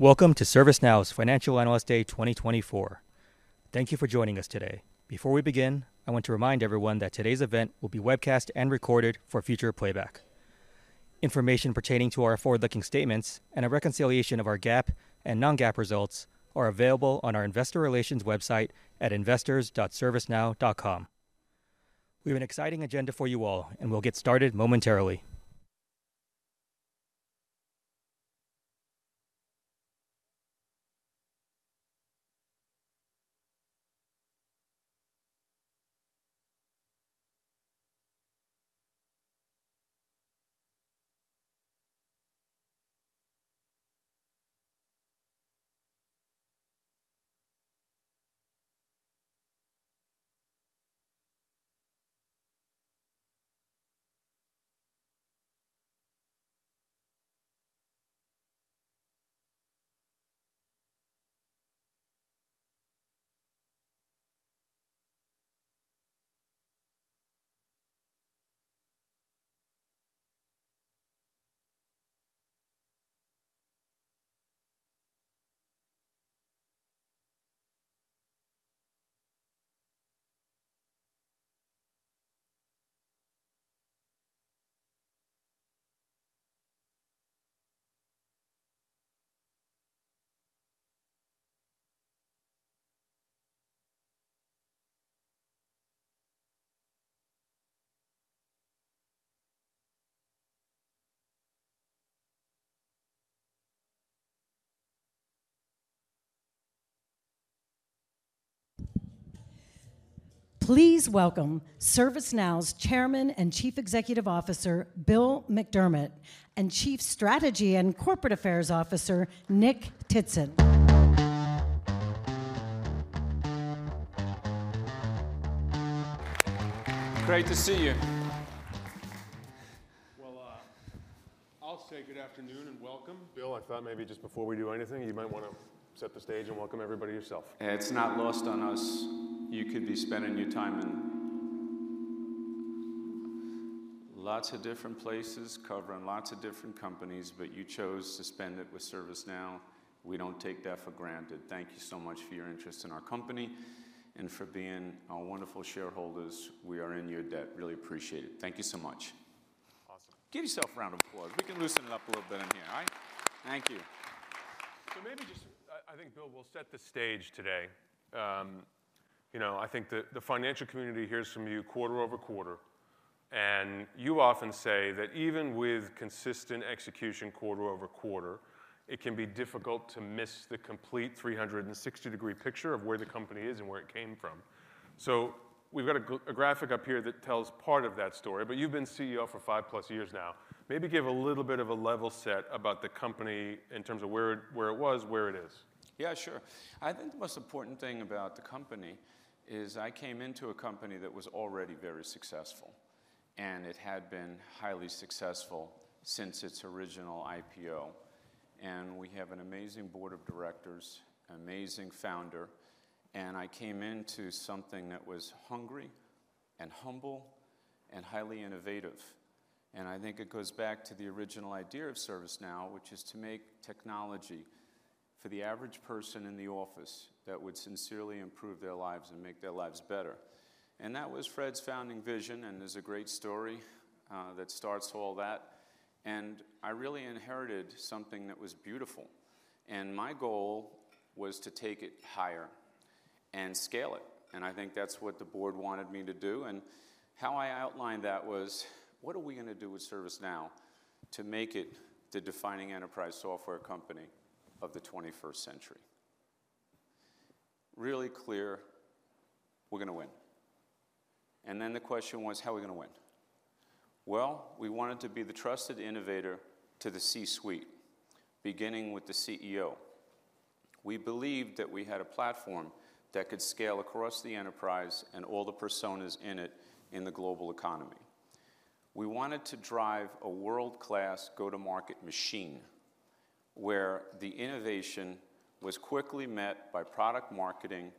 Welcome to ServiceNow's Financial Analyst Day 2024. Thank you for joining us today. Before we begin, I want to remind everyone that today's event will be webcast and recorded for future playback. Information pertaining to our forward-looking statements and a reconciliation of our GAAP and non-GAAP results are available on our investor relations website at investors.servicenow.com. We have an exciting agenda for you all, and we'll get started momentarily. Please welcome ServiceNow's Chairman and Chief Executive Officer Bill McDermott and Chief Strategy and Corporate Affairs Officer Nick Tzitzon. Great to see you. Well, I'll say good afternoon and welcome. Bill, I thought maybe just before we do anything, you might want to set the stage and welcome everybody yourself. It's not lost on us. You could be spending your time in lots of different places, covering lots of different companies, but you chose to spend it with ServiceNow. We don't take that for granted. Thank you so much for your interest in our company and for being our wonderful shareholders. We are in your debt. Really appreciate it. Thank you so much. Awesome. Give yourself a round of applause. We can loosen it up a little bit in here, all right? Thank you. So maybe just, I think, Bill, we'll set the stage today. You know, I think the financial community hears from you quarter-over-quarter, and you often say that even with consistent execution quarter-over-quarter, it can be difficult to miss the complete 360-degree picture of where the company is and where it came from. So we've got a graphic up here that tells part of that story, but you've been CEO for 5+ years now. Maybe give a little bit of a level set about the company in terms of where it was, where it is. Yeah, sure. I think the most important thing about the company is I came into a company that was already very successful, and it had been highly successful since its original IPO. We have an amazing board of directors, an amazing founder, and I came into something that was hungry and humble and highly innovative. I think it goes back to the original idea of ServiceNow, which is to make technology for the average person in the office that would sincerely improve their lives and make their lives better. That was Fred's founding vision, and there's a great story that starts all that. I really inherited something that was beautiful, and my goal was to take it higher and scale it. I think that's what the board wanted me to do. How I outlined that was, what are we gonna do with ServiceNow to make it the defining enterprise software company of the 21st century? Really clear, we're gonna win. And then the question was, how are we gonna win? Well, we wanted to be the trusted innovator to the C-suite, beginning with the CEO. We believed that we had a platform that could scale across the enterprise and all the personas in it in the global economy. We wanted to drive a world-class go-to-market machine where the innovation was quickly met by product marketing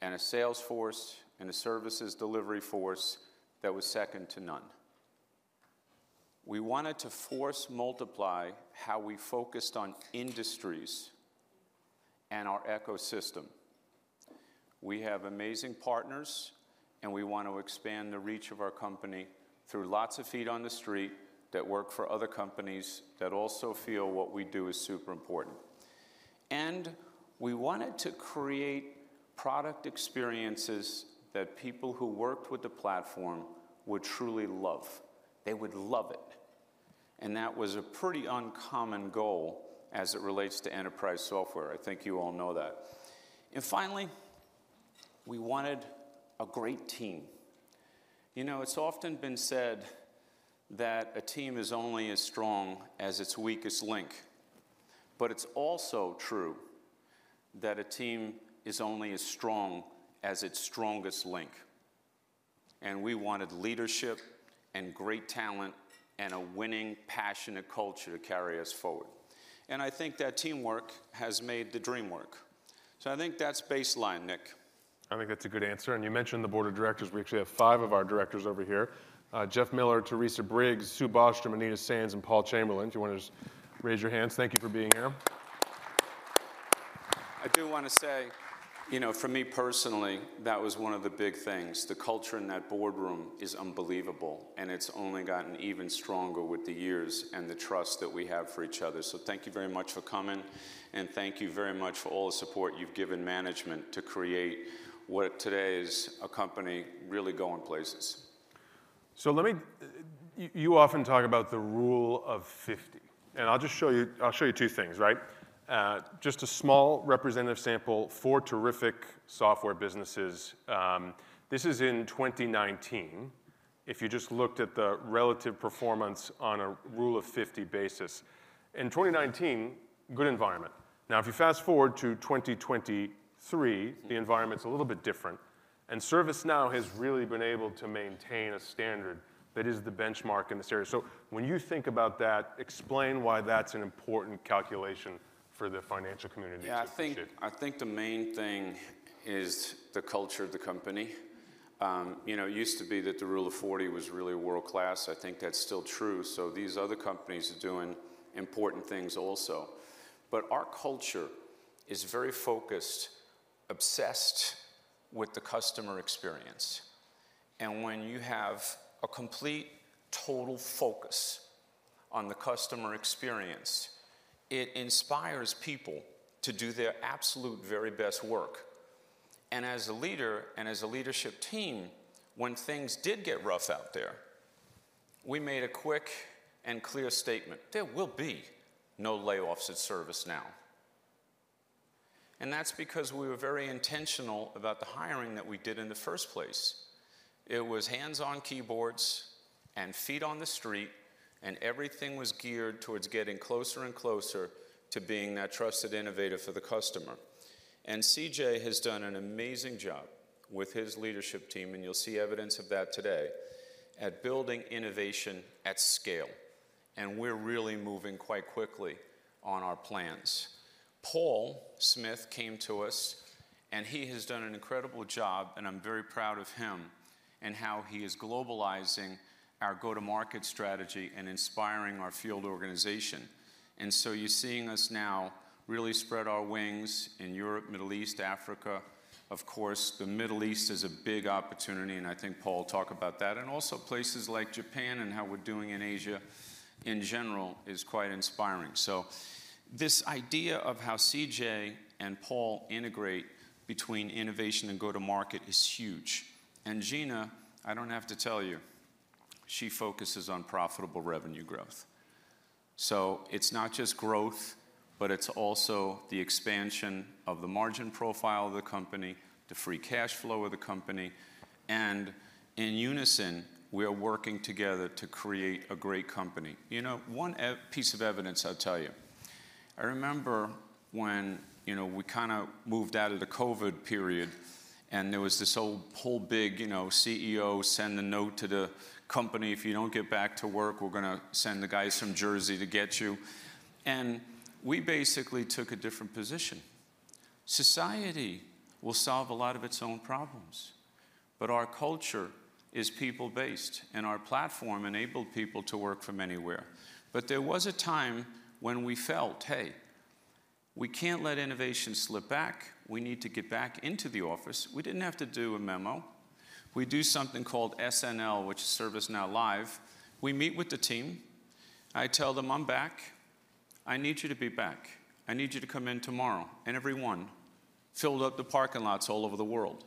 and a sales force and a services delivery force that was second to none. We wanted to force multiply how we focused on industries and our ecosystem. We have amazing partners, and we wanna expand the reach of our company through lots of feet on the street that work for other companies that also feel what we do is super important. And we wanted to create product experiences that people who worked with the platform would truly love. They would love it. And that was a pretty uncommon goal as it relates to enterprise software. I think you all know that. And finally, we wanted a great team. You know, it's often been said that a team is only as strong as its weakest link, but it's also true that a team is only as strong as its strongest link. And we wanted leadership and great talent and a winning, passionate culture to carry us forward. And I think that teamwork has made the dream work. So I think that's baseline, Nick. I think that's a good answer. You mentioned the board of directors. We actually have five of our directors over here: Jeff Miller, Teresa Briggs, Sue Bostrom, Anita Sands, and Paul Chamberlain. If you wanna just raise your hands, thank you for being here. I do wanna say, you know, for me personally, that was one of the big things. The culture in that boardroom is unbelievable, and it's only gotten even stronger with the years and the trust that we have for each other. Thank you very much for coming, and thank you very much for all the support you've given management to create what today is a company really going places. So let me you often talk about the Rule of 50, and I'll just show you I'll show you two things, right? Just a small representative sample for terrific software businesses. This is in 2019. If you just looked at the relative performance on a Rule of 50 basis, in 2019, good environment. Now, if you fast forward to 2023, the environment's a little bit different, and ServiceNow has really been able to maintain a standard that is the benchmark in this area. So when you think about that, explain why that's an important calculation for the financial community to shape. Yeah, I think I think the main thing is the culture of the company. You know, it used to be that the Rule of 40 was really world-class. I think that's still true. So these other companies are doing important things also. But our culture is very focused, obsessed with the customer experience. And when you have a complete total focus on the customer experience, it inspires people to do their absolute very best work. And as a leader and as a leadership team, when things did get rough out there, we made a quick and clear statement, "There will be no layoffs at ServiceNow." And that's because we were very intentional about the hiring that we did in the first place. It was hands-on keyboards and feet on the street, and everything was geared towards getting closer and closer to being that trusted innovator for the customer. CJ has done an amazing job with his leadership team, and you'll see evidence of that today, at building innovation at scale. We're really moving quite quickly on our plans. Paul Smith came to us, and he has done an incredible job, and I'm very proud of him and how he is globalizing our go-to-market strategy and inspiring our field organization. You're seeing us now really spread our wings in Europe, Middle East, Africa. Of course, the Middle East is a big opportunity, and I think Paul will talk about that. Also, places like Japan and how we're doing in Asia in general is quite inspiring. This idea of how CJ and Paul integrate between innovation and go-to-market is huge. Gina, I don't have to tell you, she focuses on profitable revenue growth. So it's not just growth, but it's also the expansion of the margin profile of the company, the free cash flow of the company. And in unison, we're working together to create a great company. You know, one key piece of evidence, I'll tell you. I remember when, you know, we kinda moved out of the COVID period, and there was this whole big, you know, CEO sent the note to the company, "If you don't get back to work, we're gonna send the guys from Jersey to get you." And we basically took a different position. Society will solve a lot of its own problems, but our culture is people-based, and our platform enabled people to work from anywhere. But there was a time when we felt, "Hey, we can't let innovation slip back. We need to get back into the office." We didn't have to do a memo. We do something called SNL, which is ServiceNow Live. We meet with the team. I tell them, "I'm back. I need you to be back. I need you to come in tomorrow." And everyone filled up the parking lots all over the world,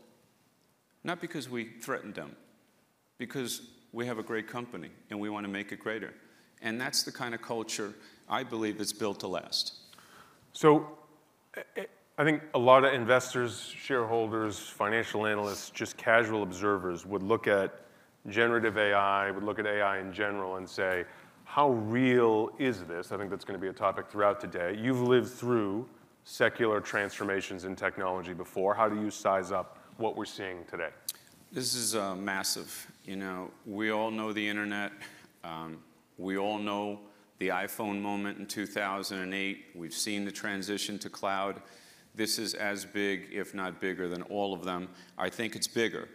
not because we threatened them, because we have a great company, and we wanna make it greater. And that's the kinda culture I believe is built to last. So I think a lot of investors, shareholders, financial analysts, just casual observers would look at generative AI, would look at AI in general, and say, "How real is this?" I think that's gonna be a topic throughout today. You've lived through secular transformations in technology before. How do you size up what we're seeing today? This is massive. You know, we all know the internet. We all know the iPhone moment in 2008. We've seen the transition to cloud. This is as big, if not bigger, than all of them. I think it's bigger.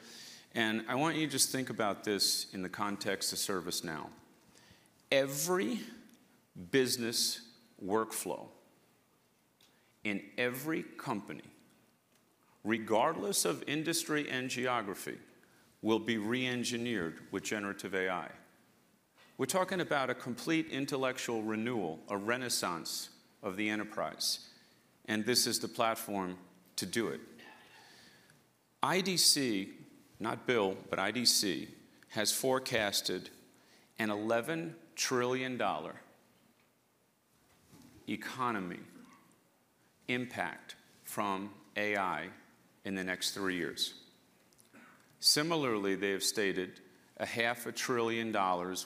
And I want you to just think about this in the context of ServiceNow. Every business workflow in every company, regardless of industry and geography, will be re-engineered with generative AI. We're talking about a complete intellectual renewal, a renaissance of the enterprise, and this is the platform to do it. IDC, not Bill, but IDC, has forecasted an $11 trillion economy impact from AI in the next three years. Similarly, they have stated $500 billion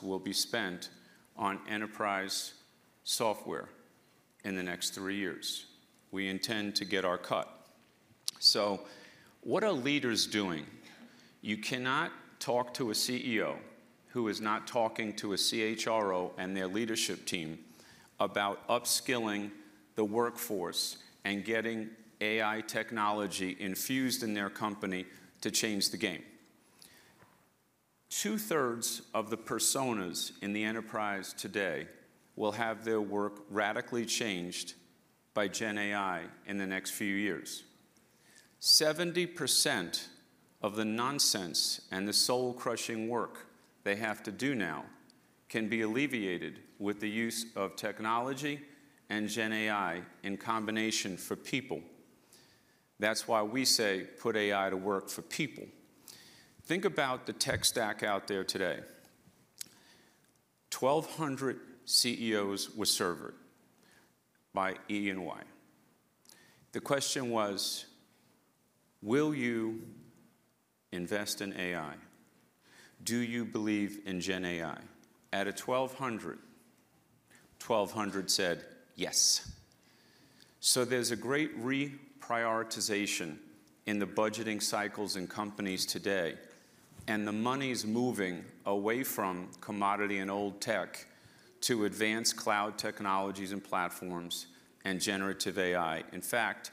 will be spent on enterprise software in the next three years. We intend to get our cut. So what are leaders doing? You cannot talk to a CEO who is not talking to a CHRO and their leadership team about upskilling the workforce and getting AI technology infused in their company to change the game. Two-thirds of the personas in the enterprise today will have their work radically changed by GenAI in the next few years. 70% of the nonsense and the soul-crushing work they have to do now can be alleviated with the use of technology and GenAI in combination for people. That's why we say, "Put AI to work for people." Think about the tech stack out there today. 1,200 CEOs were surveyed by EY. The question was, "Will you invest in AI? Do you believe in GenAI?" Out of 1,200, 1,200 said, "Yes." So there's a great reprioritization in the budgeting cycles in companies today, and the money's moving away from commodity and old tech to advanced cloud technologies and platforms and generative AI. In fact,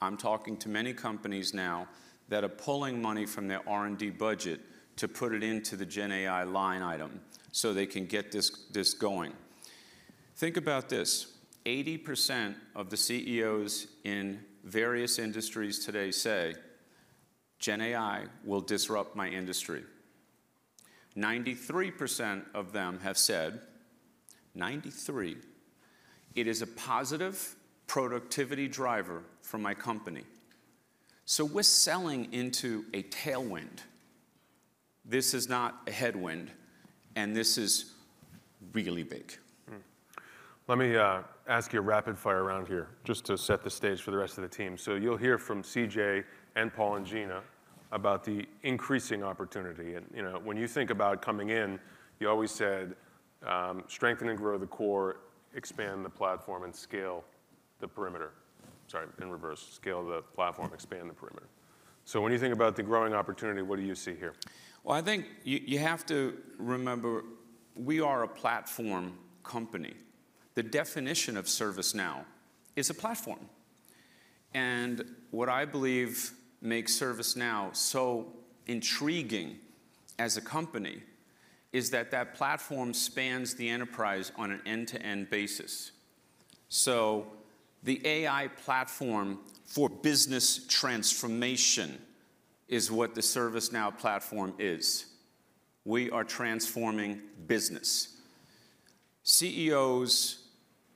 I'm talking to many companies now that are pulling money from their R&D budget to put it into the GenAI line item so they can get this, this going. Think about this. 80% of the CEOs in various industries today say, "GenAI will disrupt my industry." 93% of them have said, "93%. It is a positive productivity driver for my company." So we're selling into a tailwind. This is not a headwind, and this is really big. Let me ask you a rapid-fire round here just to set the stage for the rest of the team. So you'll hear from CJ and Paul and Gina about the increasing opportunity. And, you know, when you think about coming in, you always said, "Strengthen and grow the core, expand the platform, and scale the perimeter." Sorry, in reverse. Scale the platform, expand the perimeter. So when you think about the growing opportunity, what do you see here? Well, I think you have to remember we are a platform company. The definition of ServiceNow is a platform. And what I believe makes ServiceNow so intriguing as a company is that that platform spans the enterprise on an end-to-end basis. So the AI platform for business transformation is what the ServiceNow Platform is. We are transforming business. CEOs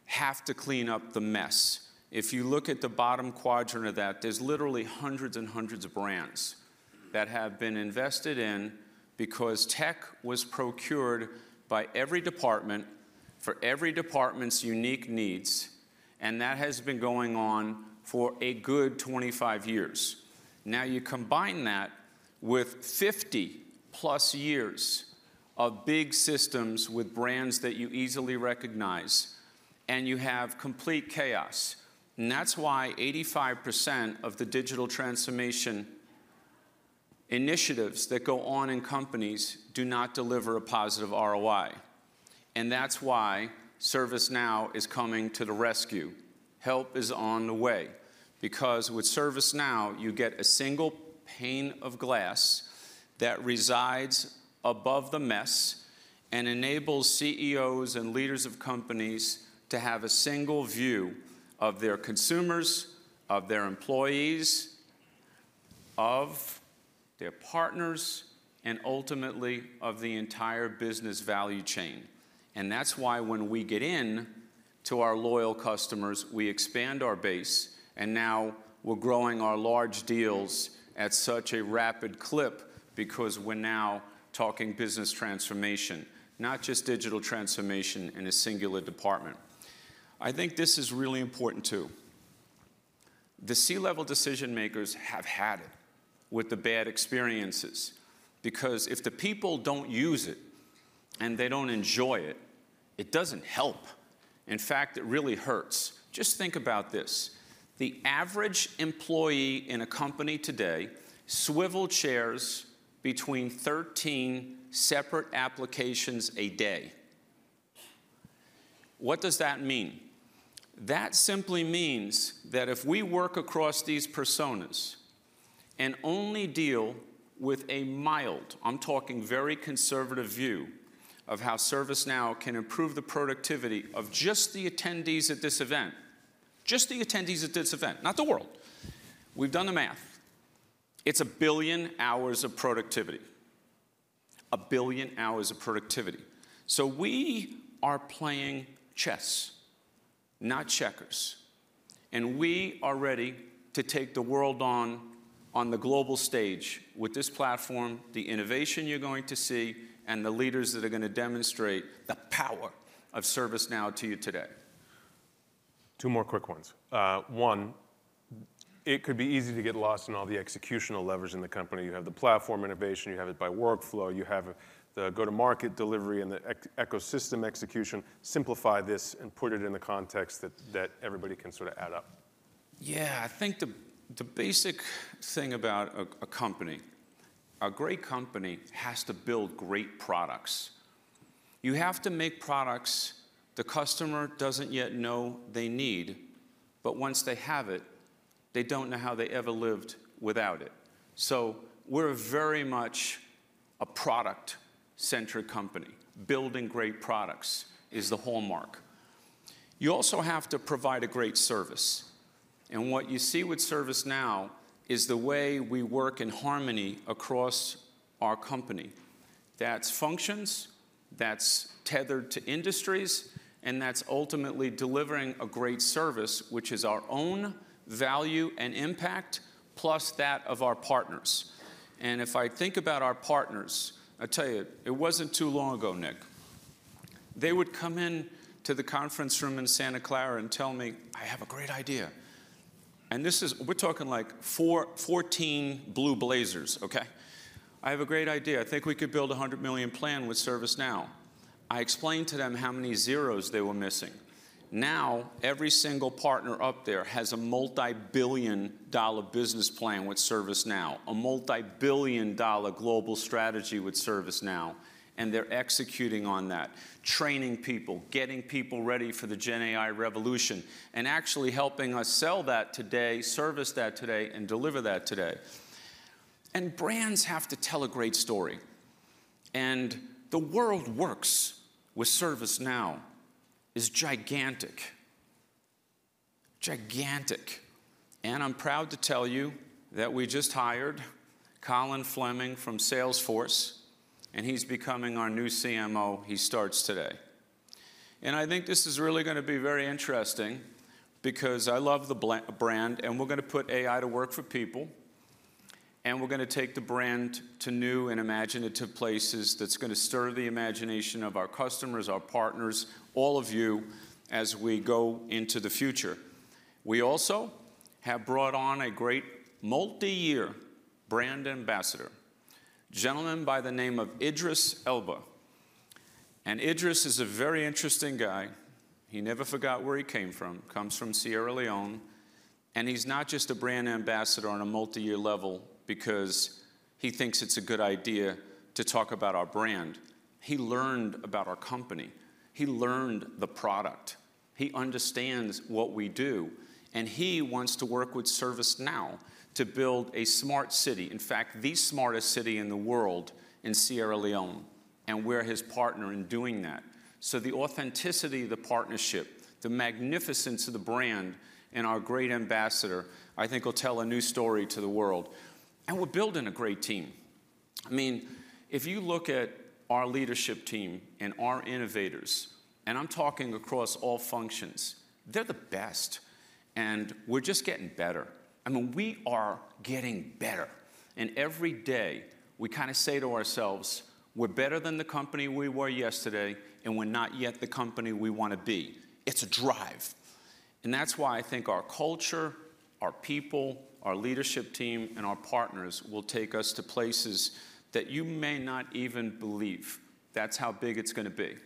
have to clean up the mess. If you look at the bottom quadrant of that, there's literally hundreds and hundreds of brands that have been invested in because tech was procured by every department for every department's unique needs, and that has been going on for a good 25 years. Now, you combine that with 50+ years of big systems with brands that you easily recognize, and you have complete chaos. That's why 85% of the digital transformation initiatives that go on in companies do not deliver a positive ROI. That's why ServiceNow is coming to the rescue. Help is on the way because with ServiceNow, you get a single pane of glass that resides above the mess and enables CEOs and leaders of companies to have a single view of their consumers, of their employees, of their partners, and ultimately of the entire business value chain. That's why when we get into our loyal customers, we expand our base, and now we're growing our large deals at such a rapid clip because we're now talking business transformation, not just digital transformation in a singular department. I think this is really important too. The C-level decision-makers have had it with the bad experiences because if the people don't use it and they don't enjoy it, it doesn't help. In fact, it really hurts. Just think about this. The average employee in a company today swivels chairs between 13 separate applications a day. What does that mean? That simply means that if we work across these personas and only deal with a mild, I'm talking very conservative, view of how ServiceNow can improve the productivity of just the attendees at this event, just the attendees at this event, not the world. We've done the math. It's 1 billion hours of productivity, 1 billion hours of productivity. So we are playing chess, not checkers, and we are ready to take the world on, on the global stage with this platform, the innovation you're going to see, and the leaders that are gonna demonstrate the power of ServiceNow to you today. Two more quick ones. One, it could be easy to get lost in all the executional levers in the company. You have the platform innovation. You have it by workflow. You have the go-to-market delivery and the ecosystem execution. Simplify this and put it in the context that, that everybody can sort of add up. Yeah. I think the basic thing about a company, a great company, has to build great products. You have to make products the customer doesn't yet know they need, but once they have it, they don't know how they ever lived without it. So we're very much a product-centric company. Building great products is the hallmark. You also have to provide a great service. And what you see with ServiceNow is the way we work in harmony across our company. That's functions. That's tethered to industries. And that's ultimately delivering a great service, which is our own value and impact plus that of our partners. And if I think about our partners, I'll tell you, it wasn't too long ago, Nick. They would come into the conference room in Santa Clara and tell me, "I have a great idea." And this is, we're talking like 14 blue blazers, okay? I have a great idea. I think we could build a $100 million plan with ServiceNow." I explained to them how many zeros they were missing. Now, every single partner up there has a multibillion-dollar business plan with ServiceNow, a multibillion-dollar global strategy with ServiceNow, and they're executing on that, training people, getting people ready for the GenAI revolution, and actually helping us sell that today, service that today, and deliver that today. Brands have to tell a great story. The World Works with ServiceNow. It's gigantic, gigantic. I'm proud to tell you that we just hired Colin Fleming from Salesforce, and he's becoming our new CMO. He starts today. I think this is really gonna be very interesting because I love the brand, and we're gonna put AI to work for people, and we're gonna take the brand to new and imaginative places that's gonna stir the imagination of our customers, our partners, all of you as we go into the future. We also have brought on a great multiyear brand ambassador, a gentleman by the name of Idris Elba. Idris is a very interesting guy. He never forgot where he came from. He comes from Sierra Leone. He's not just a brand ambassador on a multiyear level because he thinks it's a good idea to talk about our brand. He learned about our company. He learned the product. He understands what we do. And he wants to work with ServiceNow to build a smart city, in fact, the smartest city in the world in Sierra Leone. And we're his partner in doing that. So the authenticity of the partnership, the magnificence of the brand, and our great ambassador, I think, will tell a new story to the world. And we're building a great team. I mean, if you look at our leadership team and our innovators, and I'm talking across all functions, they're the best, and we're just getting better. I mean, we are getting better. And every day, we kinda say to ourselves, "We're better than the company we were yesterday, and we're not yet the company we wanna be." It's a drive. That's why I think our culture, our people, our leadership team, and our partners will take us to places that you may not even believe that's how big it's gonna be.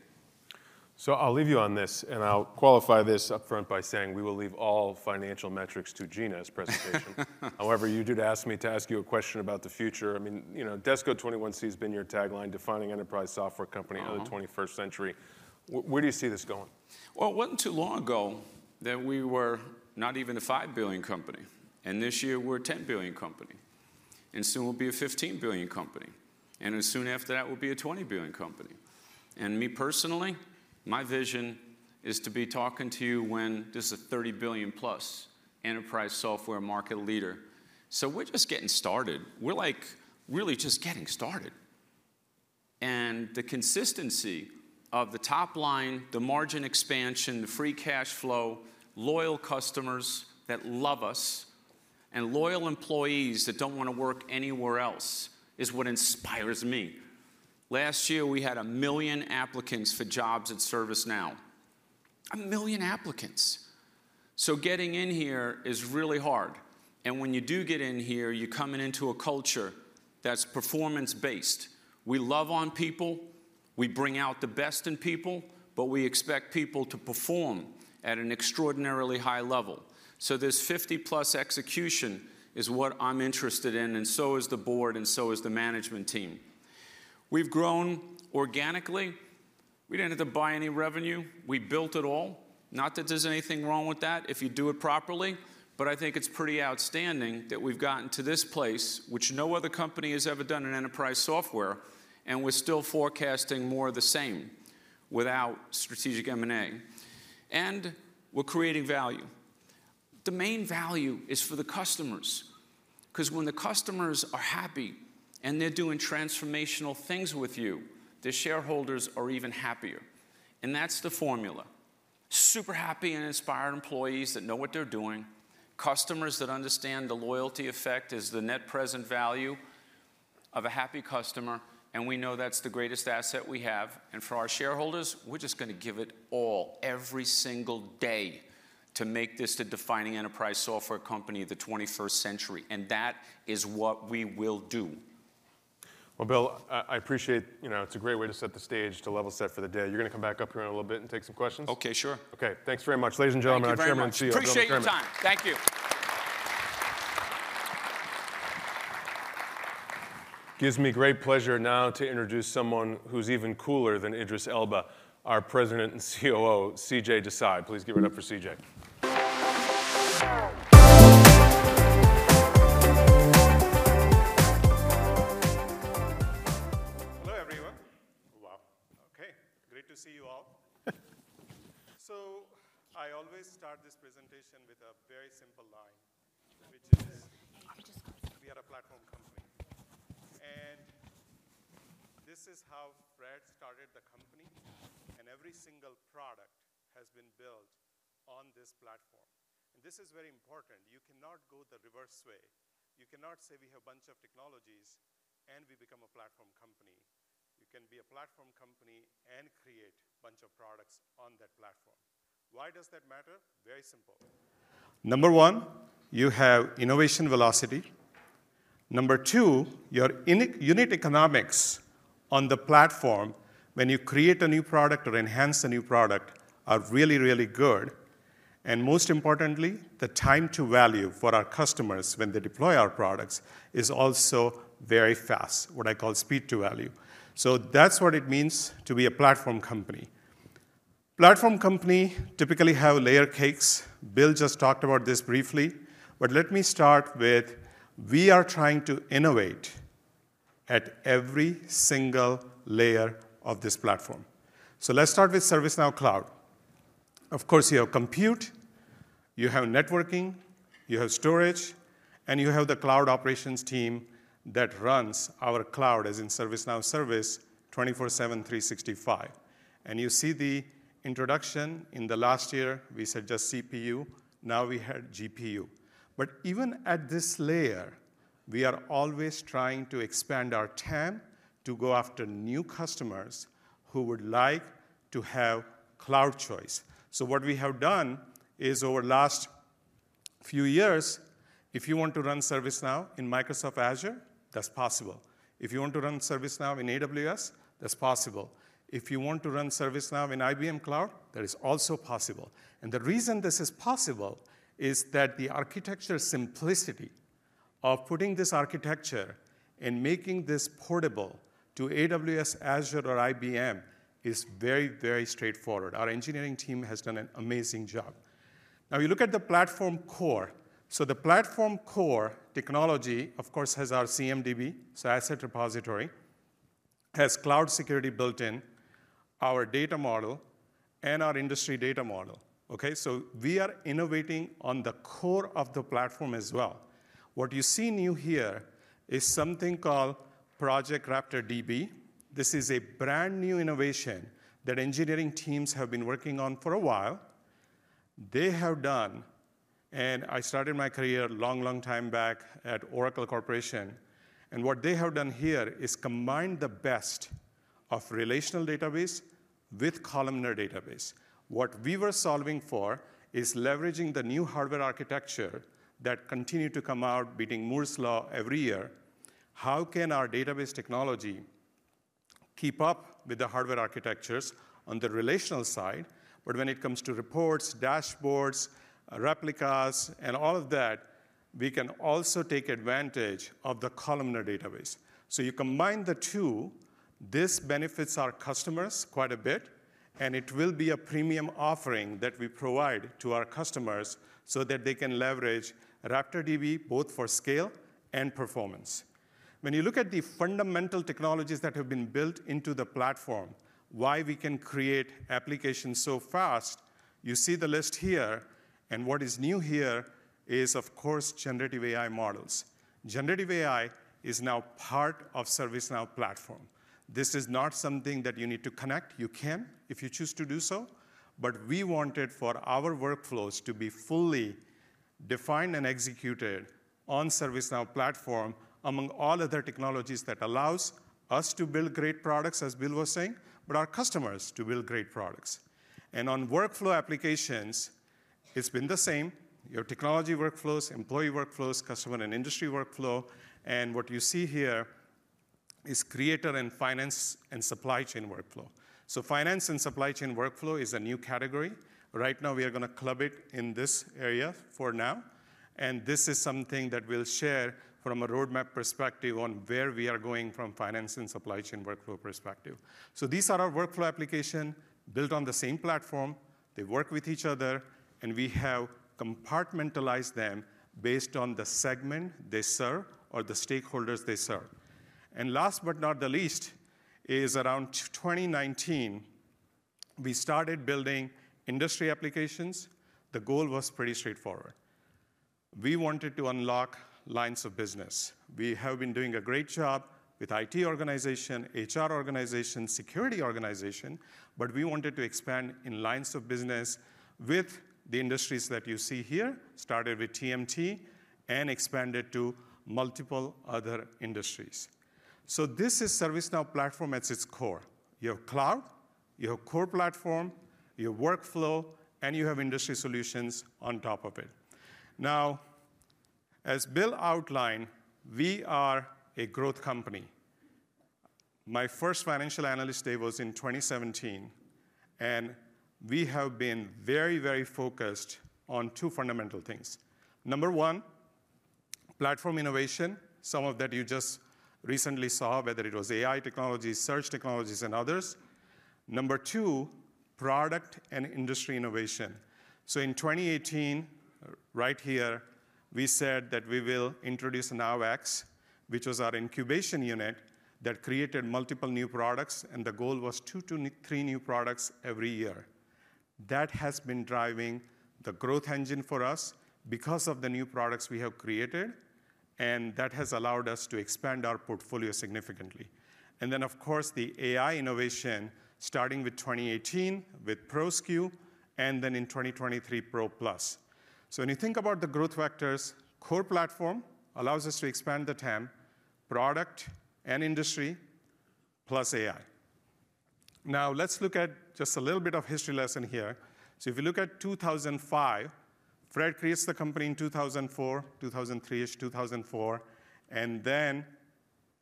So I'll leave you on this, and I'll qualify this upfront by saying we will leave all financial metrics to Gina's presentation. However, you did ask me to ask you a question about the future. I mean, you know, "DESCO21C" has been your tagline, defining enterprise software company of the 21st century. Where do you see this going? Well, it wasn't too long ago that we were not even a $5 billion company. And this year, we're a $10 billion company. And soon, we'll be a $15 billion company. And then soon after that, we'll be a $20 billion company. And me personally, my vision is to be talking to you when this is a $30 billion+ enterprise software market leader. So we're just getting started. We're, like, really just getting started. And the consistency of the top line, the margin expansion, the free cash flow, loyal customers that love us, and loyal employees that don't wanna work anywhere else is what inspires me. Last year, we had 1 million applicants for jobs at ServiceNow, 1 million applicants. So getting in here is really hard. And when you do get in here, you're coming into a culture that's performance based. We love on people. We bring out the best in people, but we expect people to perform at an extraordinarily high level. So this 50+ execution is what I'm interested in, and so is the board, and so is the management team. We've grown organically. We didn't have to buy any revenue. We built it all. Not that there's anything wrong with that if you do it properly, but I think it's pretty outstanding that we've gotten to this place, which no other company has ever done in enterprise software, and we're still forecasting more of the same without strategic M&A. And we're creating value. The main value is for the customers 'cause when the customers are happy and they're doing transformational things with you, the shareholders are even happier. That's the formula: super happy and inspired employees that know what they're doing, customers that understand the loyalty effect as the net present value of a happy customer. We know that's the greatest asset we have. For our shareholders, we're just gonna give it all every single day to make this the defining enterprise software company of the 21st century. That is what we will do. Well, Bill, I appreciate you know, it's a great way to set the stage to level set for the day. You're gonna come back up here in a little bit and take some questions? Okay. Sure. Okay. Thanks very much, ladies and gentlemen. Thank you. Our Chairman and CEO. Appreciate your time. Thank you. It gives me great pleasure now to introduce someone who's even cooler than Idris Elba, our President and COO, CJ Desai. Please give it up for CJ. Hello, everyone. Oh, wow. Okay. Great to see you all. So I always start this presentation with a very simple line, which is, "We are a platform company." And this is how Fred started the company, and every single product has been built on this platform. And this is very important. You cannot go the reverse way. You cannot say, "We have a bunch of technologies, and we become a platform company." You can be a platform company and create a bunch of products on that platform. Why does that matter? Very simple. Number one, you have innovation velocity. Number two, your unique unit economics on the platform when you create a new product or enhance a new product are really, really good. And most importantly, the time to value for our customers when they deploy our products is also very fast, what I call speed to value. So that's what it means to be a platform company. Platform companies typically have layer cakes. Bill just talked about this briefly. But let me start with, we are trying to innovate at every single layer of this platform. So let's start with ServiceNow Cloud. Of course, you have compute. You have networking. You have storage. And you have the cloud operations team that runs our cloud, as in ServiceNow service, 24/7, 365. And you see the introduction in the last year, we said just CPU. Now, we had GPU. But even at this layer, we are always trying to expand our TAM to go after new customers who would like to have cloud choice. So what we have done is, over the last few years, if you want to run ServiceNow in Microsoft Azure, that's possible. If you want to run ServiceNow in AWS, that's possible. If you want to run ServiceNow in IBM Cloud, that is also possible. The reason this is possible is that the architecture simplicity of putting this architecture and making this portable to AWS, Azure, or IBM is very, very straightforward. Our engineering team has done an amazing job. Now, you look at the platform core. So the platform core technology, of course, has our CMDB, so asset repository, has cloud security built in, our data model, and our industry data model, okay? So we are innovating on the core of the platform as well. What you see new here is something called Project RaptorDB. This is a brand new innovation that engineering teams have been working on for a while. They have done, and I started my career a long, long time back at Oracle Corporation, and what they have done here is combine the best of a relational database with a columnar database. What we were solving for is leveraging the new hardware architecture that continues to come out, beating Moore's Law every year. How can our database technology keep up with the hardware architectures on the relational side? But when it comes to reports, dashboards, replicas, and all of that, we can also take advantage of the columnar database. So you combine the two. This benefits our customers quite a bit. And it will be a premium offering that we provide to our customers so that they can leverage RaptorDB both for scale and performance. When you look at the fundamental technologies that have been built into the platform, why we can create applications so fast, you see the list here. And what is new here is, of course, generative AI models. Generative AI is now part of the ServiceNow Platform. This is not something that you need to connect. You can if you choose to do so. But we wanted for our workflows to be fully defined and executed on the ServiceNow Platform among all other technologies that allow us to build great products, as Bill was saying, but our customers to build great products. And on workflow applications, it's been the same: Technology Workflows, Employee Workflows, Customer and Industry Workflow. And what you see here is the Creator and Finance and Supply Chain Workflows. So, Finance and Supply Chain Workflow is a new category. Right now, we are gonna club it in this area for now. This is something that we'll share from a roadmap perspective on where we are going from a Finance and Supply Chain Workflow perspective. These are our workflow applications built on the same platform. They work with each other. We have compartmentalized them based on the segment they serve or the stakeholders they serve. Last but not the least, around 2019, we started building industry applications. The goal was pretty straightforward. We wanted to unlock lines of business. We have been doing a great job with IT organizations, HR organizations, and security organizations. But we wanted to expand in lines of business with the industries that you see here, started with TMT, and expanded to multiple other industries. This is the ServiceNow Platform at its core. You have cloud, you have a core platform, you have workflow, and you have industry solutions on top of it. Now, as Bill outlined, we are a growth company. My first financial analyst day was in 2017. We have been very, very focused on two fundamental things. Number one, platform innovation, some of that you just recently saw, whether it was AI technologies, search technologies, and others. Number two, product and industry innovation. In 2018, right here, we said that we will introduce NowX, which was our incubation unit that created multiple new products. The goal was two, three new products every year. That has been driving the growth engine for us because of the new products we have created. That has allowed us to expand our portfolio significantly. And then, of course, the AI innovation, starting with 2018 with Pro and then in 2023, Pro Plus. So when you think about the growth vectors, the core platform allows us to expand the TAM, product and industry, plus AI. Now, let's look at just a little bit of a history lesson here. So if you look at 2005, Fred created the company in 2004, 2003-ish, 2004. And then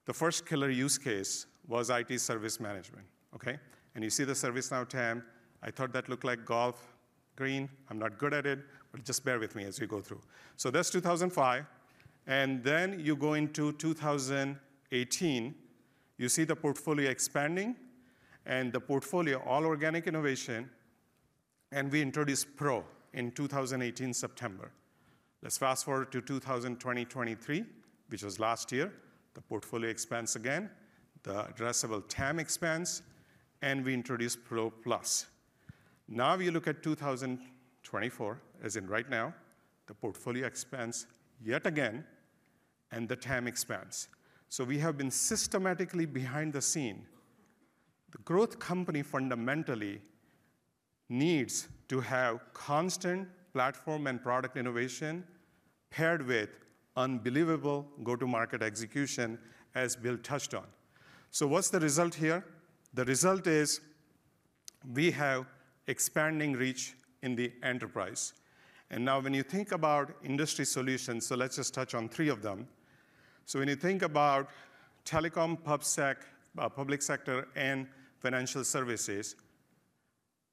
the first killer use case was IT service management, okay? And you see the ServiceNow TAM. I thought that looked like golf green. I'm not good at it. But just bear with me as we go through. So that's 2005. And then you go into 2018. You see the portfolio expanding and the portfolio, all organic innovation. And we introduced Pro in September 2018. Let's fast forward to 2023, which was last year. The portfolio expands again, the addressable TAM expands, and we introduce Pro Plus. Now, if you look at 2024, as in right now, the portfolio expands yet again and the TAM expands. So we have been systematically behind the scenes. The growth company fundamentally needs to have constant platform and product innovation paired with unbelievable go-to-market execution, as Bill touched on. So what's the result here? The result is we have expanding reach in the enterprise. And now, when you think about industry solutions, so let's just touch on three of them. So when you think about telecom, public sector, and financial services,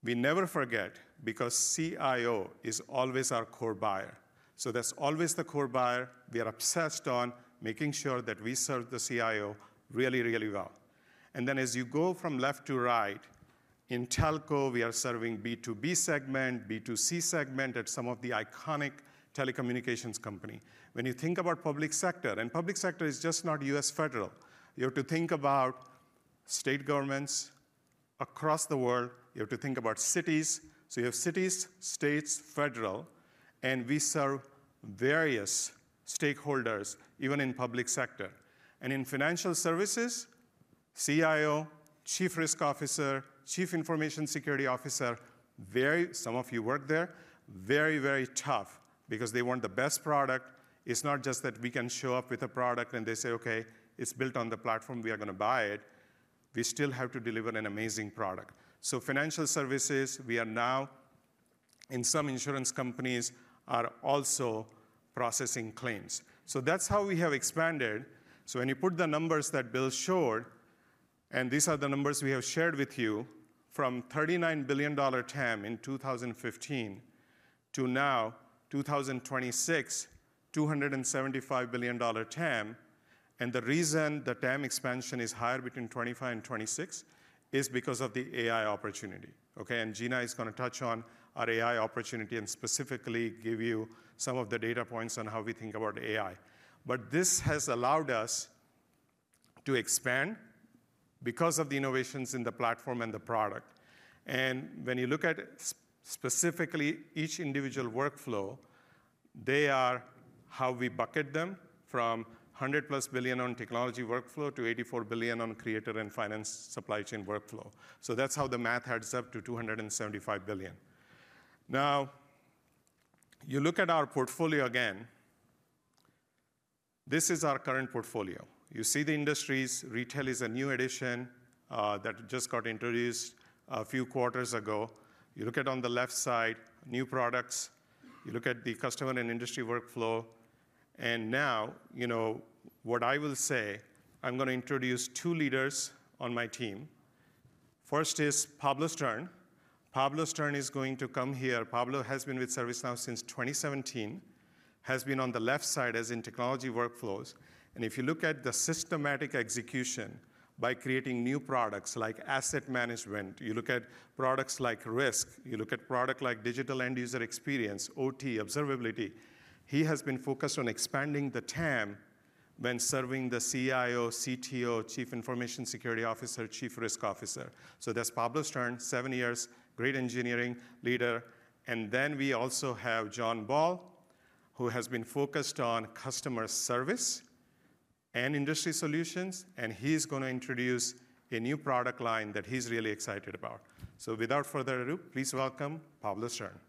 we never forget because the CIO is always our core buyer. So that's always the core buyer. We are obsessed on making sure that we serve the CIO really, really well. And then, as you go from left to right, in telco, we are serving the B2B segment, B2C segment at some of the iconic telecommunications companies. When you think about the public sector—and the public sector is just not U.S. federal—you have to think about state governments across the world. You have to think about cities. So you have cities, states, federal. And we serve various stakeholders, even in the public sector. And in financial services, the CIO, Chief Risk Officer, Chief Information Security Officer—where some of you work there—very, very tough because they want the best product. It's not just that we can show up with a product and they say, "Okay. It's built on the platform. We are gonna buy it." We still have to deliver an amazing product. So in financial services, we are now—and some insurance companies are also processing claims. So that's how we have expanded. So when you put the numbers that Bill showed—and these are the numbers we have shared with you—from $39 billion TAM in 2015 to now, 2026, $275 billion TAM. And the reason the TAM expansion is higher between 2025 and 2026 is because of the AI opportunity, okay? And Gina is gonna touch on our AI opportunity and specifically give you some of the data points on how we think about AI. But this has allowed us to expand because of the innovations in the platform and the product. And when you look at specifically each individual workflow, they are how we bucket them from $100+ billion on the Technology Workflow to $84 billion on the Creator and Finance Supply Chain Workflow. So that's how the math adds up to $275 billion. Now, if you look at our portfolio again, this is our current portfolio. You see the industries. Retail is a new addition, that just got introduced, a few quarters ago. You look at it on the left side, new products. You look at the Customer and Industry Workflows. And now, you know, what I will say, I'm gonna introduce two leaders on my team. First is Pablo Stern. Pablo Stern is going to come here. Pablo has been with ServiceNow since 2017. He has been on the left side as in Technology Workflows. And if you look at the systematic execution by creating new products like asset management, you look at products like risk, you look at products like Digital End-User Experience, OT, observability, he has been focused on expanding the TAM when serving the CIO, CTO, Chief Information Security Officer, Chief Risk Officer. So that's Pablo Stern, seven years, great engineering leader. And then we also have John Ball, who has been focused on customer service and industry solutions. And he's gonna introduce a new product line that he's really excited about. So without further ado, please welcome Pablo Stern.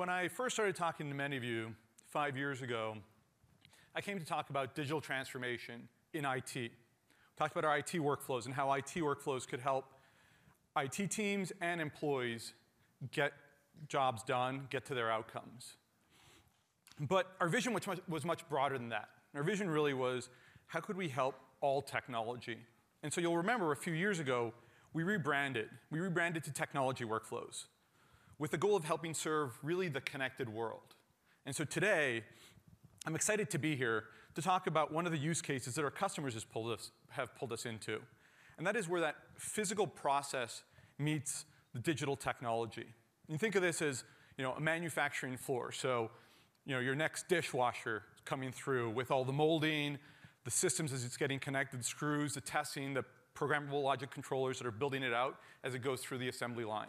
Thanks. So when I first started talking to many of you five years ago, I came to talk about digital transformation in IT. I talked about our IT workflows and how IT workflows could help IT teams and employees get jobs done, get to their outcomes. But our vision was much broader than that. Our vision really was, how could we help all technology? And so you'll remember, a few years ago, we rebranded. We rebranded to Technology Workflows with the goal of helping serve really the connected world. And so today, I'm excited to be here to talk about one of the use cases that our customers have pulled us into. And that is where that physical process meets the digital technology. And you think of this as, you know, a manufacturing floor. So, you know, your next dishwasher is coming through with all the molding, the systems as it's getting connected, the screws, the testing, the programmable logic controllers that are building it out as it goes through the assembly line.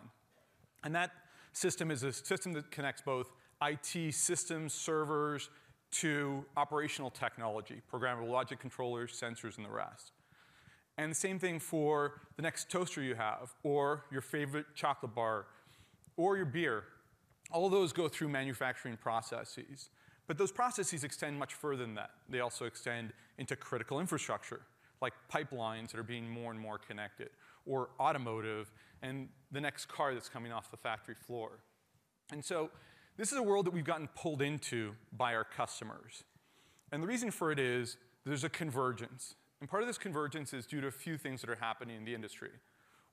And that system is a system that connects both IT systems, servers, to operational technology, programmable logic controllers, sensors, and the rest. And the same thing for the next toaster you have or your favorite chocolate bar or your beer. All of those go through manufacturing processes. But those processes extend much further than that. They also extend into critical infrastructure like pipelines that are being more and more connected or automotive and the next car that's coming off the factory floor. And so this is a world that we've gotten pulled into by our customers. And the reason for it is there's a convergence. Part of this convergence is due to a few things that are happening in the industry.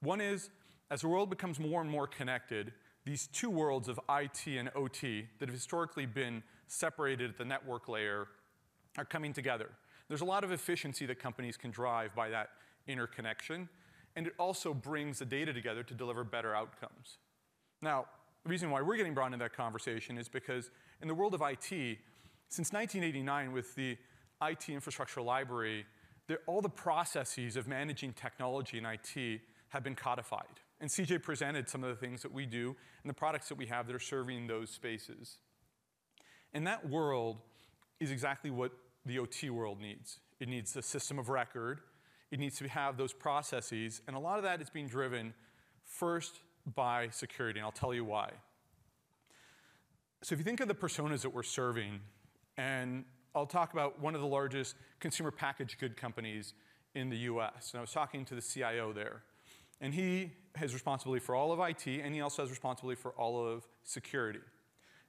One is, as the world becomes more and more connected, these two worlds of IT and OT that have historically been separated at the network layer are coming together. There's a lot of efficiency that companies can drive by that interconnection. And it also brings the data together to deliver better outcomes. Now, the reason why we're getting brought into that conversation is because in the world of IT, since 1989 with the IT Infrastructure Library, all the processes of managing technology in IT have been codified. And CJ presented some of the things that we do and the products that we have that are serving those spaces. And that world is exactly what the OT world needs. It needs a system of record. It needs to have those processes. And a lot of that is being driven first by security. And I'll tell you why. So if you think of the personas that we're serving, and I'll talk about one of the largest consumer packaged goods companies in the U.S., and I was talking to the CIO there. And he has responsibility for all of IT. And he also has responsibility for all of security.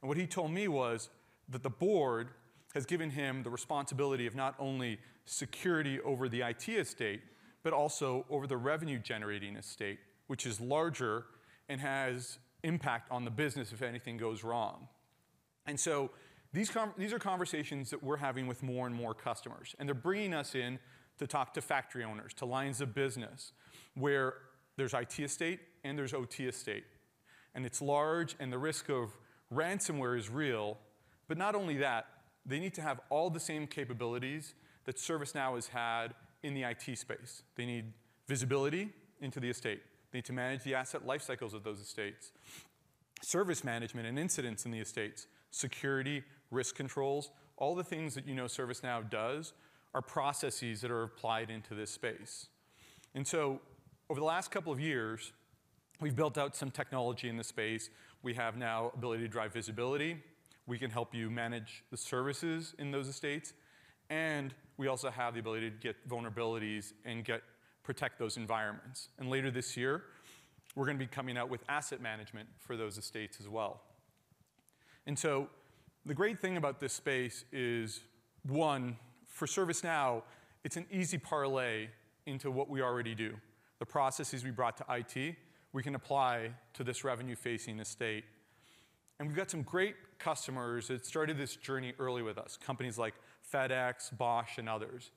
And what he told me was that the board has given him the responsibility of not only security over the IT estate but also over the revenue-generating estate, which is larger and has impact on the business if anything goes wrong. And so these are conversations that we're having with more and more customers. And they're bringing us in to talk to factory owners, to lines of business where there's IT estate and there's OT estate. And it's large. And the risk of ransomware is real. But not only that, they need to have all the same capabilities that ServiceNow has had in the IT space. They need visibility into the estate. They need to manage the asset life cycles of those estates, service management and incidents in the estates, security, risk controls, all the things that you know ServiceNow does are processes that are applied into this space. And so over the last couple of years, we've built out some technology in the space. We have now the ability to drive visibility. We can help you manage the services in those estates. And we also have the ability to get vulnerabilities and protect those environments. And later this year, we're gonna be coming out with asset management for those estates as well. And so the great thing about this space is, one, for ServiceNow, it's an easy parallel into what we already do. The processes we brought to IT, we can apply to this revenue-facing estate. We've got some great customers that started this journey early with us, companies like FedEx, Bosch, and others.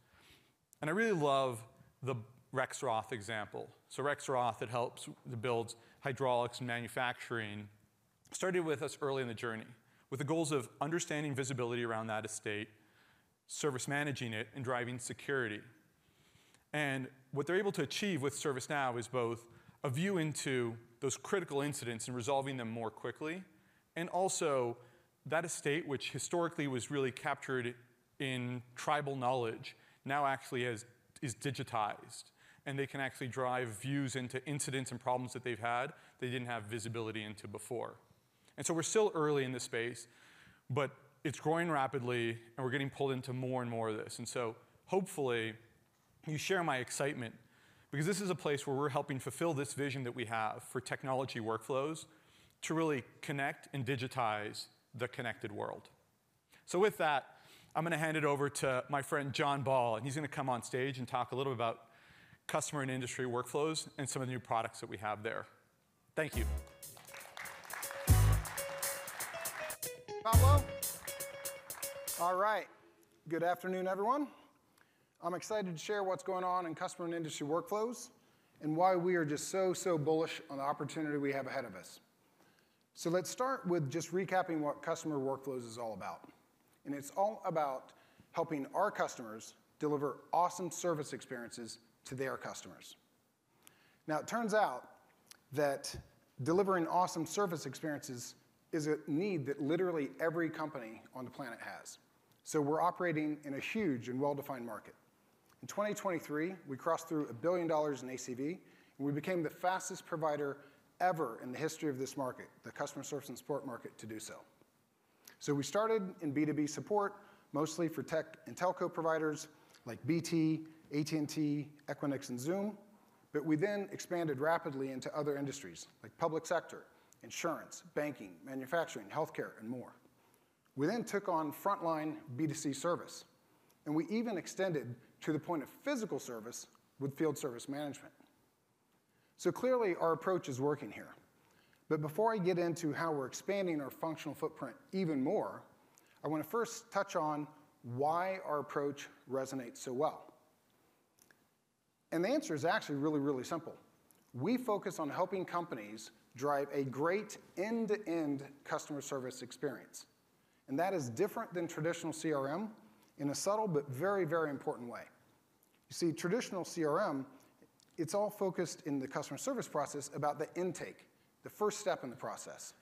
I really love the Rexroth example. Rexroth, that helps build hydraulics and manufacturing, started with us early in the journey with the goals of understanding visibility around that estate, service managing it, and driving security. What they're able to achieve with ServiceNow is both a view into those critical incidents and resolving them more quickly and also that estate, which historically was really captured in tribal knowledge, now actually is digitized. They can actually drive views into incidents and problems that they've had they didn't have visibility into before. We're still early in this space. But it's growing rapidly. We're getting pulled into more and more of this. And so hopefully, you share my excitement because this is a place where we're helping fulfill this vision that we have for Technology Workflows to really connect and digitize the connected world. So with that, I'm gonna hand it over to my friend John Ball. And he's gonna come on stage and talk a little about Customer and Industry Workflows and some of the new products that we have there. Thank you. Pablo? All right. Good afternoon, everyone. I'm excited to share what's going on in Customer and Industry Workflows and why we are just so, so bullish on the opportunity we have ahead of us. So let's start with just recapping what Customer Workflows is all about. It's all about helping our customers deliver awesome service experiences to their customers. Now, it turns out that delivering awesome service experiences is a need that literally every company on the planet has. So we're operating in a huge and well-defined market. In 2023, we crossed through $1 billion in ACV. We became the fastest provider ever in the history of this market, the customer service and support market, to do so. So we started in B2B support mostly for tech and telco providers like BT, AT&T, Equinix, and Zoom. But we then expanded rapidly into other industries like the public sector, insurance, banking, manufacturing, healthcare, and more. We then took on frontline B2C service. And we even extended to the point of physical service with Field Service Management. So clearly, our approach is working here. But before I get into how we're expanding our functional footprint even more, I wanna first touch on why our approach resonates so well. And the answer is actually really, really simple. We focus on helping companies drive a great end-to-end customer service experience. And that is different than traditional CRM in a subtle but very, very important way. You see, traditional CRM, it's all focused in the customer service process about the intake, the first step in the process.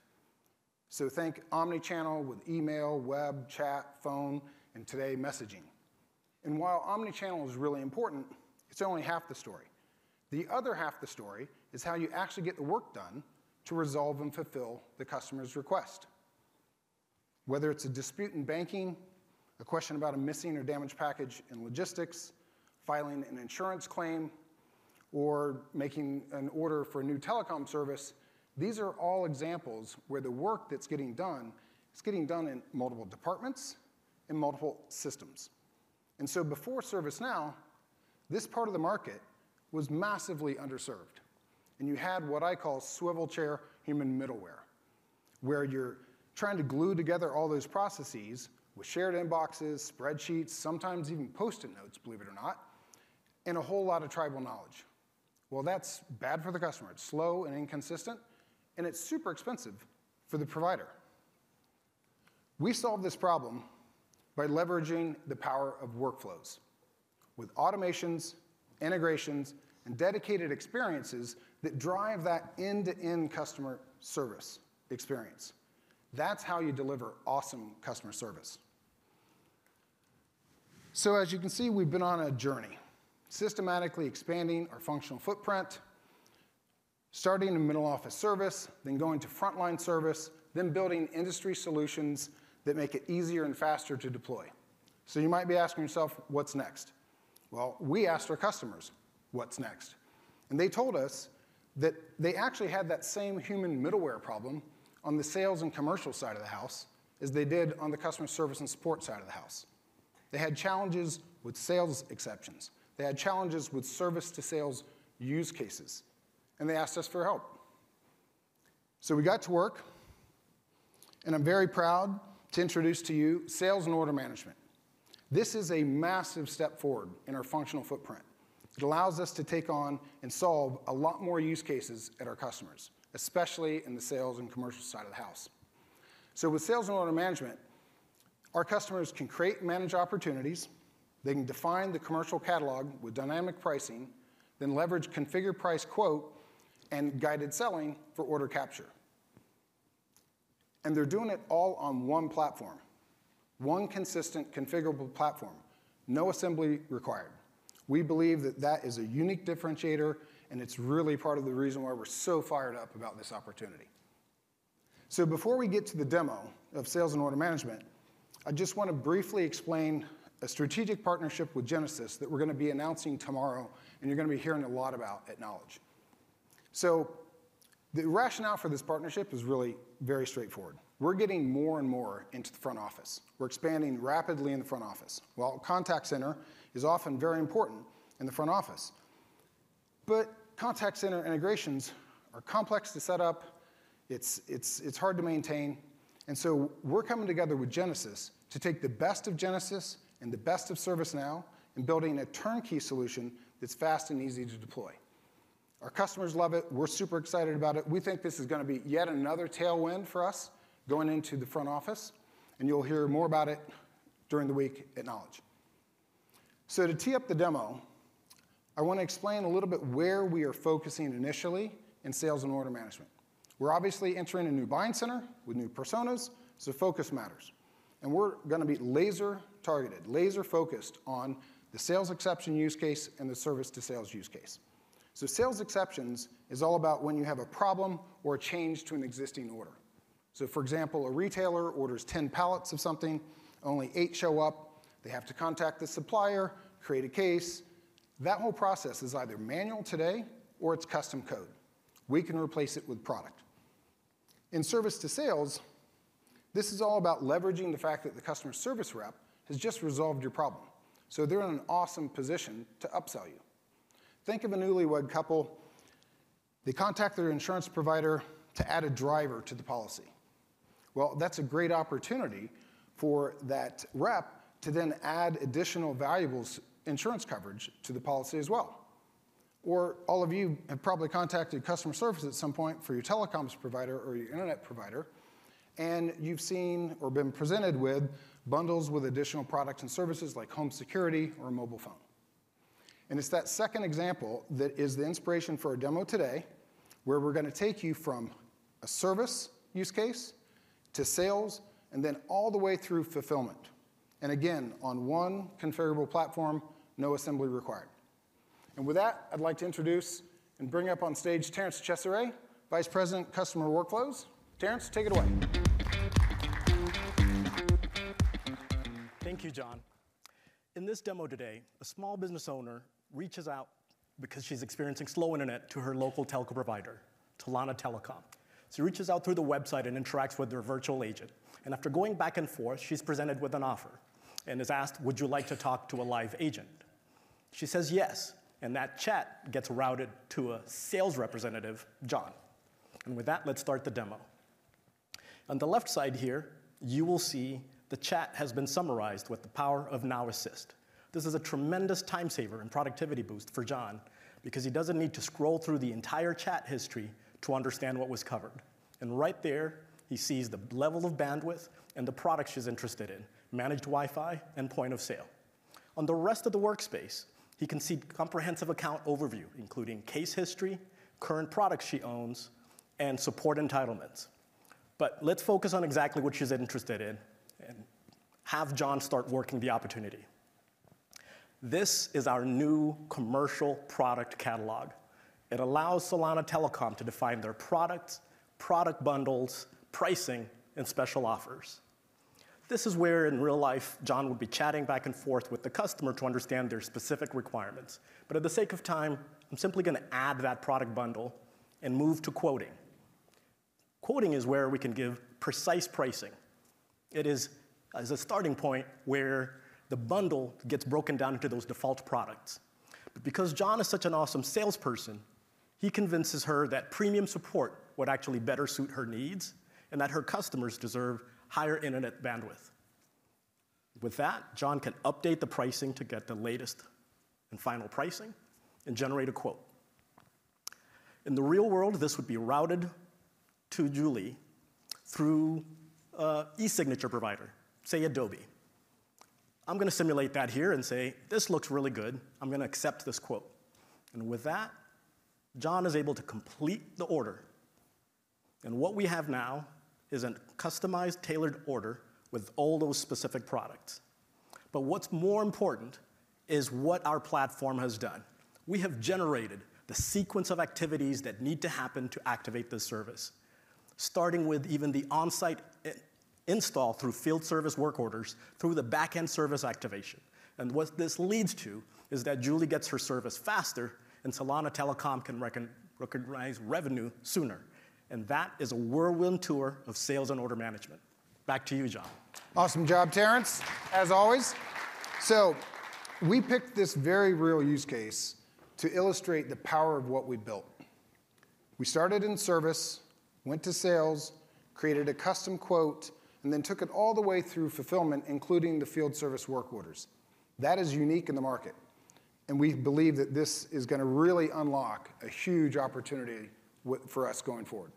So think omnichannel with email, web, chat, phone, and today, messaging. And while omnichannel is really important, it's only half the story. The other half of the story is how you actually get the work done to resolve and fulfill the customer's request. Whether it's a dispute in banking, a question about a missing or damaged package in logistics, filing an insurance claim, or making an order for a new telecom service, these are all examples where the work that's getting done is getting done in multiple departments and multiple systems. And so before ServiceNow, this part of the market was massively underserved. And you had what I call swivel chair human middleware where you're trying to glue together all those processes with shared inboxes, spreadsheets, sometimes even Post-it notes, believe it or not, and a whole lot of tribal knowledge. Well, that's bad for the customer. It's slow and inconsistent. And it's super expensive for the provider. We solved this problem by leveraging the power of workflows with automations, integrations, and dedicated experiences that drive that end-to-end customer service experience. That's how you deliver awesome customer service. So as you can see, we've been on a journey systematically expanding our functional footprint, starting in middle office service, then going to frontline service, then building industry solutions that make it easier and faster to deploy. So you might be asking yourself, what's next? Well, we asked our customers, what's next? And they told us that they actually had that same human middleware problem on the sales and commercial side of the house as they did on the customer service and support side of the house. They had challenges with sales exceptions. They had challenges with Service-to-Sales use cases. And they asked us for help. So we got to work. I'm very proud to introduce to you Sales and Order Management. This is a massive step forward in our functional footprint. It allows us to take on and solve a lot more use cases at our customers, especially in the sales and commercial side of the house. So with Sales and Order Management, our customers can create and manage opportunities. They can define the commercial catalog with dynamic pricing, then leverage Configure, Price, Quote and Guided Selling for order capture. And they're doing it all on one platform, one consistent configurable platform, no assembly required. We believe that that is a unique differentiator. And it's really part of the reason why we're so fired up about this opportunity. So before we get to the demo of Sales and Order Management, I just wanna briefly explain a strategic partnership with Genesys that we're gonna be announcing tomorrow. You're gonna be hearing a lot about at Knowledge. So the rationale for this partnership is really very straightforward. We're getting more and more into the front office. We're expanding rapidly in the front office. Well, contact center is often very important in the front office. But contact center integrations are complex to set up. It's hard to maintain. And so we're coming together with Genesys to take the best of Genesys and the best of ServiceNow and build a turnkey solution that's fast and easy to deploy. Our customers love it. We're super excited about it. We think this is gonna be yet another tailwind for us going into the front office. And you'll hear more about it during the week at Knowledge. So to tee up the demo, I wanna explain a little bit where we are focusing initially in Sales and Order Management. We're obviously entering a new buying center with new personas. So focus matters. We're gonna be laser targeted, laser focused on the sales exception use case and theService-to-Sales use case. Sales exceptions is all about when you have a problem or a change to an existing order. For example, a retailer orders 10 pallets of something. Only eight show up. They have to contact the supplier, create a case. That whole process is either manual today or it's custom code. We can replace it with product. In service to sales, this is all about leveraging the fact that the customer service rep has just resolved your problem. They're in an awesome position to upsell you. Think of a newlywed couple. They contact their insurance provider to add a driver to the policy. Well, that's a great opportunity for that rep to then add additional valuable insurance coverage to the policy as well. Or all of you have probably contacted customer service at some point for your telecoms provider or your internet provider. And you've seen or been presented with bundles with additional products and services like home security or a mobile phone. And it's that second example that is the inspiration for our demo today where we're gonna take you from a service use case to sales and then all the way through fulfillment. And again, on one configurable platform, no assembly required. And with that, I'd like to introduce and bring up on stage Terence Cheshire, Vice President, Customer Workflows. Terence, take it away. Thank you, John. In this demo today, a small business owner reaches out because she's experiencing slow internet to her local telco provider, Tulane Telecom. She reaches out through the website and interacts with their virtual agent. After going back and forth, she's presented with an offer and is asked, "Would you like to talk to a live agent?" She says, "Yes." That chat gets routed to a sales representative, John. With that, let's start the demo. On the left side here, you will see the chat has been summarized with the power of Now Assist. This is a tremendous time saver and productivity boost for John because he doesn't need to scroll through the entire chat history to understand what was covered. Right there, he sees the level of bandwidth and the products she's interested in, Managed Wi-Fi and Point of Sale. On the rest of the workspace, he can see comprehensive account overview, including case history, current products she owns, and support entitlements. But let's focus on exactly what she's interested in and have John start working the opportunity. This is our new Commercial Product Catalog. It allows Tulane Telecom to define their products, product bundles, pricing, and special offers. This is where, in real life, John would be chatting back and forth with the customer to understand their specific requirements. But for the sake of time, I'm simply gonna add that product bundle and move to quoting. Quoting is where we can give precise pricing. It is a starting point where the bundle gets broken down into those default products. But because John is such an awesome salesperson, he convinces her that premium support would actually better suit her needs and that her customers deserve higher internet bandwidth. With that, John can update the pricing to get the latest and final pricing and generate a quote. In the real world, this would be routed to Julie through an e-signature provider, say, Adobe. I'm gonna simulate that here and say, "This looks really good. I'm gonna accept this quote." And with that, John is able to complete the order. And what we have now is a customized, tailored order with all those specific products. But what's more important is what our platform has done. We have generated the sequence of activities that need to happen to activate this service, starting with even the onsite install through field service work orders through the backend service activation. And what this leads to is that Julie gets her service faster. And Tulane Telecom can recognize revenue sooner. And that is a whirlwind tour of Sales and Order Management. Back to you, John. Awesome job, Terence, as always. So we picked this very real use case to illustrate the power of what we built. We started in service, went to sales, created a custom quote, and then took it all the way through fulfillment, including the field service work orders. That is unique in the market. And we believe that this is gonna really unlock a huge opportunity for us going forward.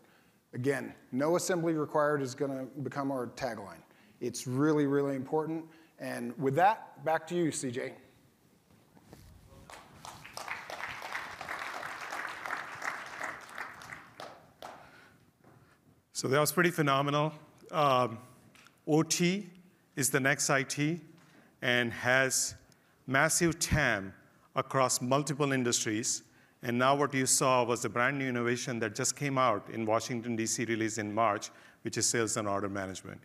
Again, no assembly required is gonna become our tagline. It's really, really important. And with that, back to you, CJ. So that was pretty phenomenal. OT is the next IT and has massive TAM across multiple industries. Now what you saw was a brand new innovation that just came out in Washington, D.C., released in March, which is Sales and Order Management.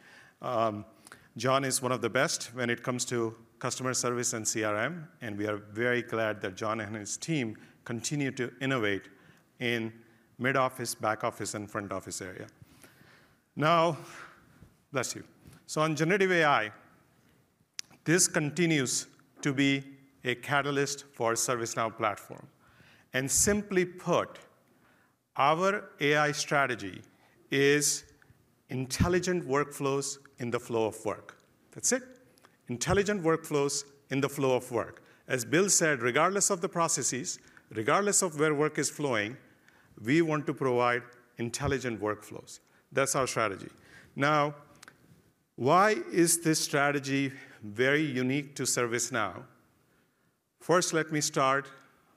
John is one of the best when it comes to customer service and CRM. We are very glad that John and his team continue to innovate in mid-office, back office, and front office area. Now, bless you. On generative AI, this continues to be a catalyst for our ServiceNow Platform. Simply put, our AI strategy is intelligent workflows in the flow of work. That's it. Intelligent workflows in the flow of work. As Bill said, regardless of the processes, regardless of where work is flowing, we want to provide intelligent workflows. That's our strategy. Now, why is this strategy very unique to ServiceNow? First, let me start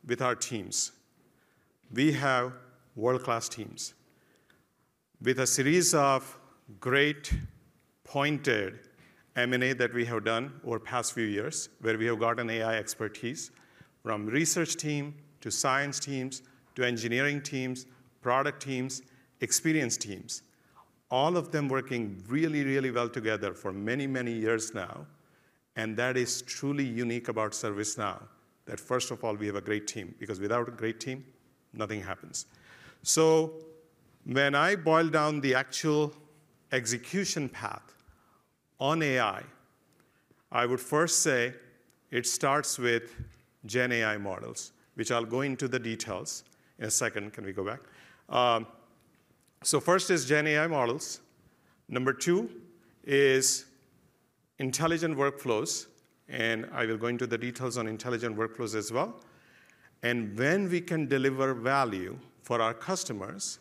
with our teams. We have world-class teams with a series of great pointed M&A that we have done over the past few years where we have gotten AI expertise from research teams to science teams to engineering teams, product teams, experience teams, all of them working really, really well together for many, many years now. And that is truly unique about ServiceNow that, first of all, we have a great team because without a great team, nothing happens. So when I boil down the actual execution path on AI, I would first say it starts with GenAI models, which I'll go into the details in a second. Can we go back? So first is GenAI models. Number two is intelligent workflows. And I will go into the details on intelligent workflows as well. When we can deliver value for our customers,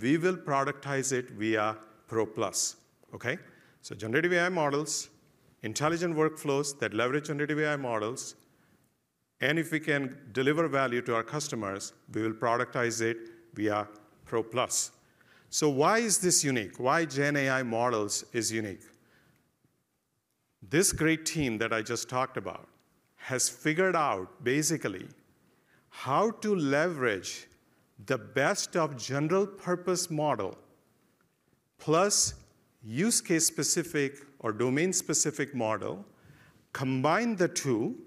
we will productize it via Pro Plus, okay? So generative AI models, intelligent workflows that leverage generative AI models. And if we can deliver value to our customers, we will productize it via Pro Plus. So why is this unique? Why GenAI models is unique? This great team that I just talked about has figured out, basically, how to leverage the best of general-purpose model plus use case-specific or domain-specific model, combine the two,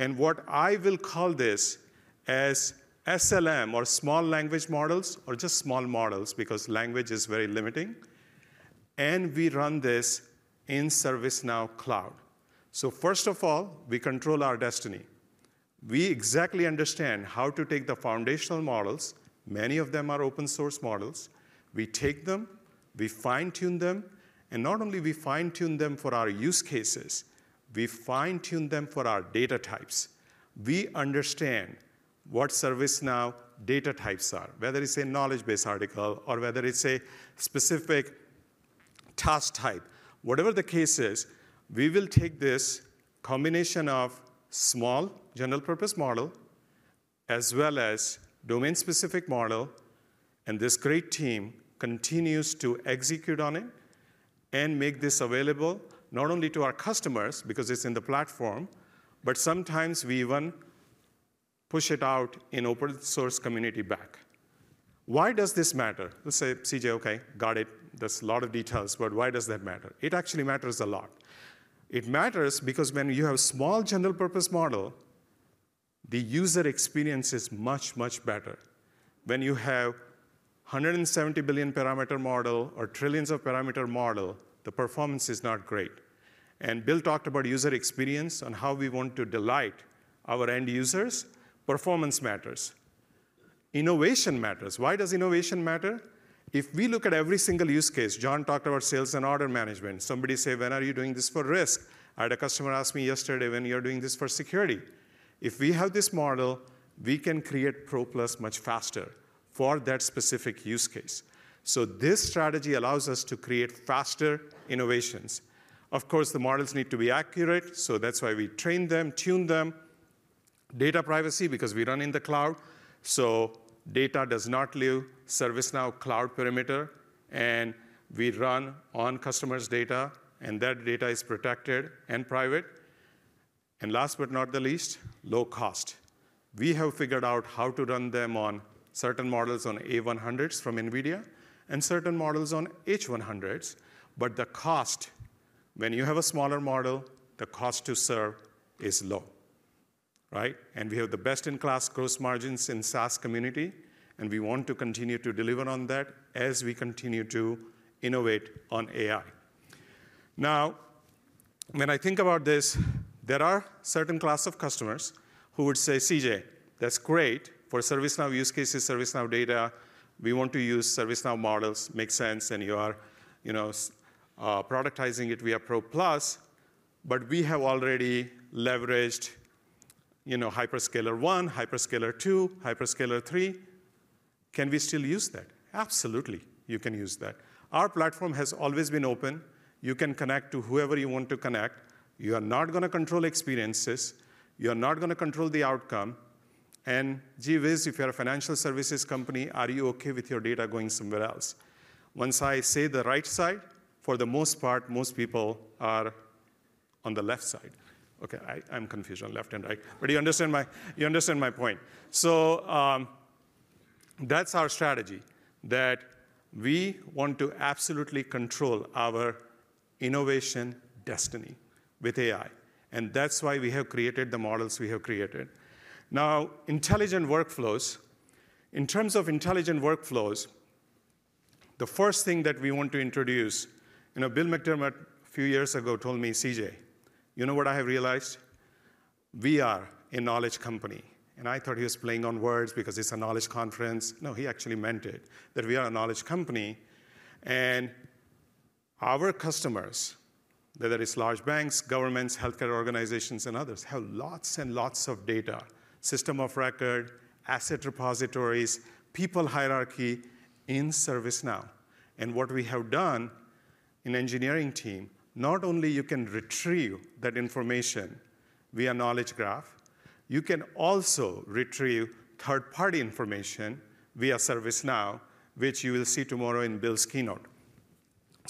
and what I will call this as SLM or small language models or just small models because language is very limiting. And we run this in ServiceNow Cloud. So first of all, we control our destiny. We exactly understand how to take the foundational models. Many of them are open-source models. We take them. We fine-tune them. And not only do we fine-tune them for our use cases, we fine-tune them for our data types. We understand what ServiceNow data types are, whether it's a knowledge base article or whether it's a specific task type. Whatever the case is, we will take this combination of small general-purpose model as well as domain-specific model. And this great team continues to execute on it and make this available not only to our customers because it's in the platform, but sometimes we even push it out in open-source community back. Why does this matter? You'll say, "CJ, okay, got it. That's a lot of details. But why does that matter?" It actually matters a lot. It matters because when you have a small general-purpose model, the user experience is much, much better. When you have a 170 billion parameter model or trillions of parameter model, the performance is not great. Bill talked about user experience and how we want to delight our end users. Performance matters. Innovation matters. Why does innovation matter? If we look at every single use case, John talked about Sales and Order Management. Somebody said, "When are you doing this for risk?" I had a customer ask me yesterday, "When are you doing this for security?" If we have this model, we can create Pro Plus much faster for that specific use case. So this strategy allows us to create faster innovations. Of course, the models need to be accurate. So that's why we train them, tune them. Data privacy because we run in the Cloud. So data does not leave the ServiceNow Cloud perimeter. And we run on customers' data. And that data is protected and private. And last but not the least, low cost. We have figured out how to run them on certain models on A100s from NVIDIA and certain models on H100s. But the cost, when you have a smaller model, the cost to serve is low, right? And we have the best-in-class gross margins in the SaaS community. And we want to continue to deliver on that as we continue to innovate on AI. Now, when I think about this, there are certain classes of customers who would say, "CJ, that's great for ServiceNow use cases, ServiceNow data. We want to use ServiceNow models. It makes sense. And you are, you know, productizing it via Pro Plus. But we have already leveraged, you know, Hyperscaler 1, Hyperscaler 2, Hyperscaler 3. Can we still use that?" Absolutely. You can use that. Our platform has always been open. You can connect to whoever you want to connect. You are not gonna control experiences. You are not gonna control the outcome. And gee whiz, if you're a financial services company, are you okay with your data going somewhere else? Once I say the right side, for the most part, most people are on the left side. Okay, I'm confused on left and right. But you understand my point. So that's our strategy that we want to absolutely control our innovation destiny with AI. And that's why we have created the models we have created. Now, intelligent workflows, in terms of intelligent workflows, the first thing that we want to introduce, you know, Bill McDermott, a few years ago, told me, "CJ, you know what I have realized? We are a knowledge company." And I thought he was playing on words because it's a knowledge conference. No, he actually meant it that we are a knowledge company. Our customers, whether it's large banks, governments, healthcare organizations, and others, have lots and lots of data, systems of record, asset repositories, and people hierarchy in ServiceNow. What we have done in the engineering team, not only can you retrieve that information via Knowledge Graph, you can also retrieve third-party information via ServiceNow, which you will see tomorrow in Bill's keynote.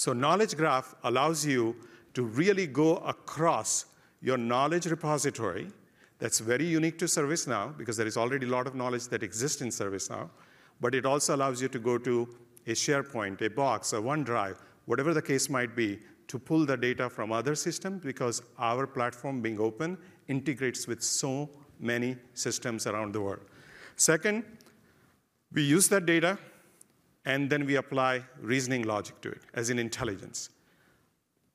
Knowledge Graph allows you to really go across your knowledge repository that's very unique to ServiceNow because there is already a lot of knowledge that exists in ServiceNow. But it also allows you to go to a SharePoint, a Box, or OneDrive, whatever the case might be, to pull the data from other systems because our platform, being open, integrates with so many systems around the world. Second, we use that data. Then we apply reasoning logic to it as in intelligence.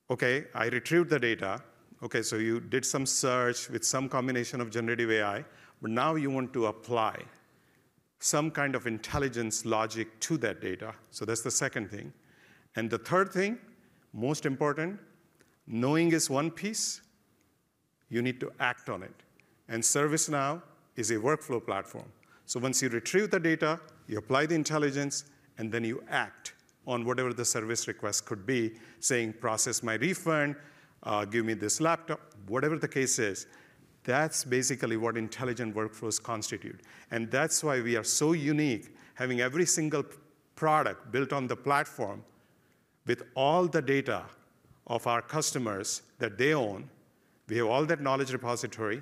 Okay, I retrieved the data. Okay, so you did some search with some combination of generative AI. But now you want to apply some kind of intelligence logic to that data. So that's the second thing. And the third thing, most important, knowing is one piece. You need to act on it. And ServiceNow is a workflow platform. So once you retrieve the data, you apply the intelligence. And then you act on whatever the service request could be, saying, "Process my refund. Give me this laptop," whatever the case is. That's basically what intelligent workflows constitute. And that's why we are so unique, having every single product built on the platform with all the data of our customers that they own. We have all that knowledge repository.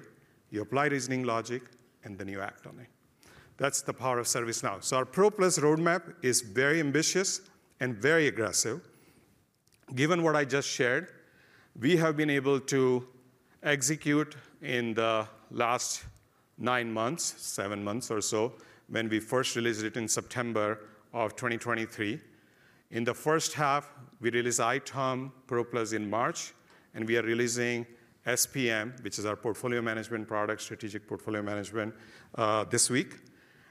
You apply reasoning logic. And then you act on it. That's the power of ServiceNow. So our Pro Plus roadmap is very ambitious and very aggressive. Given what I just shared, we have been able to execute in the last 9 months, 7 months or so, when we first released it in September of 2023. In the first half, we released ITSM Pro Plus in March. And we are releasing SPM, which is our portfolio management product, Strategic Portfolio Management, this week.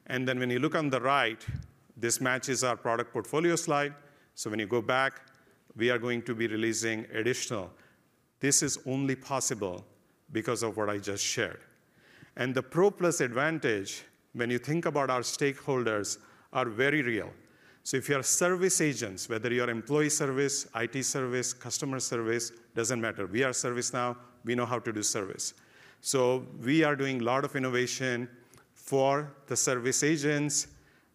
And then when you look on the right, this matches our product portfolio slide. So when you go back, we are going to be releasing additional. This is only possible because of what I just shared. And the Pro Plus advantage, when you think about our stakeholders, is very real. So if you are service agents, whether you are employee service, IT service, or customer service, it doesn't matter. We are ServiceNow. We know how to do service. We are doing a lot of innovation for the service agents,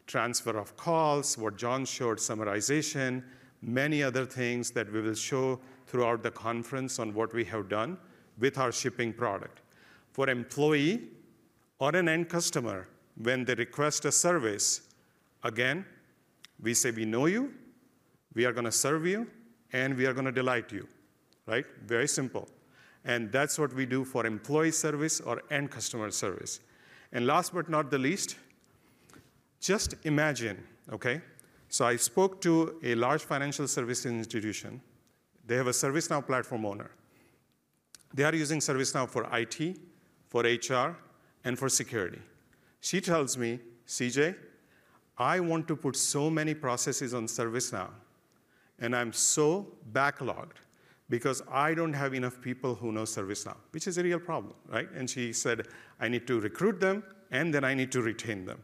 transfer of calls, what John showed, summarization, and many other things that we will show throughout the conference on what we have done with our shipping product. For an employee or an end customer, when they request a service, again, we say, "We know you. We are gonna serve you. And we are gonna delight you," right? Very simple. And that's what we do for employee service or end customer service. And last but not the least, just imagine, okay? So I spoke to a large financial services institution. They have a ServiceNow Platform owner. They are using ServiceNow for IT, for HR, and for security. She tells me, "CJ, I want to put so many processes on ServiceNow. And I'm so backlogged because I don't have enough people who know ServiceNow," which is a real problem, right? And she said, "I need to recruit them. And then I need to retain them."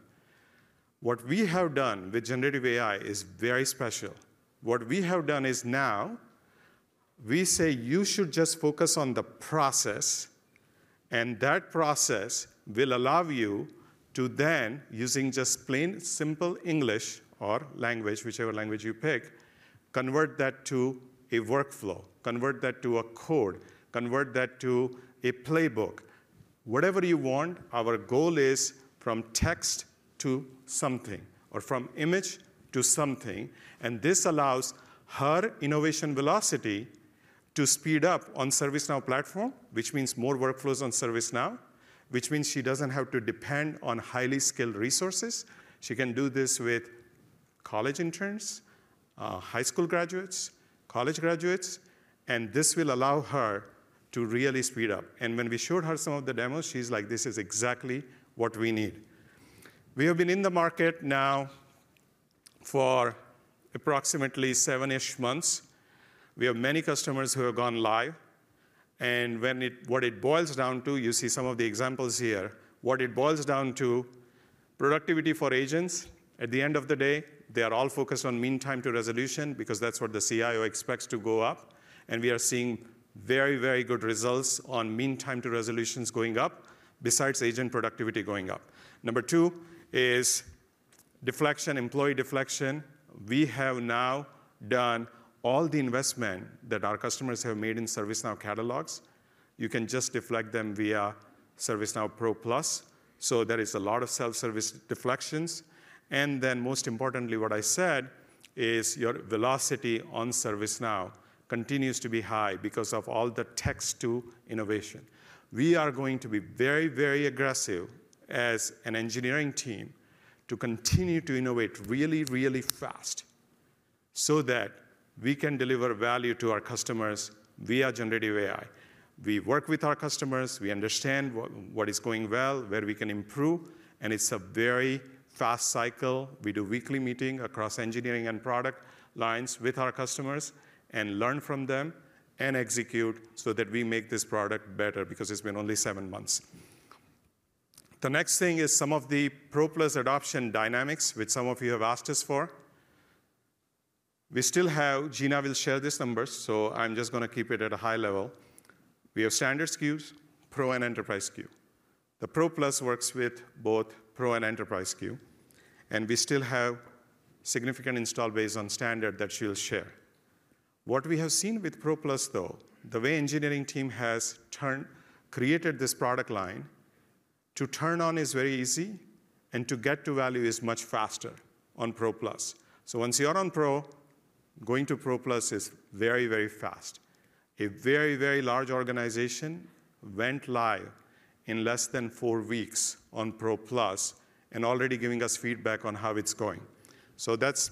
What we have done with generative AI is very special. What we have done is now, we say, "You should just focus on the process. And that process will allow you to then, using just plain, simple English or language, whichever language you pick, convert that to a workflow, convert that to a code, convert that to a playbook, whatever you want. Our goal is from text to something or from image to something." And this allows her innovation velocity to speed up on the ServiceNow Platform, which means more workflows on ServiceNow, which means she doesn't have to depend on highly skilled resources. She can do this with college interns, high school graduates, and college graduates. And this will allow her to really speed up. And when we showed her some of the demos, she's like, "This is exactly what we need." We have been in the market now for approximately 7-ish months. We have many customers who have gone live. And when it what it boils down to, you see some of the examples here, what it boils down to is productivity for agents. At the end of the day, they are all focused on mean time to resolution because that's what the CIO expects to go up. And we are seeing very, very good results on mean time to resolutions going up besides agent productivity going up. Number two is employee deflection. We have now done all the investment that our customers have made in ServiceNow catalogs. You can just deflect them via ServiceNow Pro Plus. So there are a lot of self-service deflections. Most importantly, what I said is your velocity on ServiceNow continues to be high because of all the text-to-innovation. We are going to be very, very aggressive as an engineering team to continue to innovate really, really fast so that we can deliver value to our customers via generative AI. We work with our customers. We understand what is going well, where we can improve. It's a very fast cycle. We do weekly meetings across engineering and product lines with our customers and learn from them and execute so that we make this product better because it's been only seven months. The next thing is some of the Pro Plus adoption dynamics, which some of you have asked us for. We still have Gina will share these numbers. I'm just gonna keep it at a high level. We have standard SKUs, Pro, and Enterprise SKU. The Pro Plus works with both Pro and Enterprise SKU. We still have a significant installed base on standard that she'll share. What we have seen with Pro Plus, though, is the way the engineering team has created this product line to turn on is very easy. To get to value is much faster on Pro Plus. Once you are on Pro, going to Pro Plus is very, very fast. A very, very large organization went live in less than four weeks on Pro Plus and is already giving us feedback on how it's going. That's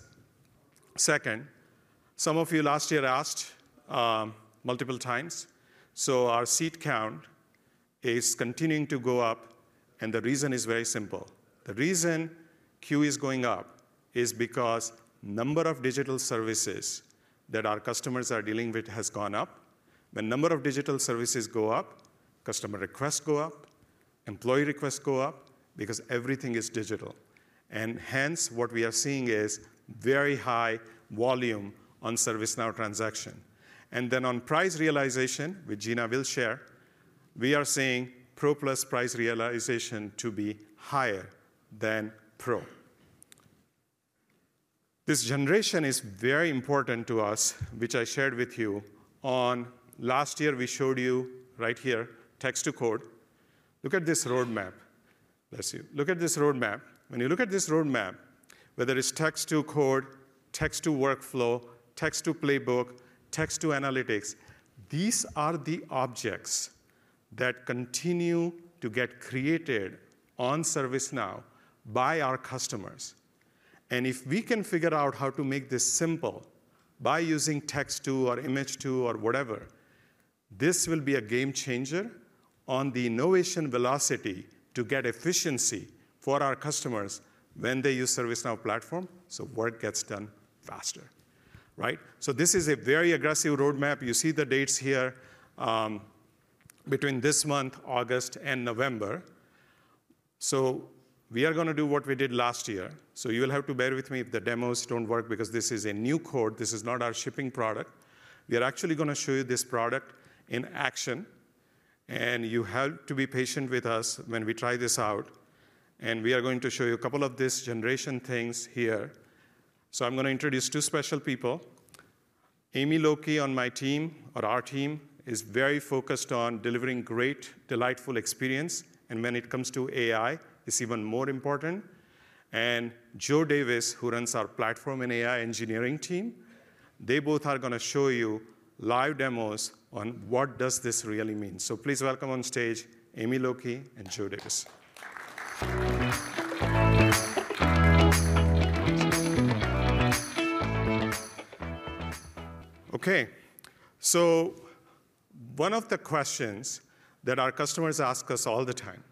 second. Some of you last year asked, multiple times. Our seat count is continuing to go up. The reason is very simple. The reason SKU is going up is because the number of digital services that our customers are dealing with has gone up. When the number of digital services goes up, customer requests go up, and employee requests go up because everything is digital. Hence, what we are seeing is very high volume on the ServiceNow transaction. Then on price realization, which Gina will share, we are seeing Pro Plus price realization to be higher than Pro. This generation is very important to us, which I shared with you last year. We showed you right here text-to-code. Look at this roadmap. Bless you. Look at this roadmap. When you look at this roadmap, whether it's text-to-code, text-to-workflow, text-to-playbook, or text-to-analytics, these are the objects that continue to get created on ServiceNow by our customers. If we can figure out how to make this simple by using text-to or image-to or whatever, this will be a game-changer on the innovation velocity to get efficiency for our customers when they use the ServiceNow Platform so work gets done faster, right? This is a very aggressive roadmap. You see the dates here, between this month, August, and November. We are gonna do what we did last year. You'll have to bear with me if the demos don't work because this is new code. This is not our shipping product. We are actually gonna show you this product in action. You have to be patient with us when we try this out. We are going to show you a couple of these generation things here. I'm gonna introduce two special people. Amy Lokey, on my team or our team, is very focused on delivering a great, delightful experience. And when it comes to AI, it's even more important. And Joe Davis, who runs our platform and AI engineering team, they both are gonna show you live demos on what this really means. So please welcome on stage Amy Lokey and Joe Davis. Okay. So one of the questions that our customers ask us all the time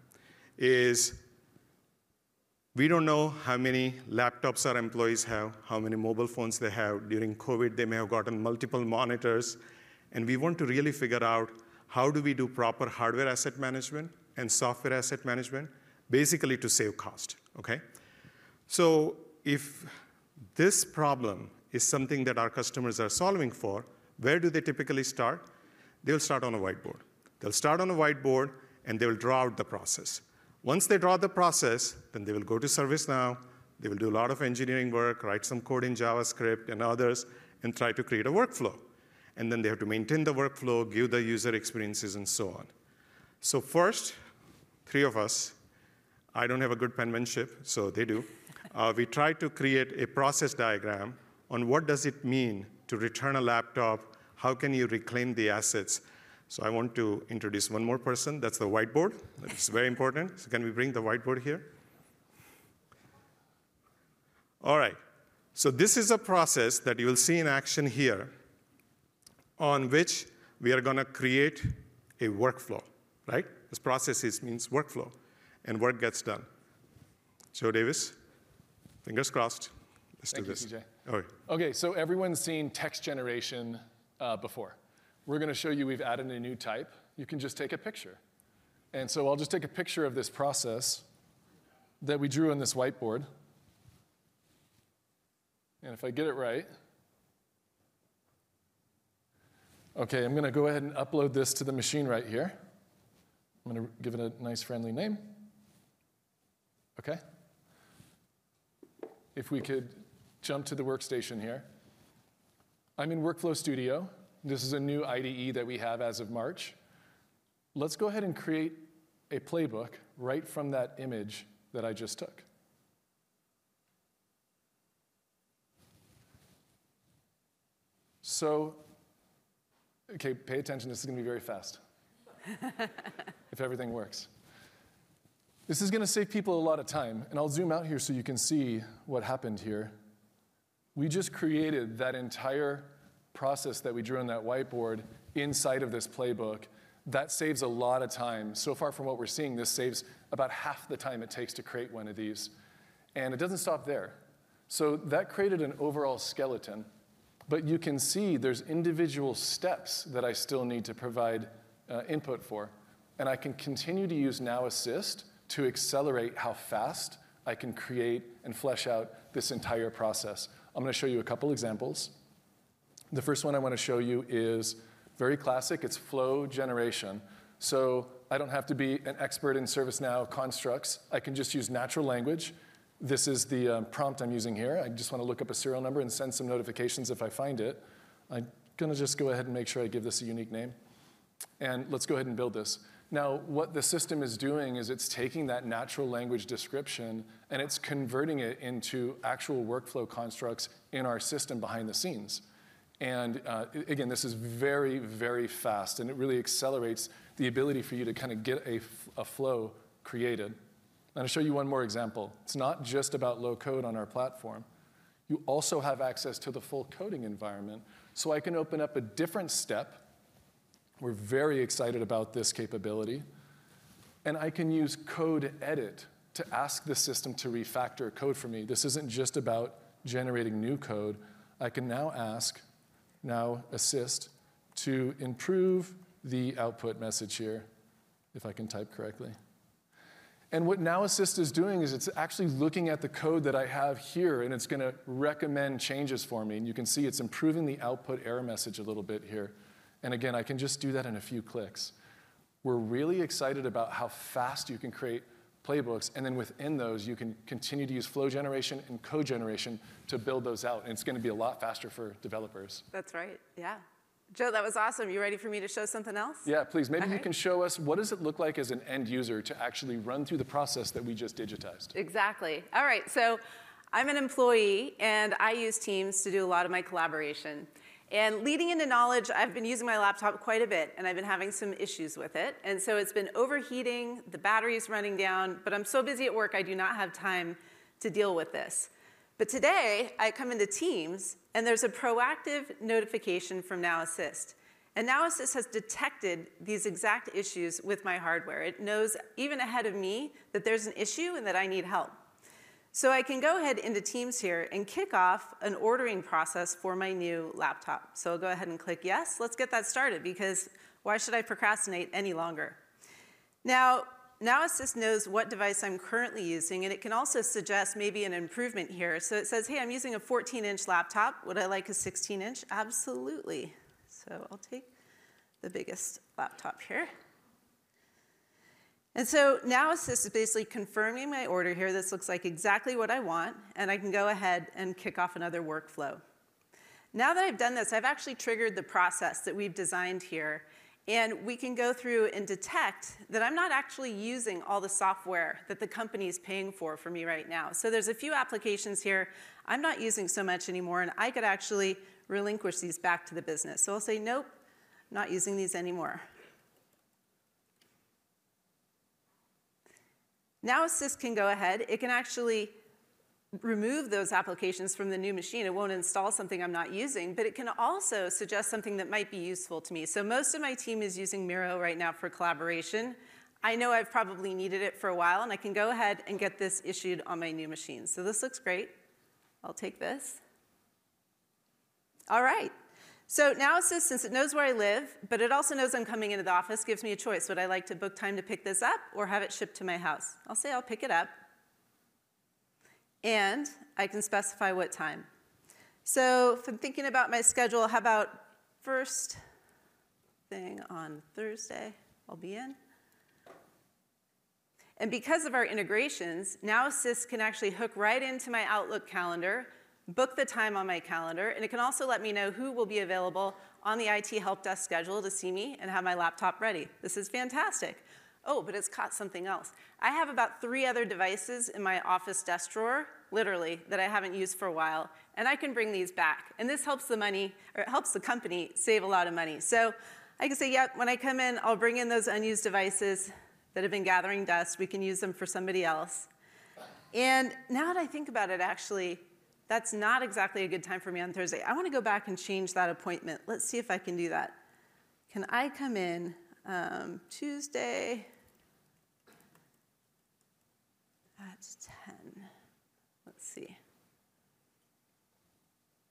is we don't know how many laptops our employees have, how many mobile phones they have. During COVID, they may have gotten multiple monitors. And we want to really figure out, how do we do proper hardware asset management and software asset management, basically to save cost, okay? So if this problem is something that our customers are solving for, where do they typically start? They'll start on a whiteboard. They'll start on a whiteboard. They'll draw out the process. Once they draw out the process, then they will go to ServiceNow. They will do a lot of engineering work, write some code in JavaScript and others, and try to create a workflow. Then they have to maintain the workflow, give the user experiences, and so on. So first, three of us, I don't have a good penmanship, so they do. We try to create a process diagram on what does it mean to return a laptop? How can you reclaim the assets? So I want to introduce one more person. That's the whiteboard. That is very important. So can we bring the whiteboard here? All right. So this is a process that you will see in action here on which we are gonna create a workflow, right? This process means workflow. And work gets done. Joe Davis, fingers crossed, let's do this. Thank you, CJ. All right. Okay. So everyone's seen text generation before. We're gonna show you we've added a new type. You can just take a picture. So I'll just take a picture of this process that we drew on this whiteboard. And if I get it right, okay, I'm gonna go ahead and upload this to the machine right here. I'm gonna give it a nice, friendly name. Okay. If we could jump to the workstation here. I'm in Workflow Studio. This is a new IDE that we have as of March. Let's go ahead and create a playbook right from that image that I just took. So, okay, pay attention. This is gonna be very fast if everything works. This is gonna save people a lot of time. And I'll zoom out here so you can see what happened here. We just created that entire process that we drew on that whiteboard inside of this playbook. That saves a lot of time. So far from what we're seeing, this saves about half the time it takes to create one of these. It doesn't stop there. That created an overall skeleton. You can see there are individual steps that I still need to provide input for. I can continue to use Now Assist to accelerate how fast I can create and flesh out this entire process. I'm gonna show you a couple of examples. The first one I wanna show you is very classic. It's flow generation. I don't have to be an expert in ServiceNow constructs. I can just use natural language. This is the prompt I'm using here. I just wanna look up a serial number and send some notifications if I find it. I'm gonna just go ahead and make sure I give this a unique name. And let's go ahead and build this. Now, what the system is doing is it's taking that natural language description, and it's converting it into actual workflow constructs in our system behind the scenes. And, again, this is very, very fast. And it really accelerates the ability for you to kinda get a flow created. I'm gonna show you one more example. It's not just about low code on our platform. You also have access to the full coding environment. So I can open up a different step. We're very excited about this capability. And I can use Code Edit to ask the system to refactor code for me. This isn't just about generating new code. I can now ask Now Assist to improve the output message here if I can type correctly. What Now Assist is doing is it's actually looking at the code that I have here. And it's gonna recommend changes for me. And you can see it's improving the output error message a little bit here. And again, I can just do that in a few clicks. We're really excited about how fast you can create playbooks. And then within those, you can continue to use flow generation and code generation to build those out. And it's gonna be a lot faster for developers. That's right. Yeah. Joe, that was awesome. You ready for me to show something else? Yeah, please. Maybe you can show us what does it look like as an end user to actually run through the process that we just digitized? Exactly. All right. So I'm an employee. I use Teams to do a lot of my collaboration. Leading into Knowledge, I've been using my laptop quite a bit. I've been having some issues with it. It's been overheating, the battery's running down. But I'm so busy at work, I do not have time to deal with this. Today, I come into Teams. There's a proactive notification from Now Assist. Now Assist has detected these exact issues with my hardware. It knows even ahead of me that there's an issue and that I need help. I can go ahead into Teams here and kick off an ordering process for my new laptop. I'll go ahead and click Yes. Let's get that started because why should I procrastinate any longer? Now, Now Assist knows what device I'm currently using. It can also suggest maybe an improvement here. So it says, "Hey, I'm using a 14 in laptop. Would I like a 16 in?" Absolutely. So I'll take the biggest laptop here. And so Now Assist is basically confirming my order here. This looks like exactly what I want. And I can go ahead and kick off another workflow. Now that I've done this, I've actually triggered the process that we've designed here. And we can go through and detect that I'm not actually using all the software that the company's paying for for me right now. So there's a few applications here. I'm not using so much anymore. And I could actually relinquish these back to the business. So I'll say, "Nope, I'm not using these anymore." Now Assist can go ahead. It can actually remove those applications from the new machine. It won't install something I'm not using. But it can also suggest something that might be useful to me. Most of my team is using Miro right now for collaboration. I know I've probably needed it for a while. I can go ahead and get this issued on my new machine. This looks great. I'll take this. All right. Now Assist, since it knows where I live but it also knows I'm coming into the office, gives me a choice. Would I like to book time to pick this up or have it shipped to my house? I'll say I'll pick it up. I can specify what time. If I'm thinking about my schedule, how about the first thing on Thursday I'll be in? Because of our integrations, Now Assist can actually hook right into my Outlook calendar, book the time on my calendar. And it can also let me know who will be available on the IT help desk schedule to see me and have my laptop ready. This is fantastic. Oh, but it's caught something else. I have about three other devices in my office desk drawer, literally, that I haven't used for a while. And I can bring these back. And this helps the money or it helps the company save a lot of money. So I can say, "Yep, when I come in, I'll bring in those unused devices that have been gathering dust. We can use them for somebody else." And now that I think about it, actually, that's not exactly a good time for me on Thursday. I wanna go back and change that appointment. Let's see if I can do that. Can I come in, Tuesday at 10:00 A.M.? Let's see.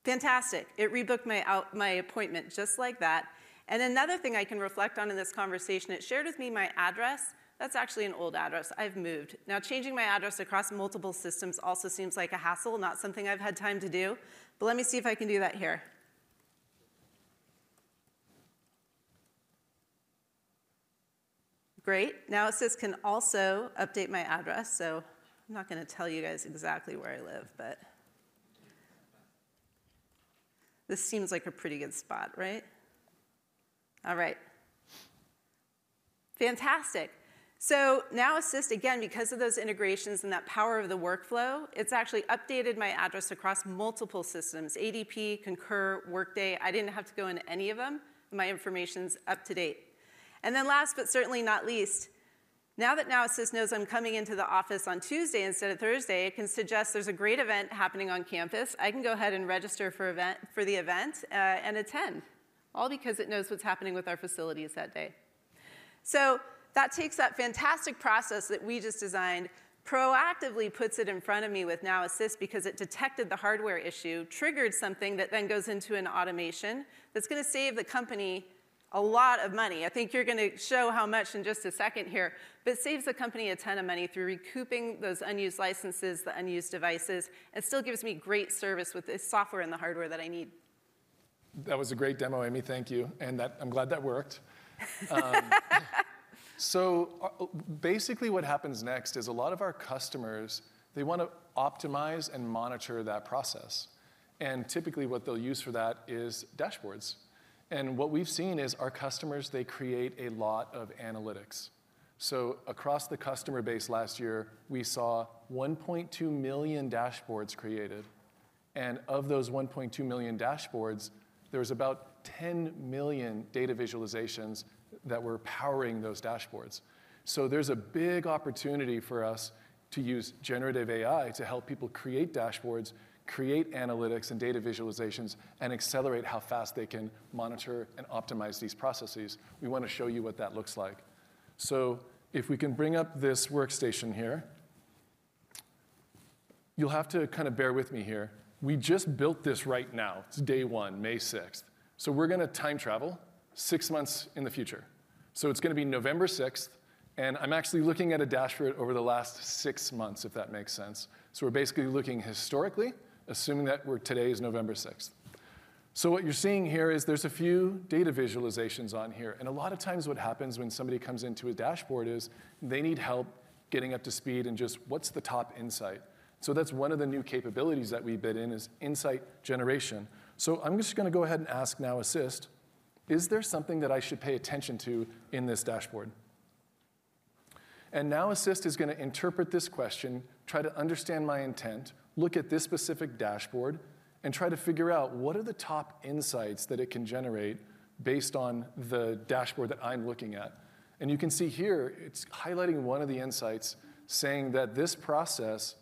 Fantastic. It rebooked my out my appointment just like that. Another thing I can reflect on in this conversation, it shared with me my address. That's actually an old address. I've moved. Now, changing my address across multiple systems also seems like a hassle, not something I've had time to do. But let me see if I can do that here. Great. Now Assist can also update my address. So I'm not gonna tell you guys exactly where I live. But this seems like a pretty good spot, right? All right. Fantastic. So Now Assist, again, because of those integrations and that power of the workflow, it's actually updated my address across multiple systems: ADP, Concur, Workday. I didn't have to go into any of them. My information's up to date. And then, last but certainly not least, now that Now Assist knows I'm coming into the office on Tuesday instead of Thursday, it can suggest there's a great event happening on campus. I can go ahead and register for event for the event, and attend, all because it knows what's happening with our facilities that day. So that takes that fantastic process that we just designed, proactively puts it in front of me with Now Assist because it detected the hardware issue, triggered something that then goes into an automation that's gonna save the company a lot of money. I think you're gonna show how much in just a second here. But it saves the company a ton of money through recouping those unused licenses, the unused devices, and still gives me great service with the software and the hardware that I need. That was a great demo, Amy. Thank you. And that, I'm glad that worked. So basically what happens next is a lot of our customers, they wanna optimize and monitor that process. And typically what they'll use for that is dashboards. And what we've seen is our customers, they create a lot of analytics. So across the customer base last year, we saw 1.2 million dashboards created. And of those 1.2 million dashboards, there was about 10 million data visualizations that were powering those dashboards. So there's a big opportunity for us to use generative AI to help people create dashboards, create analytics and data visualizations, and accelerate how fast they can monitor and optimize these processes. We wanna show you what that looks like. So if we can bring up this workstation here, you'll have to kinda bear with me here. We just built this right now. It's day one, May 6th. So we're gonna time travel 6 months in the future. So it's gonna be November 6th. And I'm actually looking at a dashboard over the last six months, if that makes sense. So we're basically looking historically, assuming that today is November 6th. So what you're seeing here is there's a few data visualizations on here. And a lot of times what happens when somebody comes into a dashboard is they need help getting up to speed and just what's the top insight. So that's one of the new capabilities that we bid in is insight generation. So I'm just gonna go ahead and ask Now Assist, "Is there something that I should pay attention to in this dashboard?" And Now Assist is gonna interpret this question, try to understand my intent, look at this specific dashboard, and try to figure out what are the top insights that it can generate based on the dashboard that I'm looking at. And you can see here, it's highlighting one of the insights, saying that this process,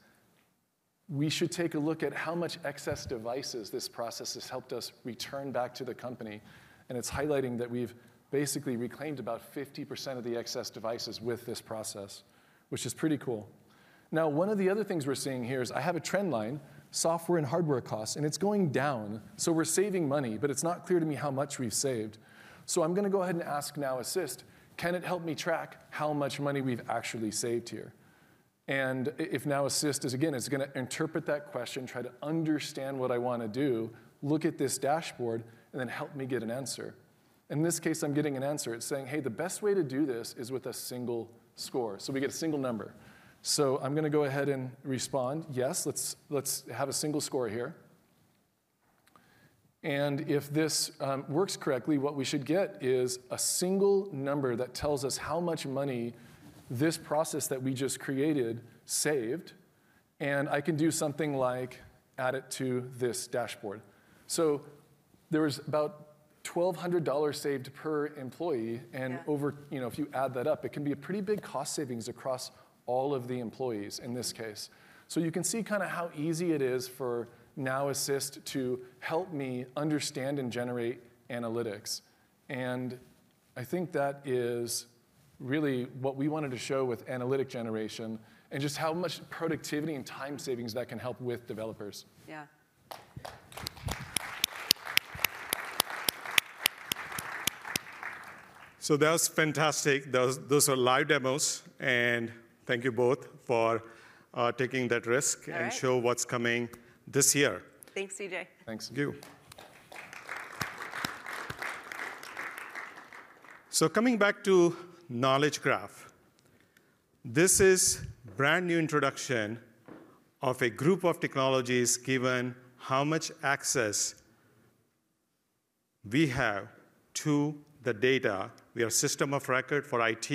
we should take a look at how much excess devices this process has helped us return back to the company. And it's highlighting that we've basically reclaimed about 50% of the excess devices with this process, which is pretty cool. Now, one of the other things we're seeing here is I have a trendline, software and hardware costs. And it's going down. So we're saving money. But it's not clear to me how much we've saved. So I'm gonna go ahead and ask Now Assist, "Can it help me track how much money we've actually saved here?" And if Now Assist is again, it's gonna interpret that question, try to understand what I wanna do, look at this dashboard, and then help me get an answer. In this case, I'm getting an answer. It's saying, "Hey, the best way to do this is with a single score." So we get a single number. So I'm gonna go ahead and respond, "Yes, let's let's have a single score here." And if this works correctly, what we should get is a single number that tells us how much money this process that we just created saved. And I can do something like, "Add it to this dashboard." So there was about $1,200 saved per employee. And over, you know, if you add that up, it can be a pretty big cost savings across all of the employees in this case. So you can see kinda how easy it is for Now Assist to help me understand and generate analytics. And I think that is really what we wanted to show with analytic generation and just how much productivity and time savings that can help with developers. Yeah. That was fantastic. Those are live demos. Thank you both for taking that risk and show what's coming this year. Thanks, CJ. Thanks to you. So coming back to Knowledge Graph, this is a brand new introduction of a group of technologies given how much access we have to the data. We are a system of record for IT.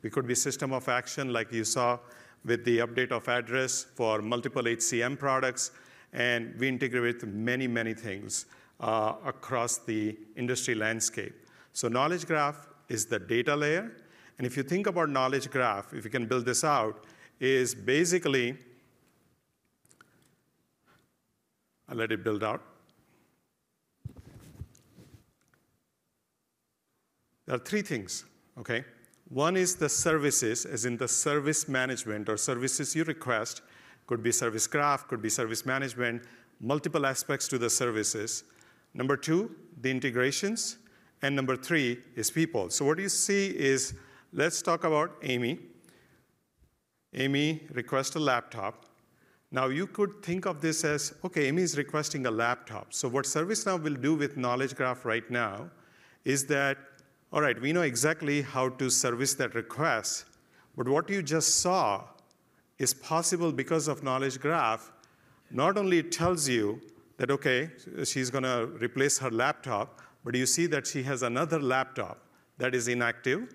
We could be a system of action, like you saw, with the update of address for multiple HCM products. And we integrate with many, many things, across the industry landscape. So Knowledge Graph is the data layer. And if you think about Knowledge Graph, if you can build this out, it's basically I'll let it build out. There are three things, okay? One is the services, as in the service management or services you request. Could be Service Graph, could be service management, multiple aspects to the services. Number two, the integrations. And number three is people. So what you see is let's talk about Amy. Amy requests a laptop. Now, you could think of this as, "Okay, Amy's requesting a laptop." So what ServiceNow will do with Knowledge Graph right now is that, "All right, we know exactly how to service that request. But what you just saw is possible because of Knowledge Graph." Not only tells you that, "Okay, she's gonna replace her laptop." But you see that she has another laptop that is inactive.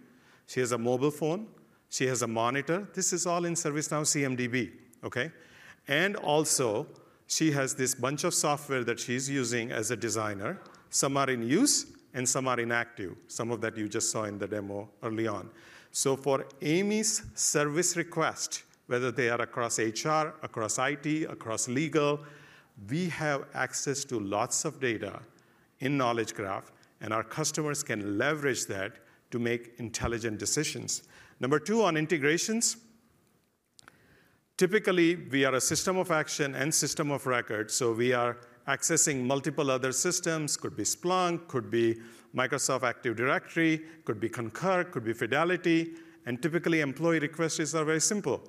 She has a mobile phone. She has a monitor. This is all in ServiceNow CMDB, okay? And also, she has this bunch of software that she's using as a designer. Some are in use. And some are inactive, some of that you just saw in the demo early on. So for Amy's service request, whether they are across HR, across IT, across legal, we have access to lots of data in Knowledge Graph. And our customers can leverage that to make intelligent decisions. Number two, on integrations, typically, we are a system of action and system of record. So we are accessing multiple other systems. Could be Splunk. Could be Microsoft Active Directory. Could be Concur. Could be Fidelity. And typically, employee requests are very simple.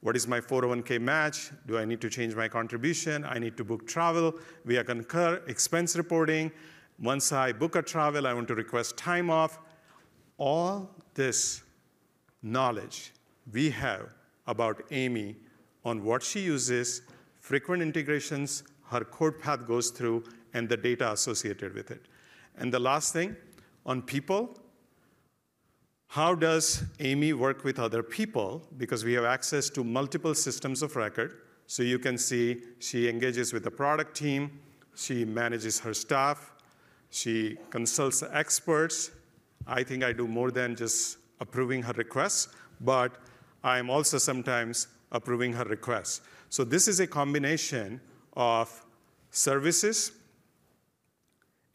What is my 401(k) match? Do I need to change my contribution? I need to book travel. We are Concur expense reporting. Once I book a travel, I want to request time off. All this knowledge we have about Amy on what she uses, frequent integrations, her code path goes through, and the data associated with it. And the last thing, on people, how does Amy work with other people? Because we have access to multiple systems of record. So you can see she engages with the product team. She manages her staff. She consults experts. I think I do more than just approving her requests. But I am also sometimes approving her requests. So this is a combination of services,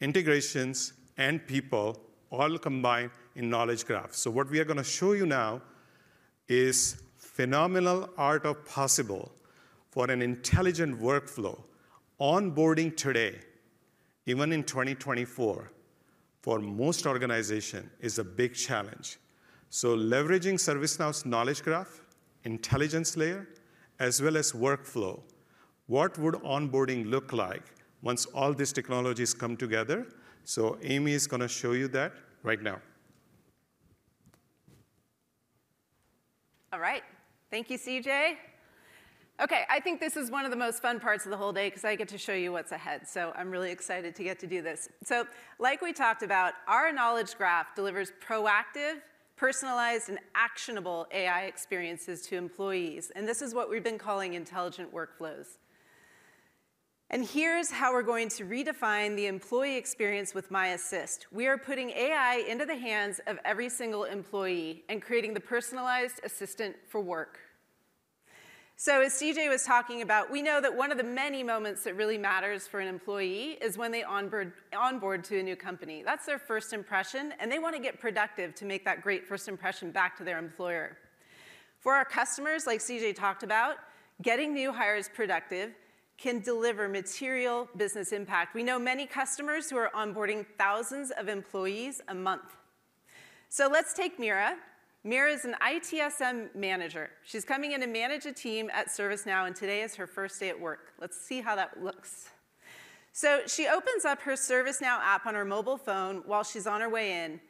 integrations, and people all combined in Knowledge Graph. So what we are gonna show you now is the phenomenal art of possible for an intelligent workflow. Onboarding today, even in 2024, for most organizations is a big challenge. So leveraging ServiceNow's Knowledge Graph, intelligence layer, as well as workflow, what would onboarding look like once all these technologies come together? So Amy is gonna show you that right now. All right. Thank you, CJ. Okay, I think this is one of the most fun parts of the whole day 'cause I get to show you what's ahead. So I'm really excited to get to do this. So like we talked about, our Knowledge Graph delivers proactive, personalized, and actionable AI experiences to employees. And this is what we've been calling intelligent workflows. And here's how we're going to redefine the employee experience with My Assist. We are putting AI into the hands of every single employee and creating the personalized assistant for work. So as CJ was talking about, we know that one of the many moments that really matters for an employee is when they onboard to a new company. That's their first impression. And they wanna get productive to make that great first impression back to their employer. For our customers, like CJ talked about, getting new hires productive can deliver material business impact. We know many customers who are onboarding thousands of employees a month. Let's take Mira. Mira is an ITSM manager. She's coming in to manage a team at ServiceNow. Today is her first day at work. Let's see how that looks. She opens up her ServiceNow app on her mobile phone while she's on her way in.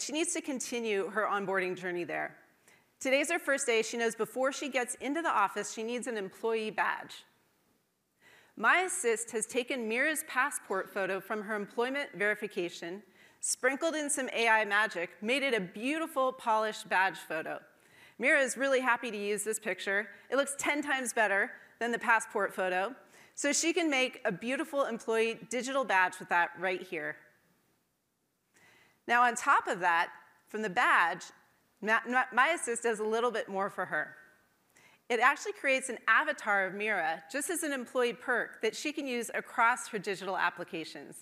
She needs to continue her onboarding journey there. Today's her first day. She knows before she gets into the office, she needs an employee badge. My Assist has taken Mira's passport photo from her employment verification, sprinkled in some AI magic, made it a beautiful, polished badge photo. Mira's really happy to use this picture. It looks 10 times better than the passport photo. So she can make a beautiful employee digital badge with that right here. Now, on top of that, from the badge, My Assist does a little bit more for her. It actually creates an avatar of Mira just as an employee perk that she can use across her digital applications.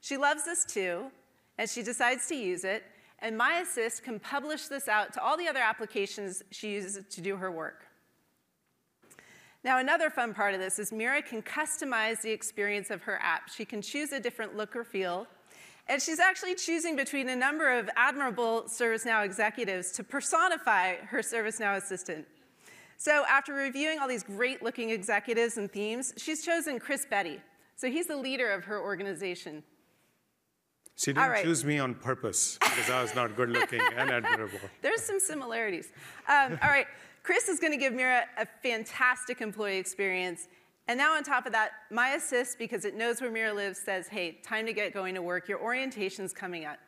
She loves this too. And she decides to use it. And My Assist can publish this out to all the other applications she uses to do her work. Now, another fun part of this is Mira can customize the experience of her app. She can choose a different look or feel. And she's actually choosing between a number of admirable ServiceNow executives to personify her ServiceNow assistant. So after reviewing all these great-looking executives and themes, she's chosen Chris Bedi. So he's the leader of her organization. CJ, you chose me on purpose 'cause I was not good-looking and admirable. All right. There's some similarities. All right. Chris is gonna give Mira a fantastic employee experience. And now, on top of that, My Assist, because it knows where Mira lives, says, "Hey, time to get going to work. Your orientation's coming up."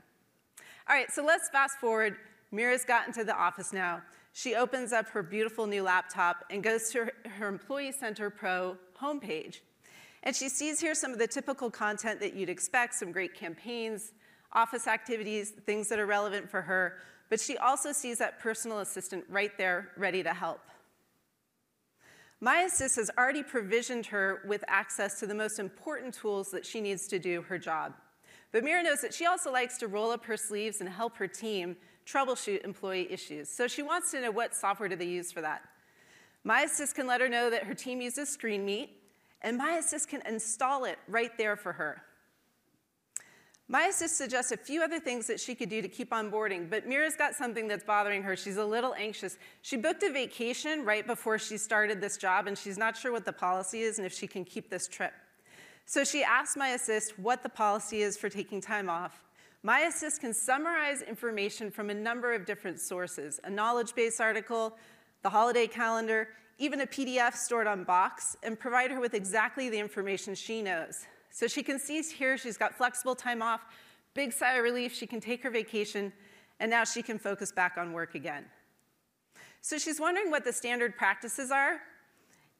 All right. So let's fast forward. Mira's gotten to the office now. She opens up her beautiful new laptop and goes to her Employee Center Pro homepage. And she sees here some of the typical content that you'd expect, some great campaigns, office activities, things that are relevant for her. But she also sees that personal assistant right there ready to help. My Assist has already provisioned her with access to the most important tools that she needs to do her job. But Mira knows that she also likes to roll up her sleeves and help her team troubleshoot employee issues. So she wants to know what software do they use for that. My Assist can let her know that her team uses ScreenMeet. And My Assist can install it right there for her. My Assist suggests a few other things that she could do to keep onboarding. But Mira's got something that's bothering her. She's a little anxious. She booked a vacation right before she started this job. And she's not sure what the policy is and if she can keep this trip. So she asked My Assist what the policy is for taking time off. My Assist can summarize information from a number of different sources, a knowledge base article, the holiday calendar, even a PDF stored on Box, and provide her with exactly the information she knows. So she can see here she's got flexible time off, big sigh of relief. She can take her vacation. Now, she can focus back on work again. She's wondering what the standard practices are.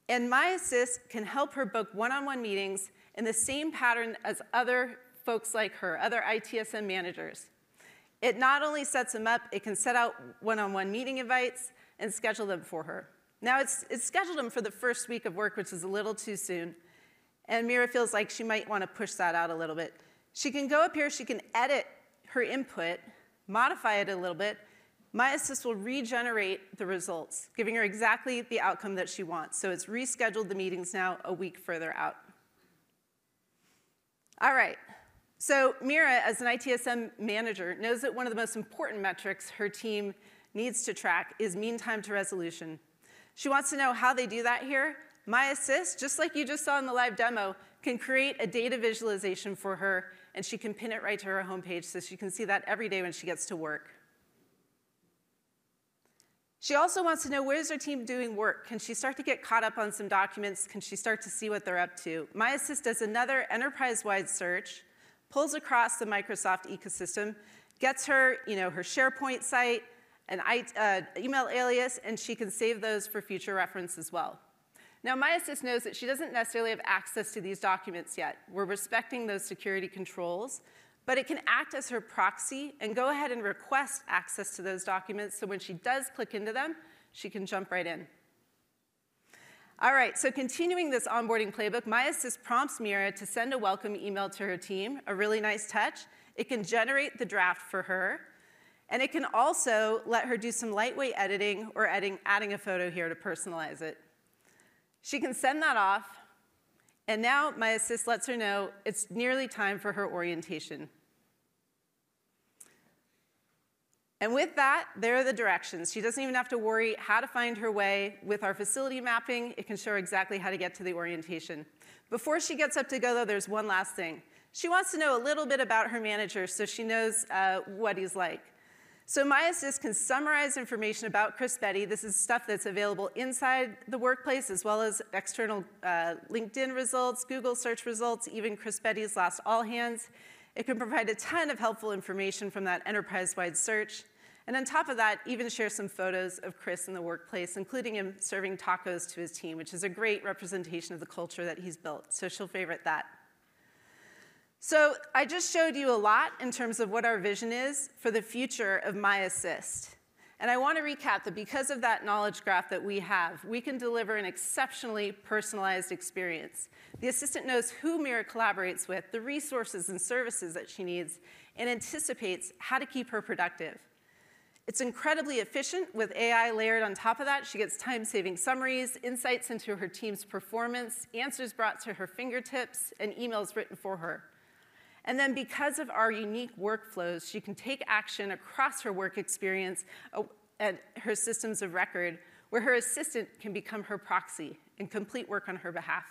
My Assist can help her book one-on-one meetings in the same pattern as other folks like her, other ITSM managers. It not only sets them up, it can set out one-on-one meeting invites and schedule them for her. Now, it's scheduled them for the first week of work, which is a little too soon. Mira feels like she might wanna push that out a little bit. She can go up here. She can edit her input, modify it a little bit. My Assist will regenerate the results, giving her exactly the outcome that she wants. It's rescheduled the meetings now a week further out. All right. So Mira, as an ITSM manager, knows that one of the most important metrics her team needs to track is mean time to resolution. She wants to know how they do that here. My Assist, just like you just saw in the live demo, can create a data visualization for her. And she can pin it right to her homepage so she can see that every day when she gets to work. She also wants to know, where is her team doing work? Can she start to get caught up on some documents? Can she start to see what they're up to? My Assist does another enterprise-wide search, pulls across the Microsoft ecosystem, gets her, you know, her SharePoint site, an IT email alias. And she can save those for future reference as well. Now, My Assist knows that she doesn't necessarily have access to these documents yet. We're respecting those security controls. It can act as her proxy and go ahead and request access to those documents. When she does click into them, she can jump right in. All right. Continuing this onboarding playbook, My Assist prompts Mira to send a welcome email to her team, a really nice touch. It can generate the draft for her. It can also let her do some lightweight editing or adding a photo here to personalize it. She can send that off. Now, My Assist lets her know it's nearly time for her orientation. With that, there are the directions. She doesn't even have to worry how to find her way with our facility mapping. It can show her exactly how to get to the orientation. Before she gets up to go, though, there's one last thing. She wants to know a little bit about her manager so she knows what he's like. So My Assist can summarize information about Chris Bedi. This is stuff that's available inside the workplace as well as external, LinkedIn results, Google search results, even Chris Bedi's last all hands. It can provide a ton of helpful information from that enterprise-wide search. And on top of that, even share some photos of Chris in the workplace, including him serving tacos to his team, which is a great representation of the culture that he's built. So she'll favorite that. So I just showed you a lot in terms of what our vision is for the future of My Assist. And I wanna recap that because of that Knowledge Graph that we have, we can deliver an exceptionally personalized experience. The assistant knows who Mira collaborates with, the resources and services that she needs, and anticipates how to keep her productive. It's incredibly efficient. With AI layered on top of that, she gets time-saving summaries, insights into her team's performance, answers brought to her fingertips, and emails written for her. And then because of our unique workflows, she can take action across her work experience and her systems of record where her assistant can become her proxy and complete work on her behalf.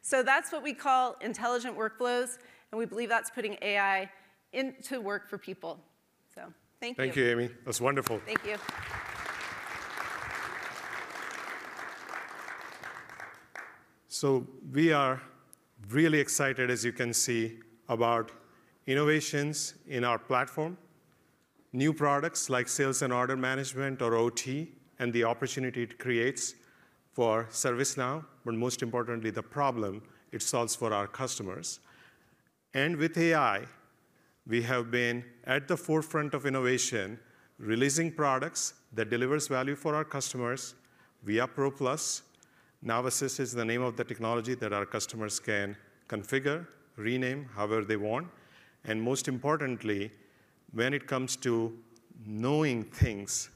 So that's what we call intelligent workflows. And we believe that's putting AI into work for people. So thank you. Thank you, Amy. That's wonderful. Thank you. So we are really excited, as you can see, about innovations in our platform, new products like Sales and Order Management or OT, and the opportunity it creates for ServiceNow. But most importantly, the problem it solves for our customers. And with AI, we have been at the forefront of innovation, releasing products that deliver value for our customers. Via Pro Plus, Now Assist is the name of the technology that our customers can configure, rename however they want. And most importantly, when it comes to knowing things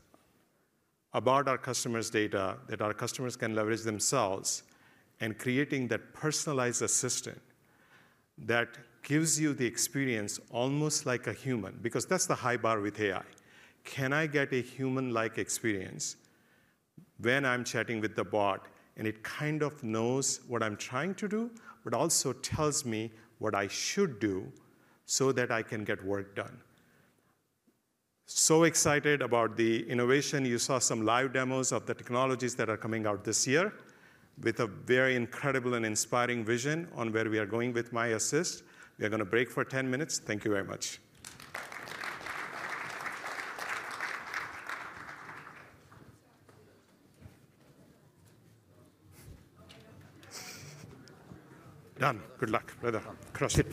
about our customers' data that our customers can leverage themselves and creating that personalized assistant that gives you the experience almost like a human because that's the high bar with AI. Can I get a human-like experience when I'm chatting with the bot and it kind of knows what I'm trying to do but also tells me what I should do so that I can get work done? So excited about the innovation. You saw some live demos of the technologies that are coming out this year with a very incredible and inspiring vision on where we are going with My Assist. We are gonna break for 10 minutes. Thank you very much. Done. Good luck, brother. Crush it.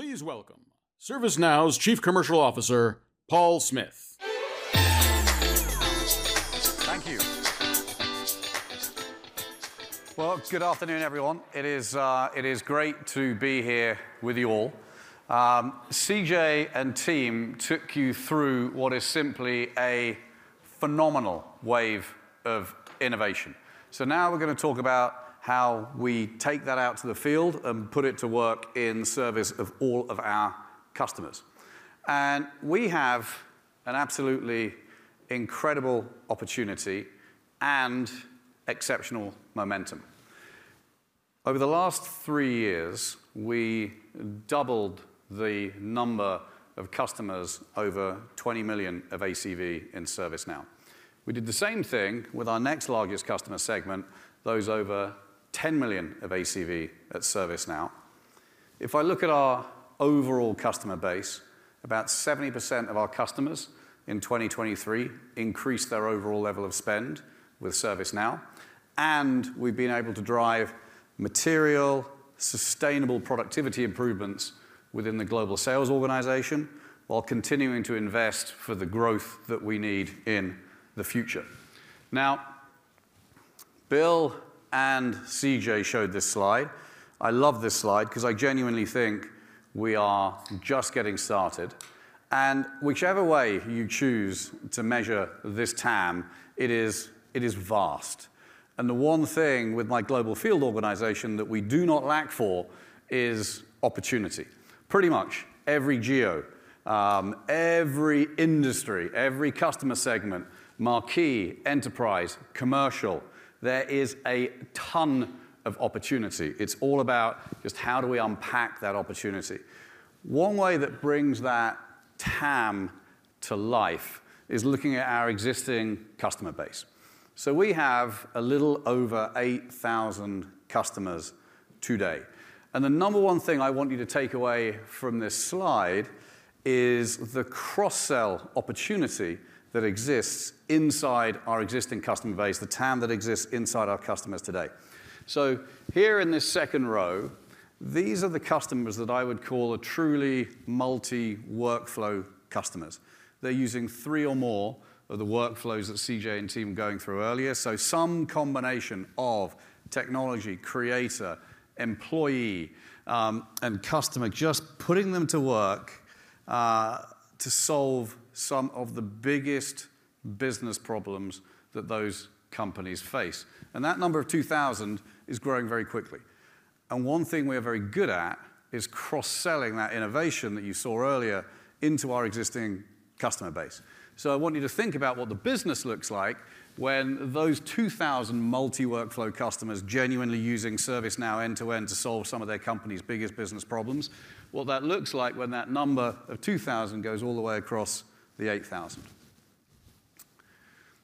Please welcome ServiceNow's Chief Commercial Officer, Paul Smith. Thank you. Well, good afternoon, everyone. It is, it is great to be here with you all. CJ and team took you through what is simply a phenomenal wave of innovation. So now we're gonna talk about how we take that out to the field and put it to work in service of all of our customers. We have an absolutely incredible opportunity and exceptional momentum. Over the last three years, we doubled the number of customers over $20 million of ACV in ServiceNow. We did the same thing with our next largest customer segment, those over $10 million of ACV at ServiceNow. If I look at our overall customer base, about 70% of our customers in 2023 increased their overall level of spend with ServiceNow. We've been able to drive material, sustainable productivity improvements within the global sales organization while continuing to invest for the growth that we need in the future. Now, Bill and CJ showed this slide. I love this slide 'cause I genuinely think we are just getting started. Whichever way you choose to measure this TAM, it is it is vast. The one thing with my global field organization that we do not lack for is opportunity. Pretty much every geo, every industry, every customer segment, marquee, enterprise, commercial, there is a ton of opportunity. It's all about just how do we unpack that opportunity. One way that brings that TAM to life is looking at our existing customer base. So we have a little over 8,000 customers today. The number 1 thing I want you to take away from this slide is the cross-sell opportunity that exists inside our existing customer base, the TAM that exists inside our customers today. Here in this second row, these are the customers that I would call truly multi-workflow customers. They're using three or more of the workflows that CJ and team were going through earlier. Some combination of Technology, Creator, Employee, and Customer, just putting them to work, to solve some of the biggest business problems that those companies face. That number of 2,000 is growing very quickly. One thing we are very good at is cross-selling that innovation that you saw earlier into our existing customer base. So I want you to think about what the business looks like when those 2,000 multi-workflow customers genuinely using ServiceNow end-to-end to solve some of their company's biggest business problems, what that looks like when that number of 2,000 goes all the way across the 8,000.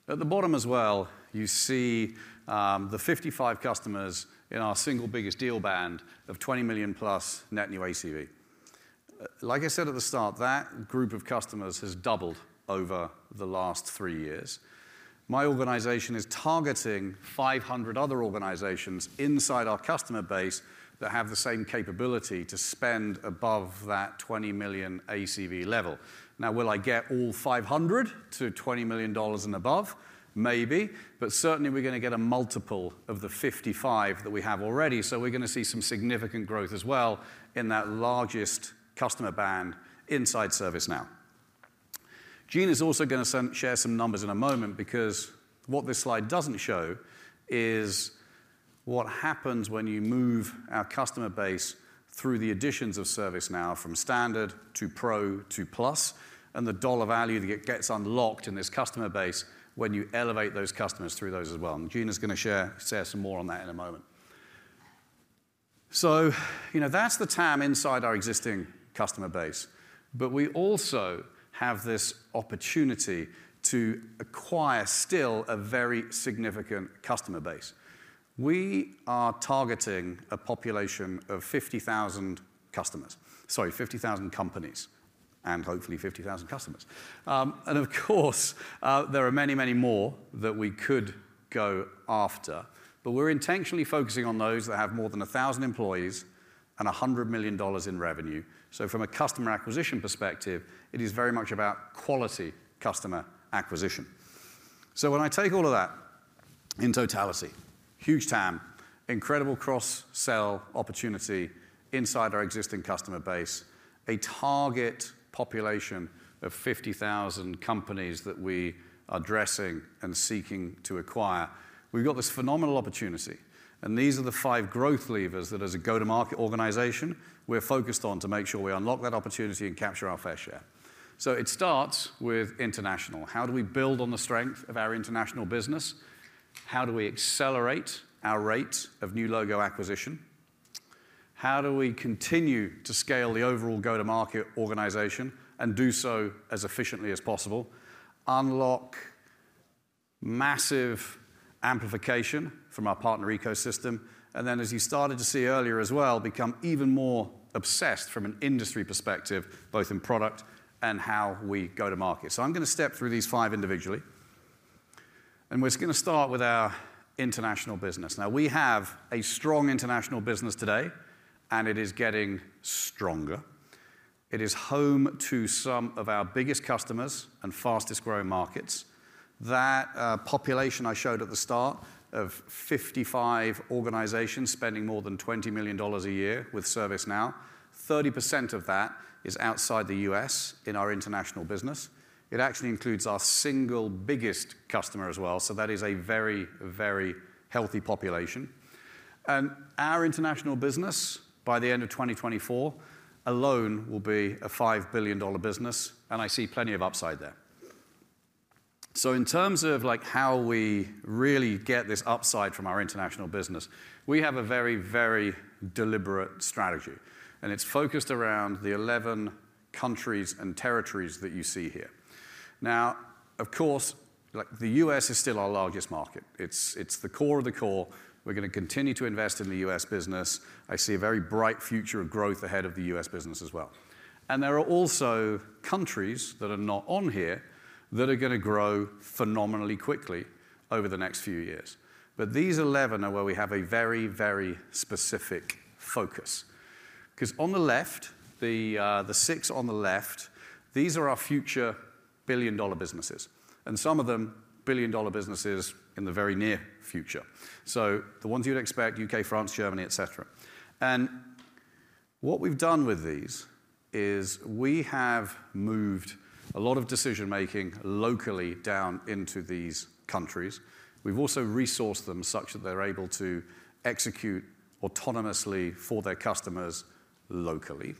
At the bottom as well, you see, the 55 customers in our single biggest deal band of $20 million+ net new ACV. Like I said at the start, that group of customers has doubled over the last three years. My organization is targeting 500 other organizations inside our customer base that have the same capability to spend above that $20 million ACV level. Now, will I get all 500 to $20 million and above? Maybe. But certainly, we're gonna get a multiple of the 55 that we have already. So we're gonna see some significant growth as well in that largest customer band inside ServiceNow. Gina's also gonna share some numbers in a moment because what this slide doesn't show is what happens when you move our customer base through the additions of ServiceNow from Standard to Pro to Plus. And the dollar value that gets unlocked in this customer base when you elevate those customers through those as well. And Gina's gonna share, say some more on that in a moment. So, you know, that's the TAM inside our existing customer base. But we also have this opportunity to acquire still a very significant customer base. We are targeting a population of 50,000 customers sorry, 50,000 companies and hopefully 50,000 customers. And of course, there are many, many more that we could go after. But we're intentionally focusing on those that have more than 1,000 employees and $100 million in revenue. So from a customer acquisition perspective, it is very much about quality customer acquisition. So when I take all of that in totality, huge TAM, incredible cross-sell opportunity inside our existing customer base, a target population of 50,000 companies that we are addressing and seeking to acquire, we've got this phenomenal opportunity. And these are the five growth levers that, as a go-to-market organization, we're focused on to make sure we unlock that opportunity and capture our fair share. So it starts with international. How do we build on the strength of our international business? How do we accelerate our rate of new logo acquisition? How do we continue to scale the overall go-to-market organization and do so as efficiently as possible, unlock massive amplification from our partner ecosystem, and then, as you started to see earlier as well, become even more obsessed from an industry perspective, both in product and how we go to market? So I'm gonna step through these five individually. We're just gonna start with our international business. Now, we have a strong international business today, and it is getting stronger. It is home to some of our biggest customers and fastest-growing markets. That, population I showed at the start of 55 organizations spending more than $20 million a year with ServiceNow, 30% of that is outside the U.S. in our international business. It actually includes our single biggest customer as well. So that is a very, very healthy population. Our international business, by the end of 2024 alone, will be a $5 billion business. I see plenty of upside there. In terms of, like, how we really get this upside from our international business, we have a very, very deliberate strategy. It's focused around the 11 countries and territories that you see here. Now, of course, like, the U.S. is still our largest market. It's, it's the core of the core. We're gonna continue to invest in the U.S. business. I see a very bright future of growth ahead of the U.S. business as well. There are also countries that are not on here that are gonna grow phenomenally quickly over the next few years. But these 11 are where we have a very, very specific focus. 'Cause on the left, the six on the left, these are our future billion-dollar businesses and some of them billion-dollar businesses in the very near future. So the ones you'd expect: U.K., France, Germany, etc. And what we've done with these is we have moved a lot of decision-making locally down into these countries. We've also resourced them such that they're able to execute autonomously for their customers locally.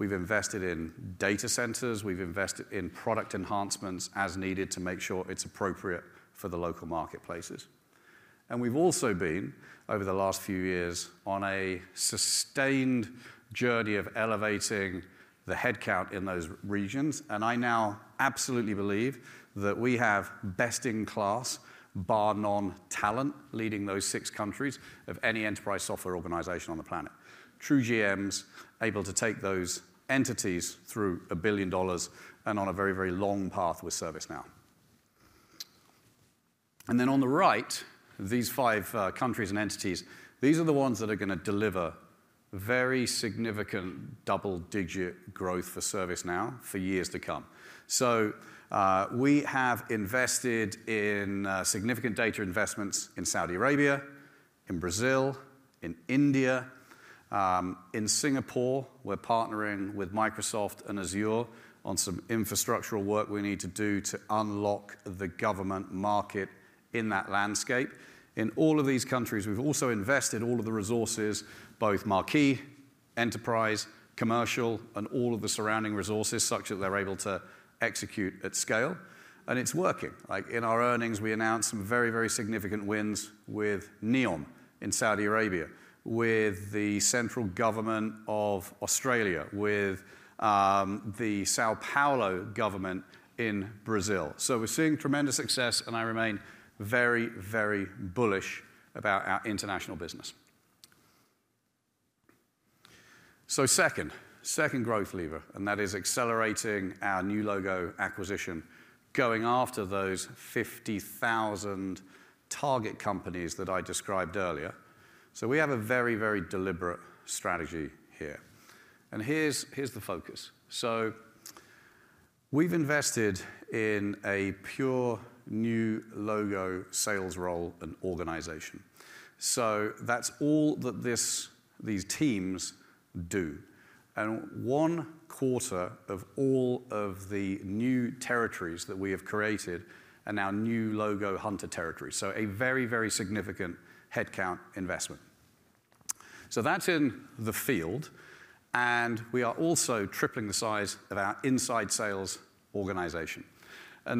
We've invested in data centers. We've invested in product enhancements as needed to make sure it's appropriate for the local marketplaces. And we've also been, over the last few years, on a sustained journey of elevating the headcount in those regions. And I now absolutely believe that we have best-in-class, bar none, talent leading those six countries of any enterprise software organization on the planet. True GMs able to take those entities through a billion dollars and on a very, very long path with ServiceNow. And then on the right, these five countries and entities, these are the ones that are gonna deliver very significant double-digit growth for ServiceNow for years to come. So, we have invested in significant data investments in Saudi Arabia, in Brazil, in India. In Singapore, we're partnering with Microsoft and Azure on some infrastructural work we need to do to unlock the government market in that landscape. In all of these countries, we've also invested all of the resources, both marquee, enterprise, commercial, and all of the surrounding resources such that they're able to execute at scale. And it's working. Like, in our earnings, we announced some very, very significant wins with NEOM in Saudi Arabia, with the central government of Australia, with the São Paulo government in Brazil. We're seeing tremendous success. I remain very, very bullish about our international business. Second, second growth lever, and that is accelerating our new logo acquisition, going after those 50,000 target companies that I described earlier. We have a very, very deliberate strategy here. Here's, here's the focus. We've invested in a pure new logo sales role and organization. That's all that these teams do. One quarter of all of the new territories that we have created are now new logo hunter territories. A very, very significant headcount investment. That's in the field. We are also tripling the size of our inside sales organization.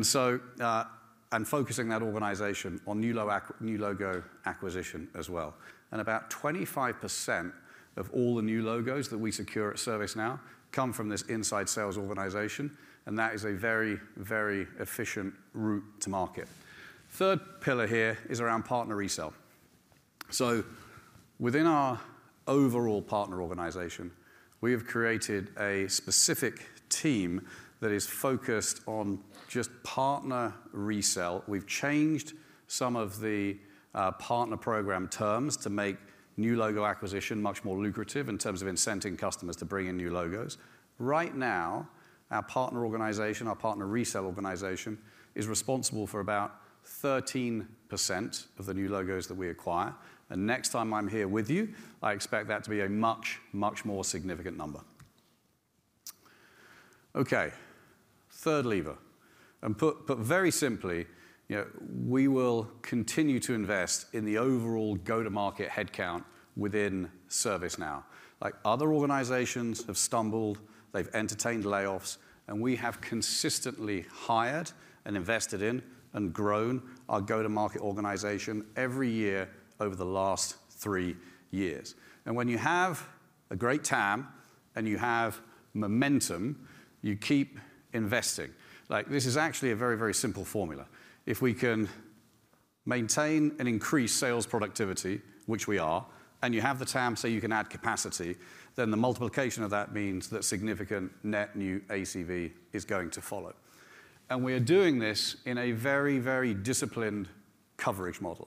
So, and focusing that organization on new logo acquisition as well. About 25% of all the new logos that we secure at ServiceNow come from this inside sales organization. That is a very, very efficient route to market. Third pillar here is around partner resale. So within our overall partner organization, we have created a specific team that is focused on just partner resale. We've changed some of the partner program terms to make new logo acquisition much more lucrative in terms of incenting customers to bring in new logos. Right now, our partner organization, our partner resale organization, is responsible for about 13% of the new logos that we acquire. And next time I'm here with you, I expect that to be a much, much more significant number. Okay. Third lever. Put very simply, you know, we will continue to invest in the overall go-to-market headcount within ServiceNow. Like, other organizations have stumbled. They've entertained layoffs. We have consistently hired and invested in and grown our go-to-market organization every year over the last three years. When you have a great TAM and you have momentum, you keep investing. Like, this is actually a very, very simple formula. If we can maintain and increase sales productivity, which we are, and you have the TAM, say you can add capacity, then the multiplication of that means that significant net new ACV is going to follow. We are doing this in a very, very disciplined coverage model.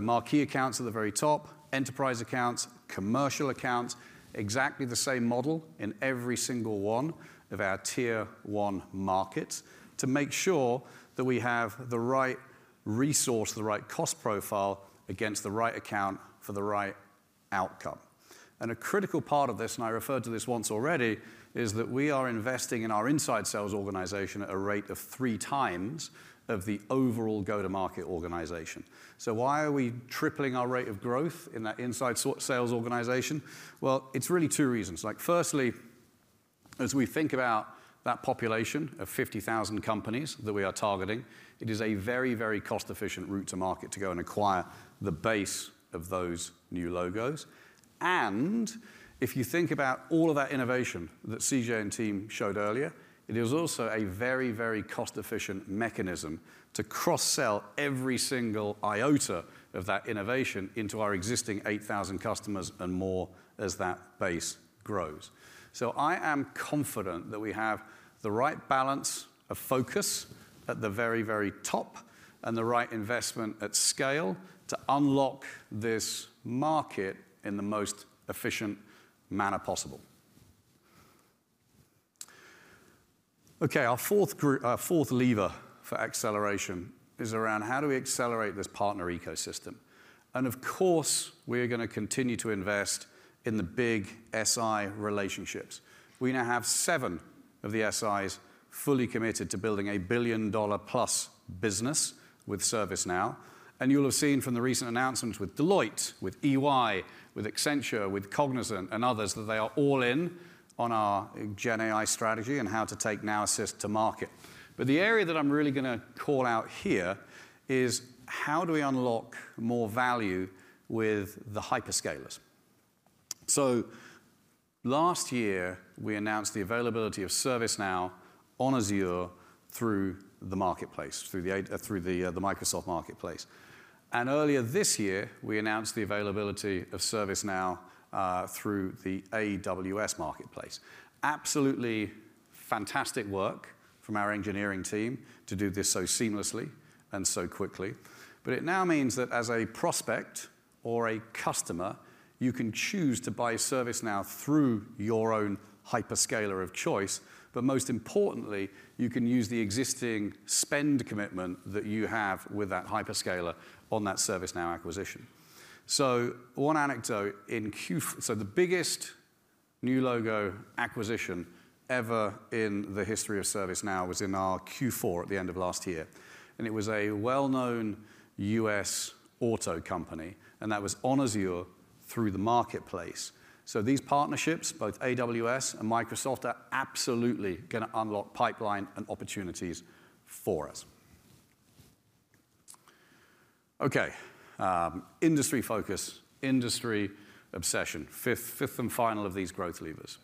Marquee accounts at the very top, enterprise accounts, commercial accounts, exactly the same model in every single one of our tier one markets to make sure that we have the right resource, the right cost profile against the right account for the right outcome. A critical part of this (and I referred to this once already) is that we are investing in our inside sales organization at a rate of three times of the overall go-to-market organization. So why are we tripling our rate of growth in that inside sales organization? Well, it's really two reasons. Like, firstly, as we think about that population of 50,000 companies that we are targeting, it is a very, very cost-efficient route to market to go and acquire the base of those new logos. And if you think about all of that innovation that CJ and team showed earlier, it is also a very, very cost-efficient mechanism to cross-sell every single iota of that innovation into our existing 8,000 customers and more as that base grows. So I am confident that we have the right balance of focus at the very, very top and the right investment at scale to unlock this market in the most efficient manner possible. Okay. Our fourth group, our fourth lever for acceleration is around how do we accelerate this partner ecosystem. And of course, we are gonna continue to invest in the big SI relationships. We now have seven of the SIs fully committed to building a billion-dollar-plus business with ServiceNow. And you'll have seen from the recent announcements with Deloitte, with EY, with Accenture, with Cognizant, and others that they are all in on our GenAI strategy and how to take Now Assist to market. But the area that I'm really gonna call out here is how do we unlock more value with the hyperscalers? So last year, we announced the availability of ServiceNow on Azure through the Microsoft marketplace. And earlier this year, we announced the availability of ServiceNow through the AWS marketplace. Absolutely fantastic work from our engineering team to do this so seamlessly and so quickly. But it now means that as a prospect or a customer, you can choose to buy ServiceNow through your own hyperscaler of choice. But most importantly, you can use the existing spend commitment that you have with that hyperscaler on that ServiceNow acquisition. So one anecdote in Q4: the biggest new logo acquisition ever in the history of ServiceNow was in our Q4 at the end of last year. And it was a well-known U.S. auto company. And that was on Azure through the marketplace. So these partnerships, both AWS and Microsoft, are absolutely gonna unlock pipeline and opportunities for us. Okay. Industry focus, industry obsession, fifth and final of these growth levers.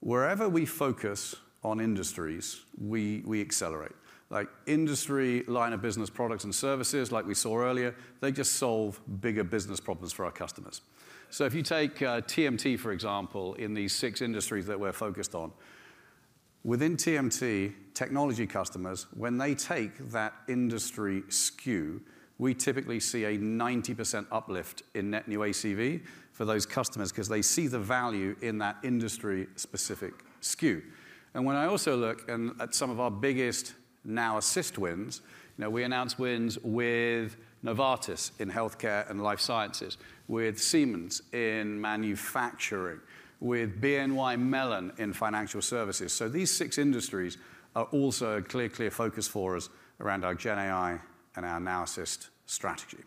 Wherever we focus on industries, we accelerate. Like, industry line of business products and services, like we saw earlier, they just solve bigger business problems for our customers. So if you take TMT, for example, in these six industries that we're focused on, within TMT technology customers, when they take that industry SKU, we typically see a 90% uplift in net new ACV for those customers 'cause they see the value in that industry-specific SKU. And when I also look at some of our biggest Now Assist wins, you know, we announce wins with Novartis in healthcare and life sciences, with Siemens in manufacturing, with BNY Mellon in financial services. So these six industries are also a clear, clear focus for us around our GenAI and our Now Assist strategy.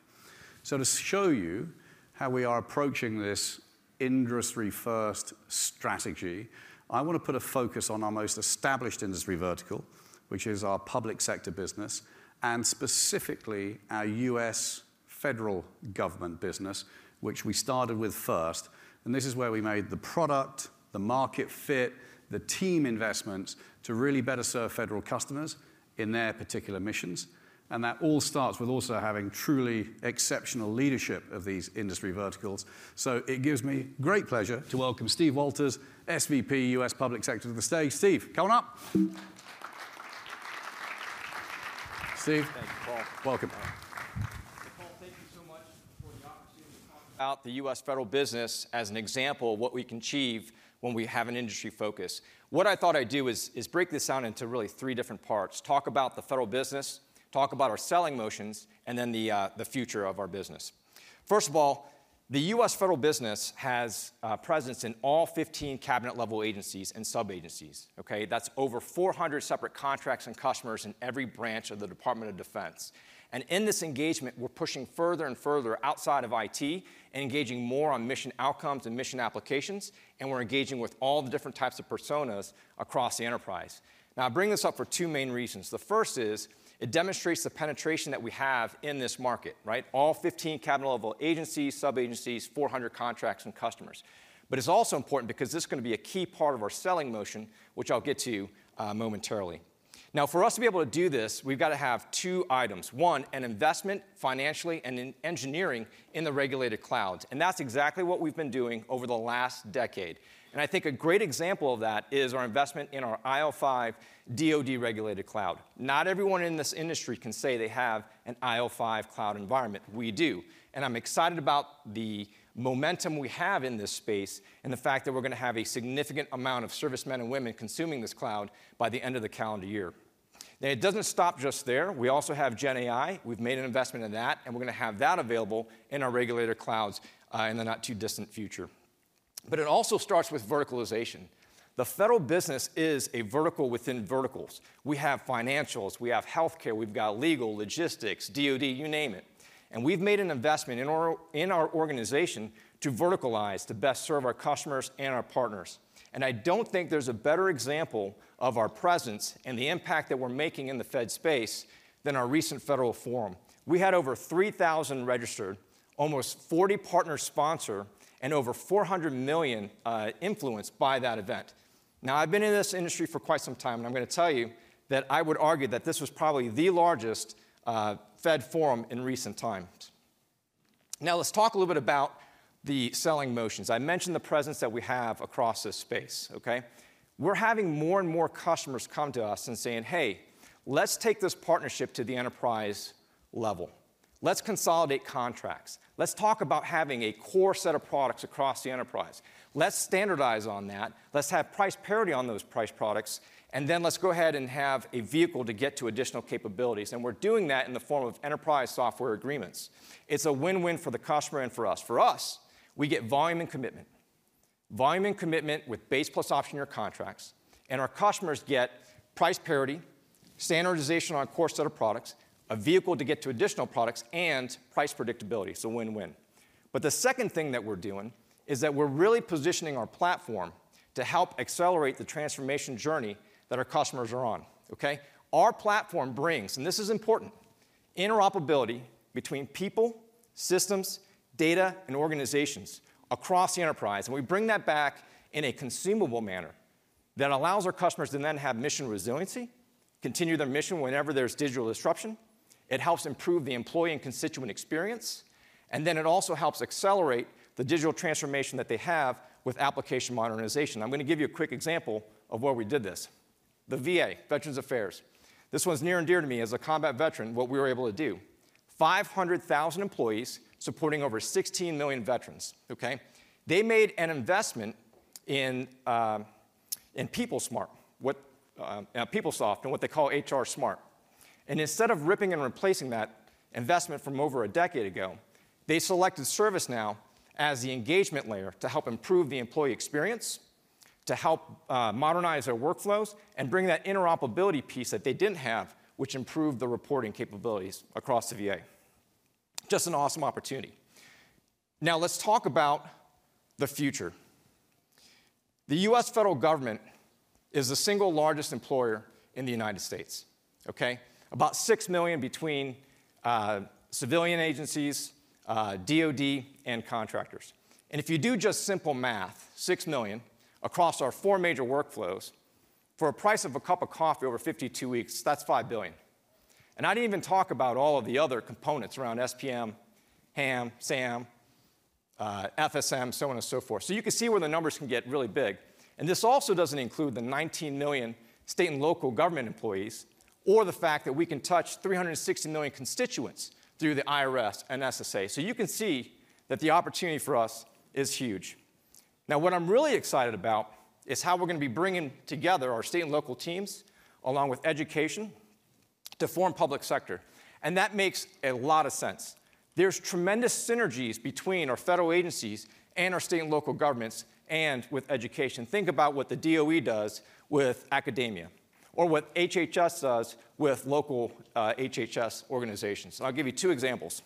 So to show you how we are approaching this industry-first strategy, I wanna put a focus on our most established industry vertical, which is our public sector business, and specifically our U.S. federal government business, which we started with first. And this is where we made the product, the market fit, the team investments to really better serve federal customers in their particular missions. And that all starts with also having truly exceptional leadership of these industry verticals. So it gives me great pleasure to welcome Steve Walters, SVP, U.S. Public Sector to the stage. Steve, come on up. Steve. Thank you, Paul. Welcome. So Paul, thank you so much for the opportunity to talk about the U.S. federal business as an example of what we can achieve when we have an industry focus. What I thought I'd do is break this down into really three different parts: talk about the federal business, talk about our selling motions, and then the future of our business. First of all, the U.S. federal business has presence in all 15 cabinet-level agencies and sub-agencies. Okay? That's over 400 separate contracts and customers in every branch of the Department of Defense. And in this engagement, we're pushing further and further outside of IT and engaging more on mission outcomes and mission applications. And we're engaging with all the different types of personas across the enterprise. Now, I bring this up for two main reasons. The first is it demonstrates the penetration that we have in this market, right? All 15 cabinet-level agencies, sub-agencies, 400 contracts and customers. But it's also important because this is gonna be a key part of our selling motion, which I'll get to, momentarily. Now, for us to be able to do this, we've gotta have two items: one, an investment financially and in engineering in the regulated clouds. And that's exactly what we've been doing over the last decade. And I think a great example of that is our investment in our IL5 DoD regulated cloud. Not everyone in this industry can say they have an IL5 cloud environment. We do. And I'm excited about the momentum we have in this space and the fact that we're gonna have a significant amount of servicemen and women consuming this cloud by the end of the calendar year. Now, it doesn't stop just there. We also have GenAI. We've made an investment in that. And we're gonna have that available in our regulated clouds, in the not-too-distant future. But it also starts with verticalization. The federal business is a vertical within verticals. We have financials. We have healthcare. We've got legal, logistics, DoD, you name it. And we've made an investment in our organization to verticalize to best serve our customers and our partners. And I don't think there's a better example of our presence and the impact that we're making in the Fed space than our recent Federal Forum. We had over 3,000 registered, almost 40 partner sponsored, and over $400 million influenced by that event. Now, I've been in this industry for quite some time. I'm gonna tell you that I would argue that this was probably the largest Fed forum in recent times. Now, let's talk a little bit about the selling motions. I mentioned the presence that we have across this space. Okay? We're having more and more customers come to us and saying, "Hey, let's take this partnership to the enterprise level. Let's consolidate contracts. Let's talk about having a core set of products across the enterprise. Let's standardize on that. Let's have price parity on those price products. And then let's go ahead and have a vehicle to get to additional capabilities." And we're doing that in the form of enterprise software agreements. It's a win-win for the customer and for us. For us, we get volume and commitment, volume and commitment with base-plus option year contracts. Our customers get price parity, standardization on a core set of products, a vehicle to get to additional products, and price predictability. So win-win. But the second thing that we're doing is that we're really positioning our platform to help accelerate the transformation journey that our customers are on. Okay? Our platform brings—and this is important—interoperability between people, systems, data, and organizations across the enterprise. And we bring that back in a consumable manner that allows our customers to then have mission resiliency, continue their mission whenever there's digital disruption. It helps improve the employee and constituent experience. And then it also helps accelerate the digital transformation that they have with application modernization. I'm gonna give you a quick example of where we did this: the VA, Veterans Affairs. This one's near and dear to me as a combat veteran, what we were able to do: 500,000 employees supporting over 16 million veterans. Okay? They made an investment in PeopleSmart, what, Peoplesoft, and what they call HR Smart. And instead of ripping and replacing that investment from over a decade ago, they selected ServiceNow as the engagement layer to help improve the employee experience, to help modernize their workflows, and bring that interoperability piece that they didn't have, which improved the reporting capabilities across the VA. Just an awesome opportunity. Now, let's talk about the future. The U.S. federal government is the single largest employer in the United States. Okay? About 6 million between civilian agencies, DoD, and contractors. And if you do just simple math, 6 million across our four major workflows, for a price of a cup of coffee over 52 weeks, that's $5 billion. I didn't even talk about all of the other components around SPM, HAM, SAM, FSM, so on and so forth. So you can see where the numbers can get really big. This also doesn't include the 19 million state and local government employees or the fact that we can touch 360 million constituents through the IRS and SSA. So you can see that the opportunity for us is huge. Now, what I'm really excited about is how we're gonna be bringing together our state and local teams along with education to form public sector. That makes a lot of sense. There's tremendous synergies between our federal agencies and our state and local governments and with education. Think about what the DoE does with academia or what HHS does with local, HHS organizations. I'll give you two examples.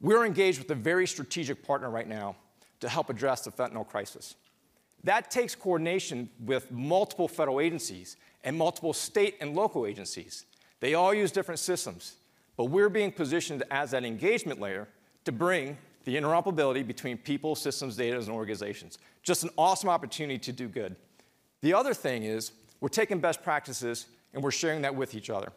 We're engaged with a very strategic partner right now to help address the fentanyl crisis. That takes coordination with multiple federal agencies and multiple state and local agencies. They all use different systems. But we're being positioned as that engagement layer to bring the interoperability between people, systems, data, and organizations. Just an awesome opportunity to do good. The other thing is we're taking best practices, and we're sharing that with each other.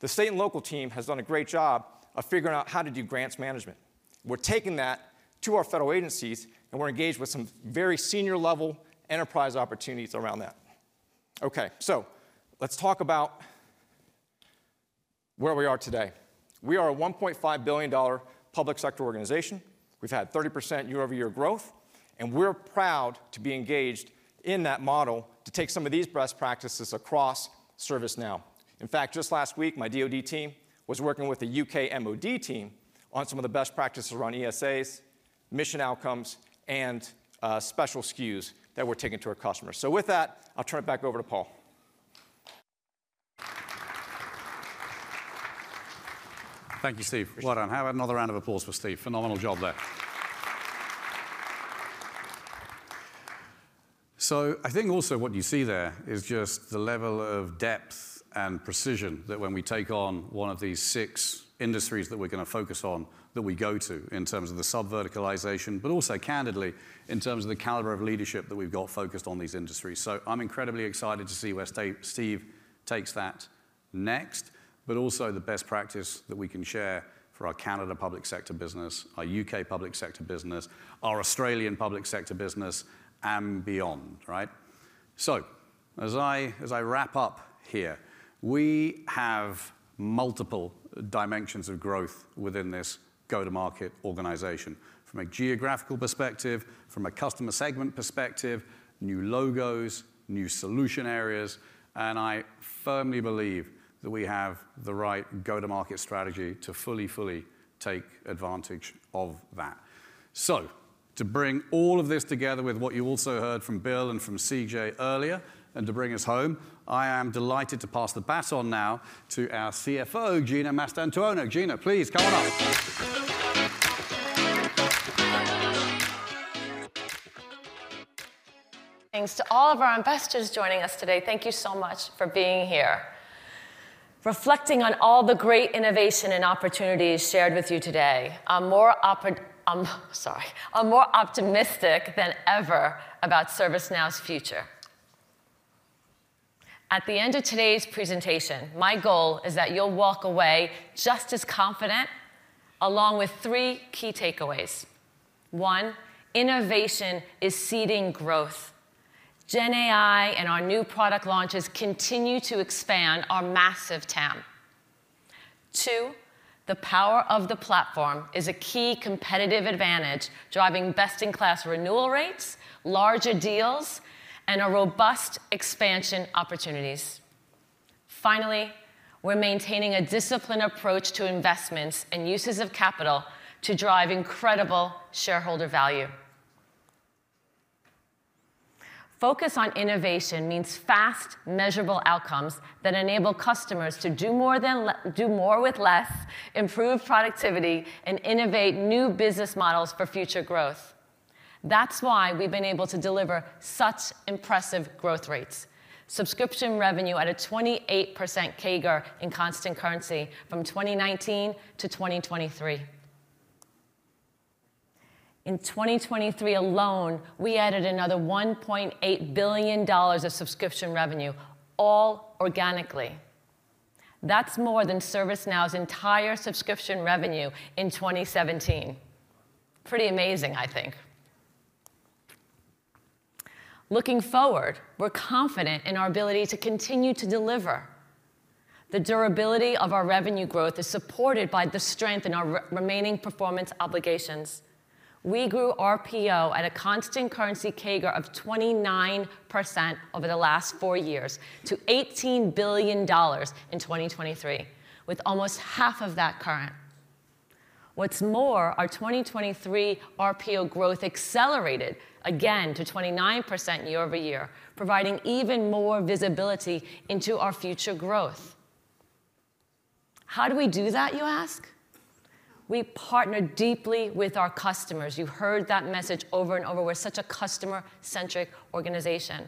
The state and local team has done a great job of figuring out how to do grants management. We're taking that to our federal agencies, and we're engaged with some very senior-level enterprise opportunities around that. Okay. So let's talk about where we are today. We are a $1.5 billion public sector organization. We've had 30% year-over-year growth. We're proud to be engaged in that model to take some of these best practices across ServiceNow. In fact, just last week, my DoD team was working with the U.K. MOD team on some of the best practices around ESAs, mission outcomes, and special SKUs that were taken to our customers. So with that, I'll turn it back over to Paul. Thank you, Steve. Well done. Have another round of applause for Steve. Phenomenal job there. So I think also what you see there is just the level of depth and precision that when we take on one of these six industries that we're gonna focus on, that we go to in terms of the sub-verticalization, but also candidly in terms of the caliber of leadership that we've got focused on these industries. So I'm incredibly excited to see where Steve takes that next, but also the best practice that we can share for our Canada public sector business, our U.K. public sector business, our Australian public sector business, and beyond, right? So as I wrap up here, we have multiple dimensions of growth within this go-to-market organization from a geographical perspective, from a customer segment perspective, new logos, new solution areas. I firmly believe that we have the right go-to-market strategy to fully, fully take advantage of that. To bring all of this together with what you also heard from Bill and from CJ earlier and to bring us home, I am delighted to pass the baton now to our CFO, Gina Mastantuono. Gina, please, come on up. Thanks to all of our investors joining us today. Thank you so much for being here. Reflecting on all the great innovation and opportunities shared with you today, I'm sorry. I'm more optimistic than ever about ServiceNow's future. At the end of today's presentation, my goal is that you'll walk away just as confident along with three key takeaways. One, innovation is seeding growth. GenAI and our new product launches continue to expand our massive TAM. Two, the power of the platform is a key competitive advantage driving best-in-class renewal rates, larger deals, and robust expansion opportunities. Finally, we're maintaining a disciplined approach to investments and uses of capital to drive incredible shareholder value. Focus on innovation means fast, measurable outcomes that enable customers to do more with less, improve productivity, and innovate new business models for future growth. That's why we've been able to deliver such impressive growth rates: subscription revenue at a 28% CAGR in constant currency from 2019 to 2023. In 2023 alone, we added another $1.8 billion of subscription revenue, all organically. That's more than ServiceNow's entire subscription revenue in 2017. Pretty amazing, I think. Looking forward, we're confident in our ability to continue to deliver. The durability of our revenue growth is supported by the strength in our remaining performance obligations. We grew RPO at a constant currency CAGR of 29% over the last four years to $18 billion in 2023, with almost half of that current. What's more, our 2023 RPO growth accelerated again to 29% year-over-year, providing even more visibility into our future growth. How do we do that, you ask? We partner deeply with our customers. You heard that message over and over. We're such a customer-centric organization.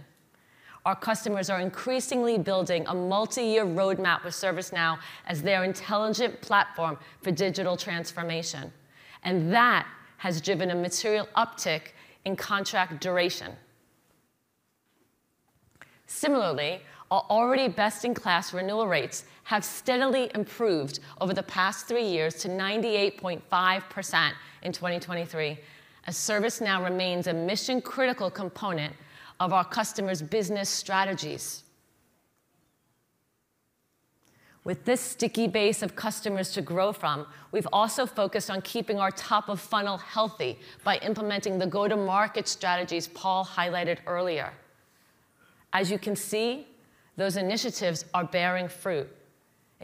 Our customers are increasingly building a multi-year roadmap with ServiceNow as their intelligent platform for digital transformation. And that has driven a material uptick in contract duration. Similarly, our already best-in-class renewal rates have steadily improved over the past three years to 98.5% in 2023, as ServiceNow remains a mission-critical component of our customers' business strategies. With this sticky base of customers to grow from, we've also focused on keeping our top-of-funnel healthy by implementing the go-to-market strategies Paul highlighted earlier. As you can see, those initiatives are bearing fruit.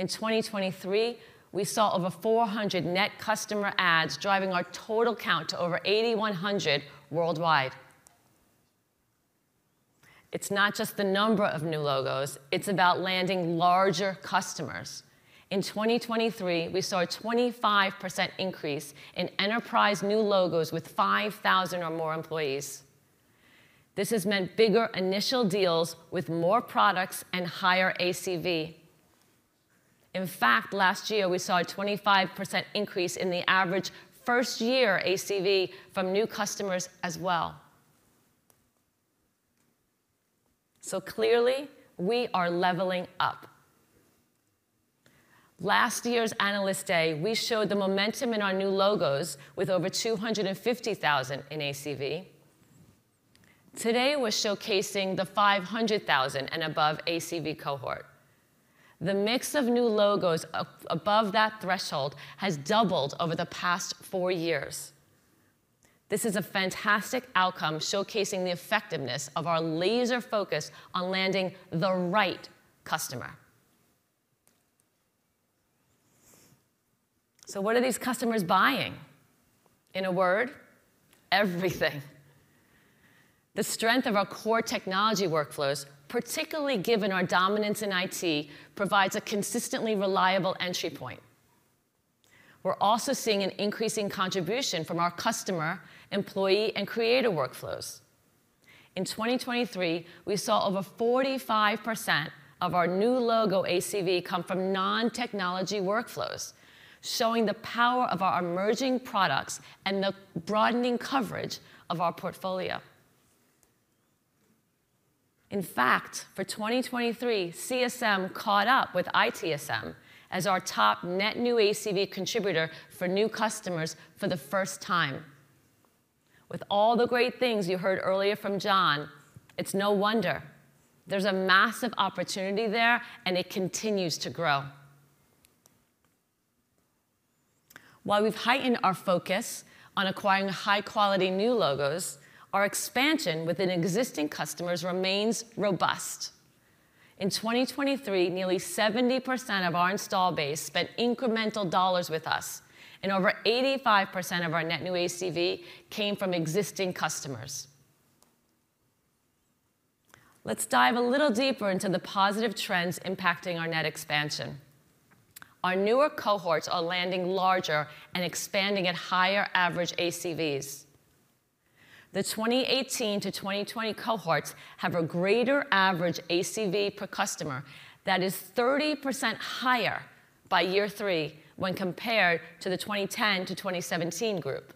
In 2023, we saw over 400 net customer ads driving our total count to over 8,100 worldwide. It's not just the number of new logos. It's about landing larger customers. In 2023, we saw a 25% increase in enterprise new logos with 5,000 or more employees. This has meant bigger initial deals with more products and higher ACV. In fact, last year, we saw a 25% increase in the average first-year ACV from new customers as well. So clearly, we are leveling up. Last year's Analyst Day, we showed the momentum in our new logos with over 250,000 in ACV. Today, we're showcasing the 500,000 and above ACV cohort. The mix of new logos above that threshold has doubled over the past four years. This is a fantastic outcome showcasing the effectiveness of our laser-focus on landing the right customer. So what are these customers buying? In a word, everything. The strength of our core Technology Workflows, particularly given our dominance in IT, provides a consistently reliable entry point. We're also seeing an increasing contribution from our Customer, Employee, and Creator Workflows. In 2023, we saw over 45% of our new logo ACV come from non-Technology Workflows, showing the power of our emerging products and the broadening coverage of our portfolio. In fact, for 2023, CSM caught up with ITSM as our top net new ACV contributor for new customers for the first time. With all the great things you heard earlier from John, it's no wonder. There's a massive opportunity there, and it continues to grow. While we've heightened our focus on acquiring high-quality new logos, our expansion within existing customers remains robust. In 2023, nearly 70% of our installed base spent incremental dollars with us, and over 85% of our net new ACV came from existing customers. Let's dive a little deeper into the positive trends impacting our net expansion. Our newer cohorts are landing larger and expanding at higher average ACVs. The 2018 to 2020 cohorts have a greater average ACV per customer that is 30% higher by year three when compared to the 2010 to 2017 group.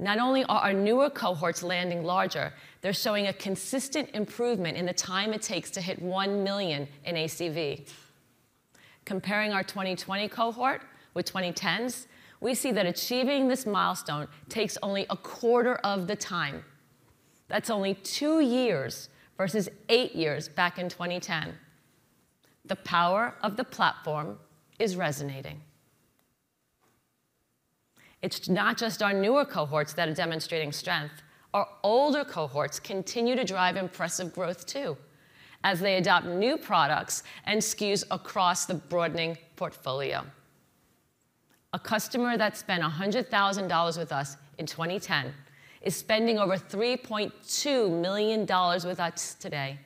Not only are our newer cohorts landing larger, they're showing a consistent improvement in the time it takes to hit $1 million in ACV. Comparing our 2020 cohort with 2010's, we see that achieving this milestone takes only a quarter of the time. That's only two years versus eight years back in 2010. The power of the platform is resonating. It's not just our newer cohorts that are demonstrating strength. Our older cohorts continue to drive impressive growth too as they adopt new products and SKUs across the broadening portfolio. A customer that spent $100,000 with us in 2010 is spending over $3.2 million with us today,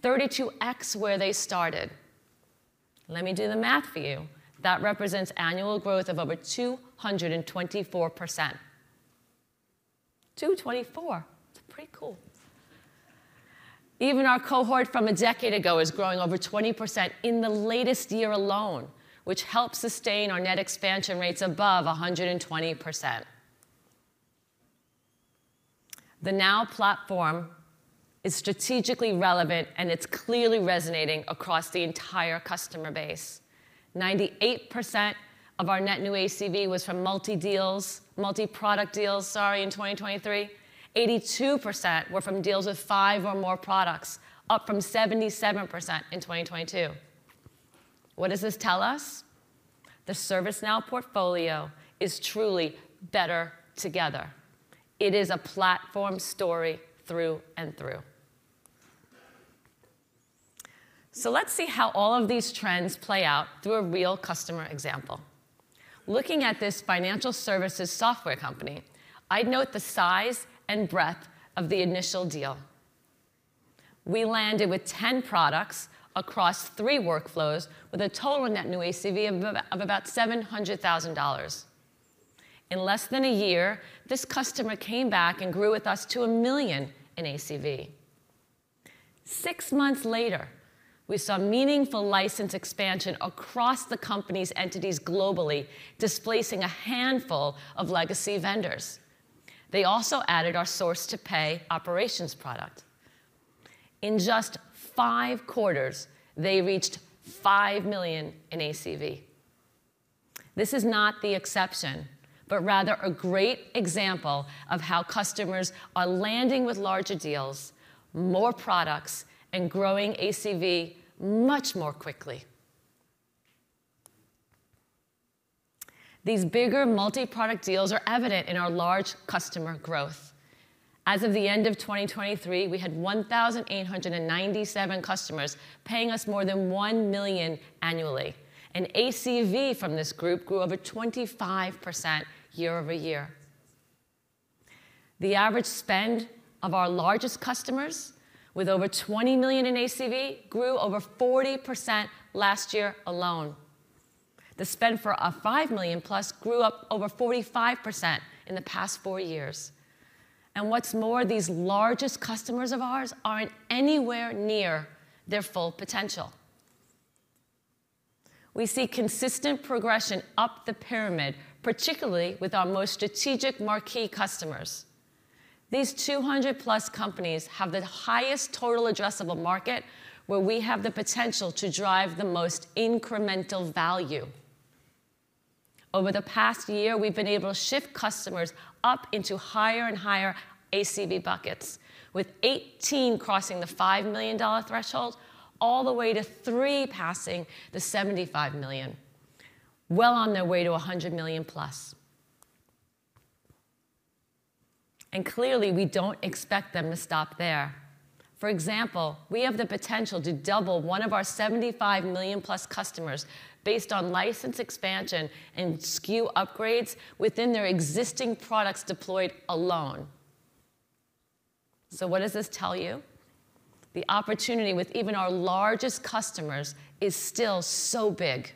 32x where they started. Let me do the math for you. That represents annual growth of over 224%. 224. It's pretty cool. Even our cohort from a decade ago is growing over 20% in the latest year alone, which helps sustain our net expansion rates above 120%. The Now Platform is strategically relevant, and it's clearly resonating across the entire customer base. 98% of our net new ACV was from multi-deals, multi-product deals, sorry, in 2023. 82% were from deals with five or more products, up from 77% in 2022. What does this tell us? The ServiceNow portfolio is truly better together. It is a platform story through and through. So let's see how all of these trends play out through a real customer example. Looking at this financial services software company, I'd note the size and breadth of the initial deal. We landed with 10 products across three workflows with a total net new ACV of about $700,000. In less than a year, this customer came back and grew with us to $1 million in ACV. Six months later, we saw meaningful license expansion across the company's entities globally, displacing a handful of legacy vendors. They also added our Source-to-Pay Operations product. In just five quarters, they reached $5 million in ACV. This is not the exception, but rather a great example of how customers are landing with larger deals, more products, and growing ACV much more quickly. These bigger multi-product deals are evident in our large customer growth. As of the end of 2023, we had 1,897 customers paying us more than $1 million annually, and ACV from this group grew over 25% year-over-year. The average spend of our largest customers, with over $20 million in ACV, grew over 40% last year alone. The spend for our $5 million+ grew up over 45% in the past four years. And what's more, these largest customers of ours aren't anywhere near their full potential. We see consistent progression up the pyramid, particularly with our most strategic marquee customers. These 200+ companies have the highest total addressable market where we have the potential to drive the most incremental value. Over the past year, we've been able to shift customers up into higher and higher ACV buckets, with 18 crossing the $5 million threshold all the way to three passing the $75 million, well on their way to $100 million+. And clearly, we don't expect them to stop there. For example, we have the potential to double one of our $75 million+ customers based on license expansion and SKU upgrades within their existing products deployed alone. So what does this tell you? The opportunity with even our largest customers is still so big.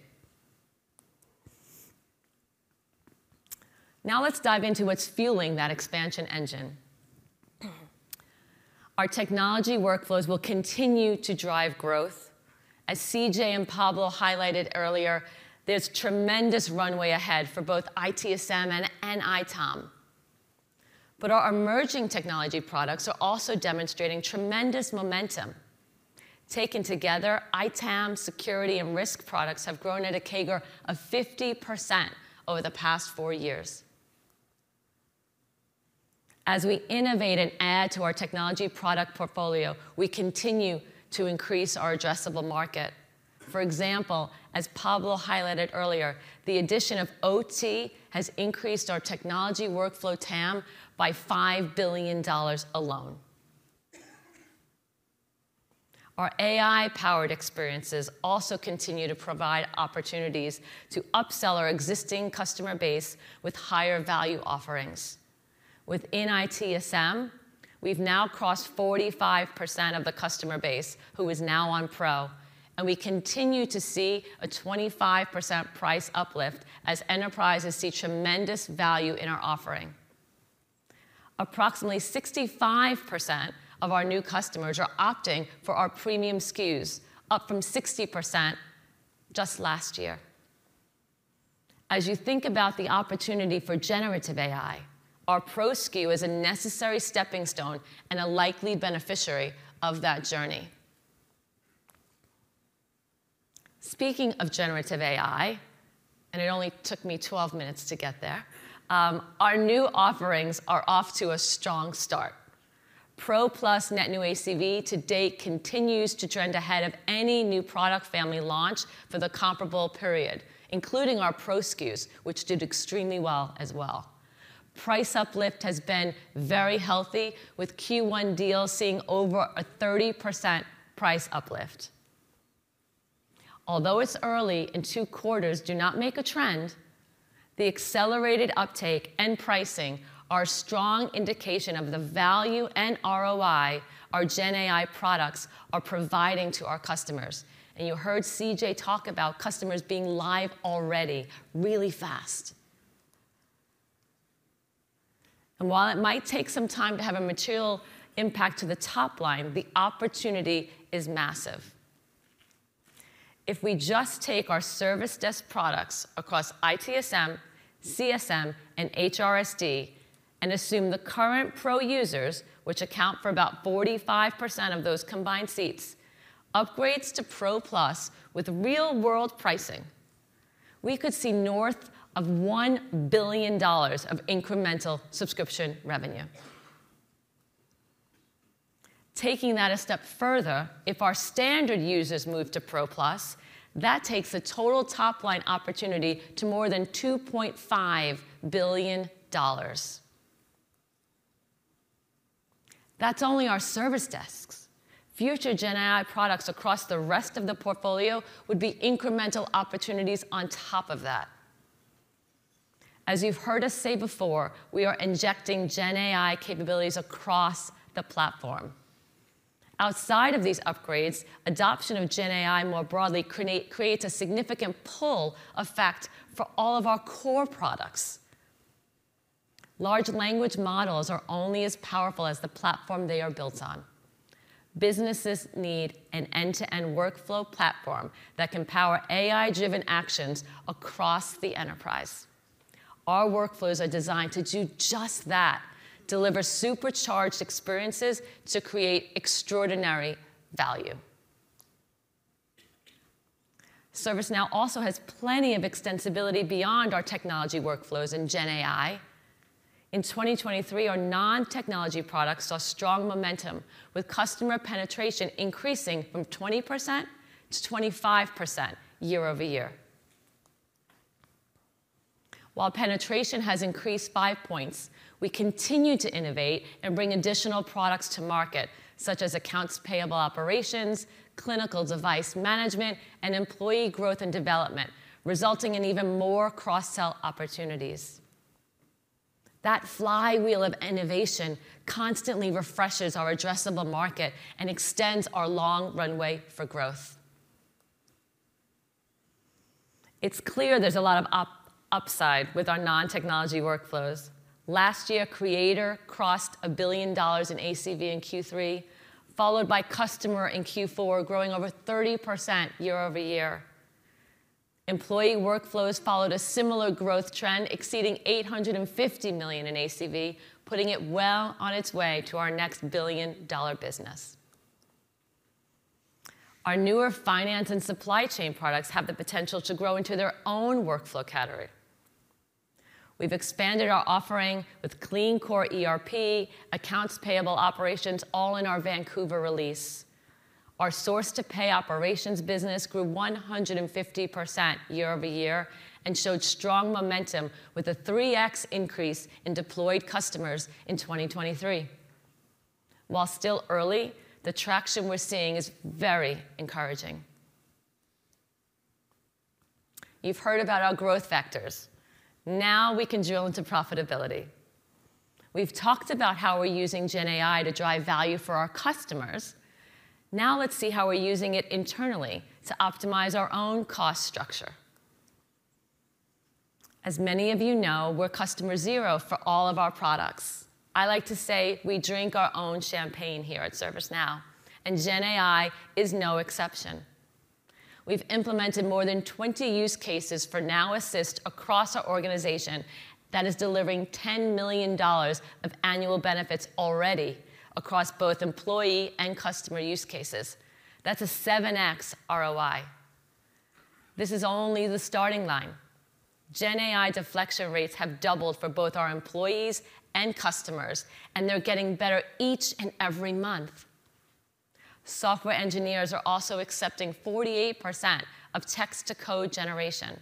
Now let's dive into what's fueling that expansion engine. Our Technology Workflows will continue to drive growth. As CJ and Pablo highlighted earlier, there's tremendous runway ahead for both ITSM and ITOM. But our emerging technology products are also demonstrating tremendous momentum. Taken together, ITAM, security, and risk products have grown at a CAGR of 50% over the past four years. As we innovate and add to our technology product portfolio, we continue to increase our addressable market. For example, as Pablo highlighted earlier, the addition of OT has increased our Technology Workflow TAM by $5 billion alone. Our AI-powered experiences also continue to provide opportunities to upsell our existing customer base with higher value offerings. Within ITSM, we've now crossed 45% of the customer base who is now on Pro, and we continue to see a 25% price uplift as enterprises see tremendous value in our offering. Approximately 65% of our new customers are opting for our premium SKUs, up from 60% just last year. As you think about the opportunity for generative AI, our Pro SKU is a necessary steppingstone and a likely beneficiary of that journey. Speaking of generative AI, and it only took me 12 minutes to get there, our new offerings are off to a strong start. Pro Plus net new ACV to date continues to trend ahead of any new product family launch for the comparable period, including our Pro SKUs, which did extremely well as well. Price uplift has been very healthy, with Q1 deals seeing over a 30% price uplift. Although it's early and two quarters do not make a trend, the accelerated uptake and pricing are a strong indication of the value and ROI our GenAI products are providing to our customers. You heard CJ talk about customers being live already, really fast. While it might take some time to have a material impact to the top line, the opportunity is massive. If we just take our service desk products across ITSM, CSM, and HRSD and assume the current Pro users, which account for about 45% of those combined seats, upgrade to Pro Plus with real-world pricing, we could see north of $1 billion of incremental subscription revenue. Taking that a step further, if our Standard users move to Pro Plus, that takes the total top line opportunity to more than $2.5 billion. That's only our service desks. Future GenAI products across the rest of the portfolio would be incremental opportunities on top of that. As you've heard us say before, we are injecting GenAI capabilities across the platform. Outside of these upgrades, adoption of GenAI more broadly creates a significant pull effect for all of our core products. Large language models are only as powerful as the platform they are built on. Businesses need an end-to-end workflow platform that can power AI-driven actions across the enterprise. Our workflows are designed to do just that, deliver supercharged experiences to create extraordinary value. ServiceNow also has plenty of extensibility beyond our Technology Workflows in GenAI. In 2023, our non-technology products saw strong momentum, with customer penetration increasing from 20% to 25% year-over-year. While penetration has increased five points, we continue to innovate and bring additional products to market, such as Accounts Payable Operations, Clinical Device Management, and Employee Growth and Development, resulting in even more cross-sell opportunities. That flywheel of innovation constantly refreshes our addressable market and extends our long runway for growth. It's clear there's a lot of upside with our non-Technology Workflows. Last year, Creator crossed $1 billion in ACV in Q3, followed by customer in Q4 growing over 30% year-over-year. Employee Workflows followed a similar growth trend, exceeding $850 million in ACV, putting it well on its way to our next billion-dollar business. Our newer finance and supply chain products have the potential to grow into their own workflow category. We've expanded our offering with Clean Core ERP, Accounts Payable Operations, all in our Vancouver release. Our source-to-pay operations business grew 150% year-over-year and showed strong momentum with a 3x increase in deployed customers in 2023. While still early, the traction we're seeing is very encouraging. You've heard about our growth factors. Now we can drill into profitability. We've talked about how we're using GenAI to drive value for our customers. Now let's see how we're using it internally to optimize our own cost structure. As many of you know, we're Customer Zero for all of our products. I like to say we drink our own champagne here at ServiceNow, and GenAI is no exception. We've implemented more than 20 use cases for Now Assist across our organization that is delivering $10 million of annual benefits already across both employee and customer use cases. That's a 7x ROI. This is only the starting line. GenAI deflection rates have doubled for both our employees and customers, and they're getting better each and every month. Software engineers are also accepting 48% of text-to-code generation.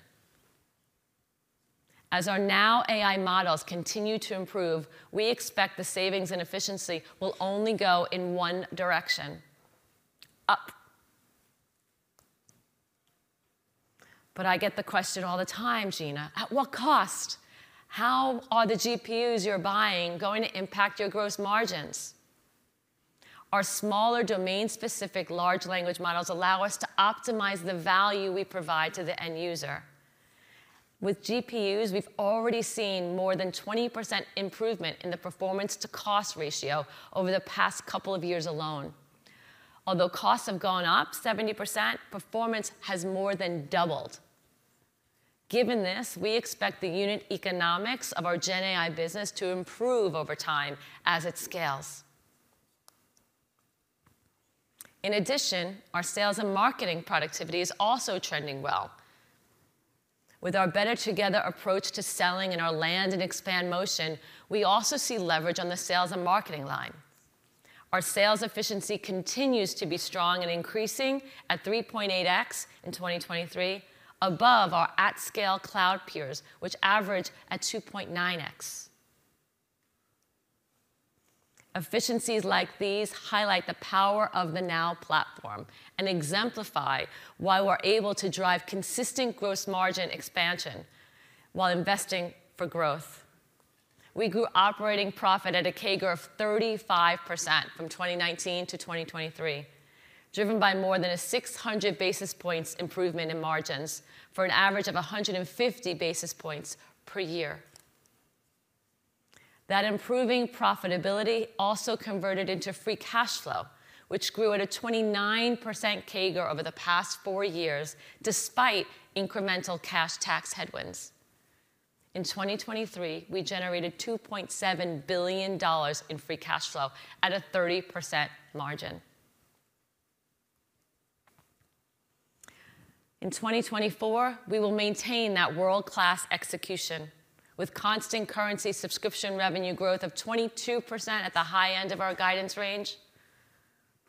As our Now AI models continue to improve, we expect the savings and efficiency will only go in one direction, up. But I get the question all the time, Gina: At what cost? How are the GPUs you're buying going to impact your gross margins? Our smaller domain-specific large language models allow us to optimize the value we provide to the end user. With GPUs, we've already seen more than 20% improvement in the performance-to-cost ratio over the past couple of years alone. Although costs have gone up 70%, performance has more than doubled. Given this, we expect the unit economics of our GenAI business to improve over time as it scales. In addition, our sales and marketing productivity is also trending well. With our better-together approach to selling in our land and expand motion, we also see leverage on the sales and marketing line. Our sales efficiency continues to be strong and increasing at 3.8x in 2023, above our at-scale cloud peers, which average at 2.9x. Efficiencies like these highlight the power of the Now Platform and exemplify why we're able to drive consistent gross margin expansion while investing for growth. We grew operating profit at a CAGR of 35% from 2019 to 2023, driven by more than a 600 basis points improvement in margins for an average of 150 basis points per year. That improving profitability also converted into free cash flow, which grew at a 29% CAGR over the past four years despite incremental cash tax headwinds. In 2023, we generated $2.7 billion in free cash flow at a 30% margin. In 2024, we will maintain that world-class execution with constant currency subscription revenue growth of 22% at the high end of our guidance range,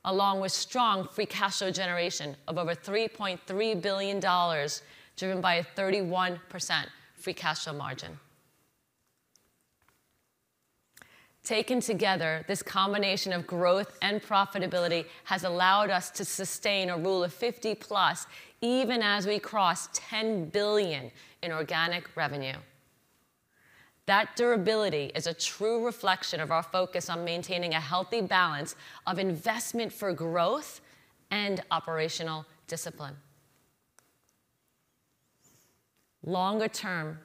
along with strong free cash flow generation of over $3.3 billion driven by a 31% free cash flow margin. Taken together, this combination of growth and profitability has allowed us to sustain a Rule of 50 plus even as we cross $10 billion in organic revenue. That durability is a true reflection of our focus on maintaining a healthy balance of investment for growth and operational discipline. Longer term,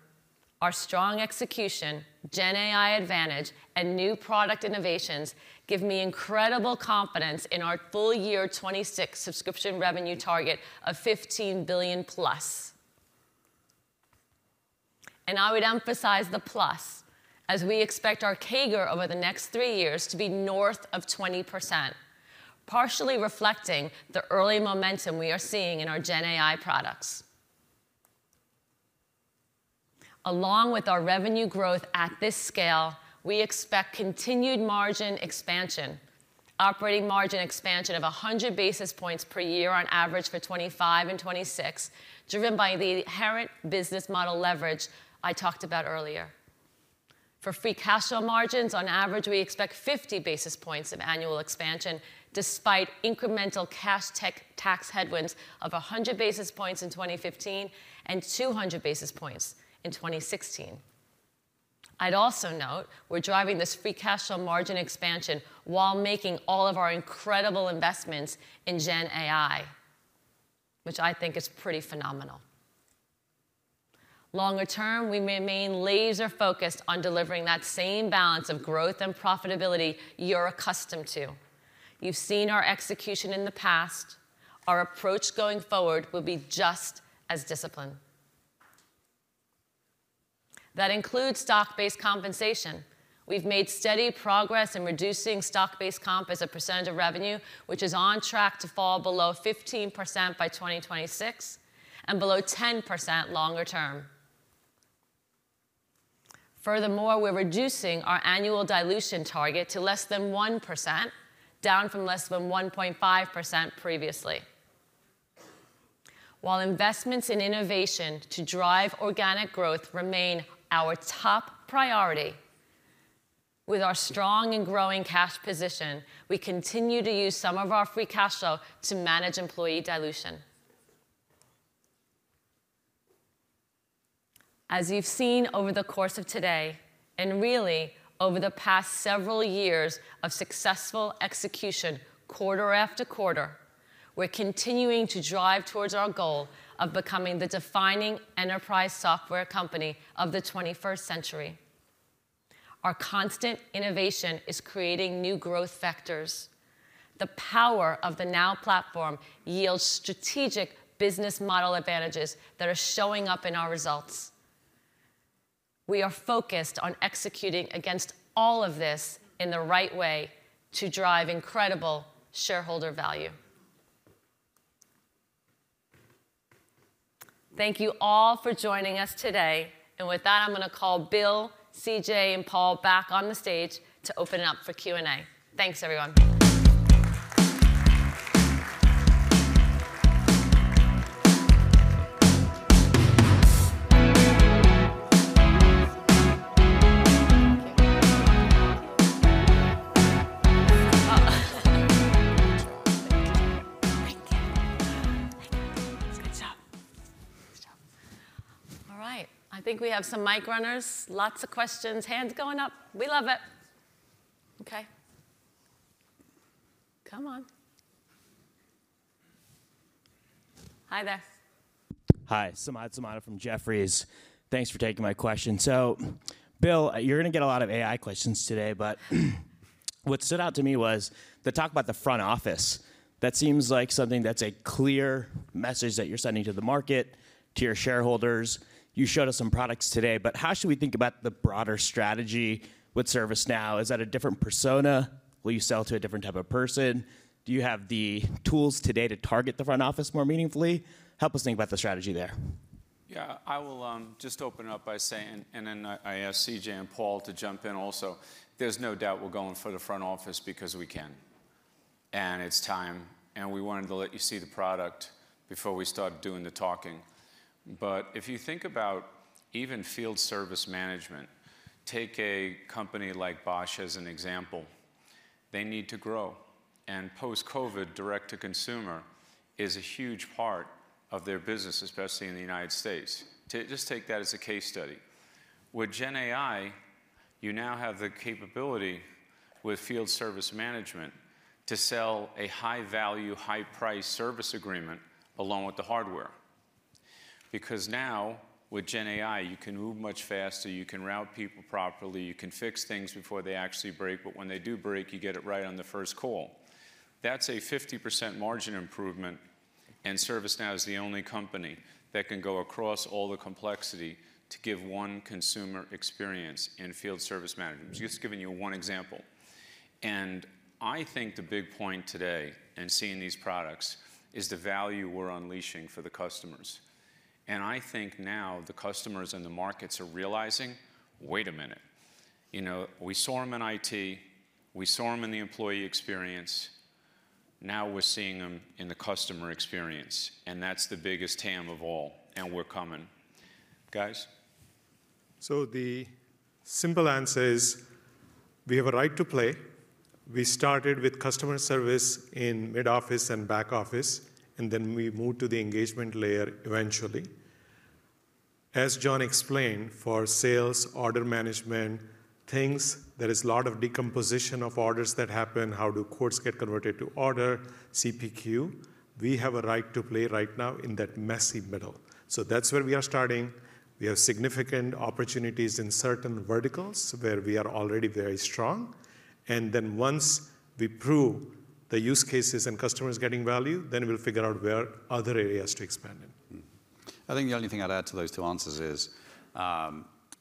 our strong execution, GenAI advantage, and new product innovations give me incredible confidence in our full year 2026 subscription revenue target of $15 billion+. I would emphasize the plus as we expect our CAGR over the next three years to be north of 20%, partially reflecting the early momentum we are seeing in our GenAI products. Along with our revenue growth at this scale, we expect continued margin expansion, operating margin expansion of 100 basis points per year on average for 2025 and 2026, driven by the inherent business model leverage I talked about earlier. For free cash flow margins, on average, we expect 50 basis points of annual expansion despite incremental cash tax headwinds of 100 basis points in 2025 and 200 basis points in 2026. I'd also note we're driving this free cash flow margin expansion while making all of our incredible investments in GenAI, which I think is pretty phenomenal. Longer term, we remain laser-focused on delivering that same balance of growth and profitability you're accustomed to. You've seen our execution in the past. Our approach going forward will be just as disciplined. That includes stock-based compensation. We've made steady progress in reducing stock-based comp as a percentage of revenue, which is on track to fall below 15% by 2026 and below 10% longer term. Furthermore, we're reducing our annual dilution target to less than 1%, down from less than 1.5% previously. While investments in innovation to drive organic growth remain our top priority, with our strong and growing cash position, we continue to use some of our free cash flow to manage employee dilution. As you've seen over the course of today, and really over the past several years of successful execution quarter after quarter, we're continuing to drive towards our goal of becoming the defining enterprise software company of the 21st century. Our constant innovation is creating new growth vectors. The power of the Now Platform yields strategic business model advantages that are showing up in our results. We are focused on executing against all of this in the right way to drive incredible shareholder value. Thank you all for joining us today. And with that, I'm going to call Bill, CJ, and Paul back on the stage to open it up for Q&A. Thanks, everyone. All right. I think we have some mic runners, lots of questions, hands going up. We love it. Okay. Come on. Hi there. Hi. Samad Samana from Jefferies. Thanks for taking my question. So Bill, you're going to get a lot of AI questions today. But what stood out to me was the talk about the front office. That seems like something that's a clear message that you're sending to the market, to your shareholders. You showed us some products today. But how should we think about the broader strategy with ServiceNow? Is that a different persona? Will you sell to a different type of person? Do you have the tools today to target the front office more meaningfully? Help us think about the strategy there. Yeah. I will just open it up by saying, and then I ask CJ and Paul to jump in also. There's no doubt we're going for the front office because we can. It's time. We wanted to let you see the product before we started doing the talking. But if you think about even Field Service Management, take a company like Bosch as an example. They need to grow. Post-COVID, direct-to-consumer is a huge part of their business, especially in the United States. Just take that as a case study. With GenAI, you now have the capability with Field Service Management to sell a high-value, high-price service agreement along with the hardware. Because now, with GenAI, you can move much faster. You can route people properly. You can fix things before they actually break. But when they do break, you get it right on the first call. That's a 50% margin improvement. ServiceNow is the only company that can go across all the complexity to give one consumer experience in Field Service Management. I'm just giving you one example. I think the big point today in seeing these products is the value we're unleashing for the customers. I think now the customers and the markets are realizing, "Wait a minute. We saw them in IT. We saw them in the employee experience. Now we're seeing them in the customer experience. And that's the biggest TAM of all. And we're coming." Guys? The simple answer is we have a right to play. We started with customer service in mid-office and back office. And then we moved to the engagement layer eventually. As John explained, for sales, order management, things, there is a lot of decomposition of orders that happen, how do quotes get converted to order, CPQ, we have a right to play right now in that messy middle. That's where we are starting. We have significant opportunities in certain verticals where we are already very strong. And then once we prove the use cases and customers getting value, then we'll figure out where other areas to expand in. I think the only thing I'd add to those two answers is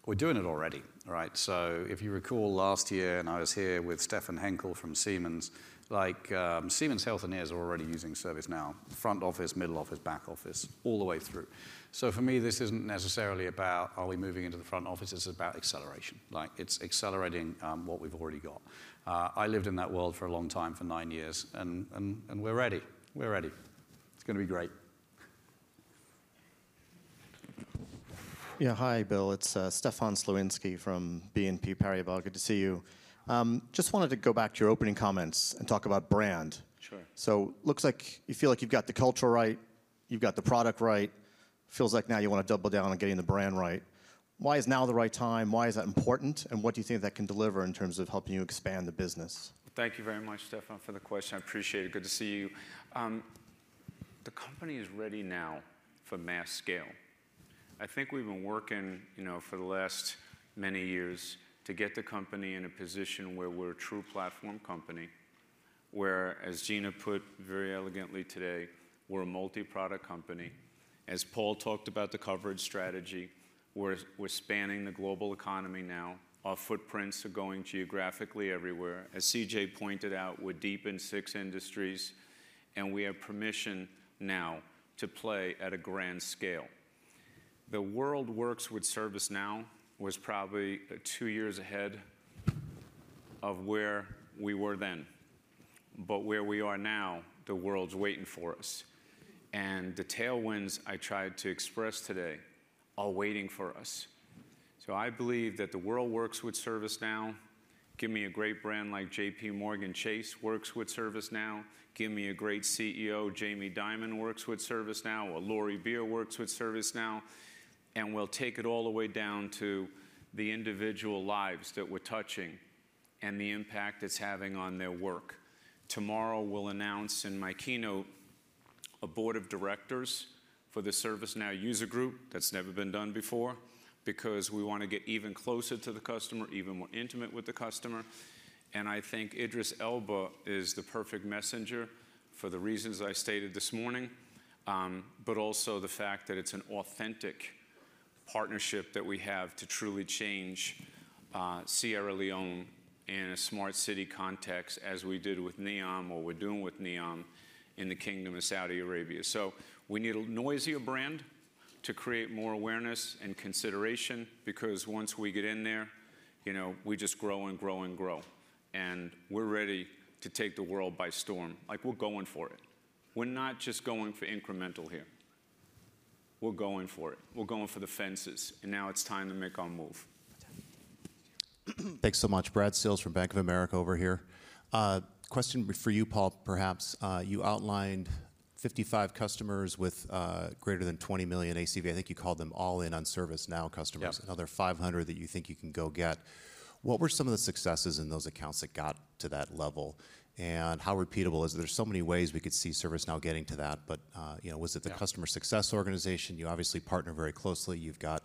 we're doing it already, right? So if you recall last year, and I was here with Stefan Henkel from Siemens, Siemens Healthineers are already using ServiceNow, front office, middle office, back office, all the way through. So for me, this isn't necessarily about, "Are we moving into the front office?" It's about acceleration. It's accelerating what we've already got. I lived in that world for a long time, for nine years. And we're ready. We're ready. It's going to be great. Yeah. Hi, Bill. It's Stefan Slowinski from BNP Paribas. Good to see you. Just wanted to go back to your opening comments and talk about brand. So it looks like you feel like you've got the culture right. You've got the product right. It feels like now you want to double down on getting the brand right. Why is now the right time? Why is that important? And what do you think that can deliver in terms of helping you expand the business? Thank you very much, Stefan, for the question. I appreciate it. Good to see you. The company is ready now for mass scale. I think we've been working for the last many years to get the company in a position where we're a true platform company where, as Gina put very elegantly today, we're a multi-product company. As Paul talked about the coverage strategy, we're spanning the global economy now. Our footprints are going geographically everywhere. As CJ pointed out, we're deep in six industries. And we have permission now to play at a grand scale. The world works with ServiceNow was probably two years ahead of where we were then. But where we are now, the world's waiting for us. And the tailwinds I tried to express today are waiting for us. So I believe that the world works with ServiceNow. Give me a great brand like JPMorgan Chase works with ServiceNow. Give me a great CEO, Jamie Dimon, works with ServiceNow. Lori Beer works with ServiceNow. And we'll take it all the way down to the individual lives that we're touching and the impact it's having on their work. Tomorrow, we'll announce in my keynote a board of directors for the ServiceNow User Group. That's never been done before because we want to get even closer to the customer, even more intimate with the customer. And I think Idris Elba is the perfect messenger for the reasons I stated this morning, but also the fact that it's an authentic partnership that we have to truly change Sierra Leone in a smart city context as we did with NEOM or we're doing with NEOM in the Kingdom of Saudi Arabia. So we need a noisier brand to create more awareness and consideration because once we get in there, we just grow and grow and grow. And we're ready to take the world by storm. We're going for it. We're not just going for incremental here. We're going for it. We're going for the fences. And now it's time to make our move. Thanks so much. Brad Sills from Bank of America over here. Question for you, Paul, perhaps. You outlined 55 customers with greater than $20 million ACV. I think you called them all-in on ServiceNow customers, another 500 that you think you can go get. What were some of the successes in those accounts that got to that level? And how repeatable is it? There's so many ways we could see ServiceNow getting to that. But was it the customer success organization? You obviously partner very closely. You've got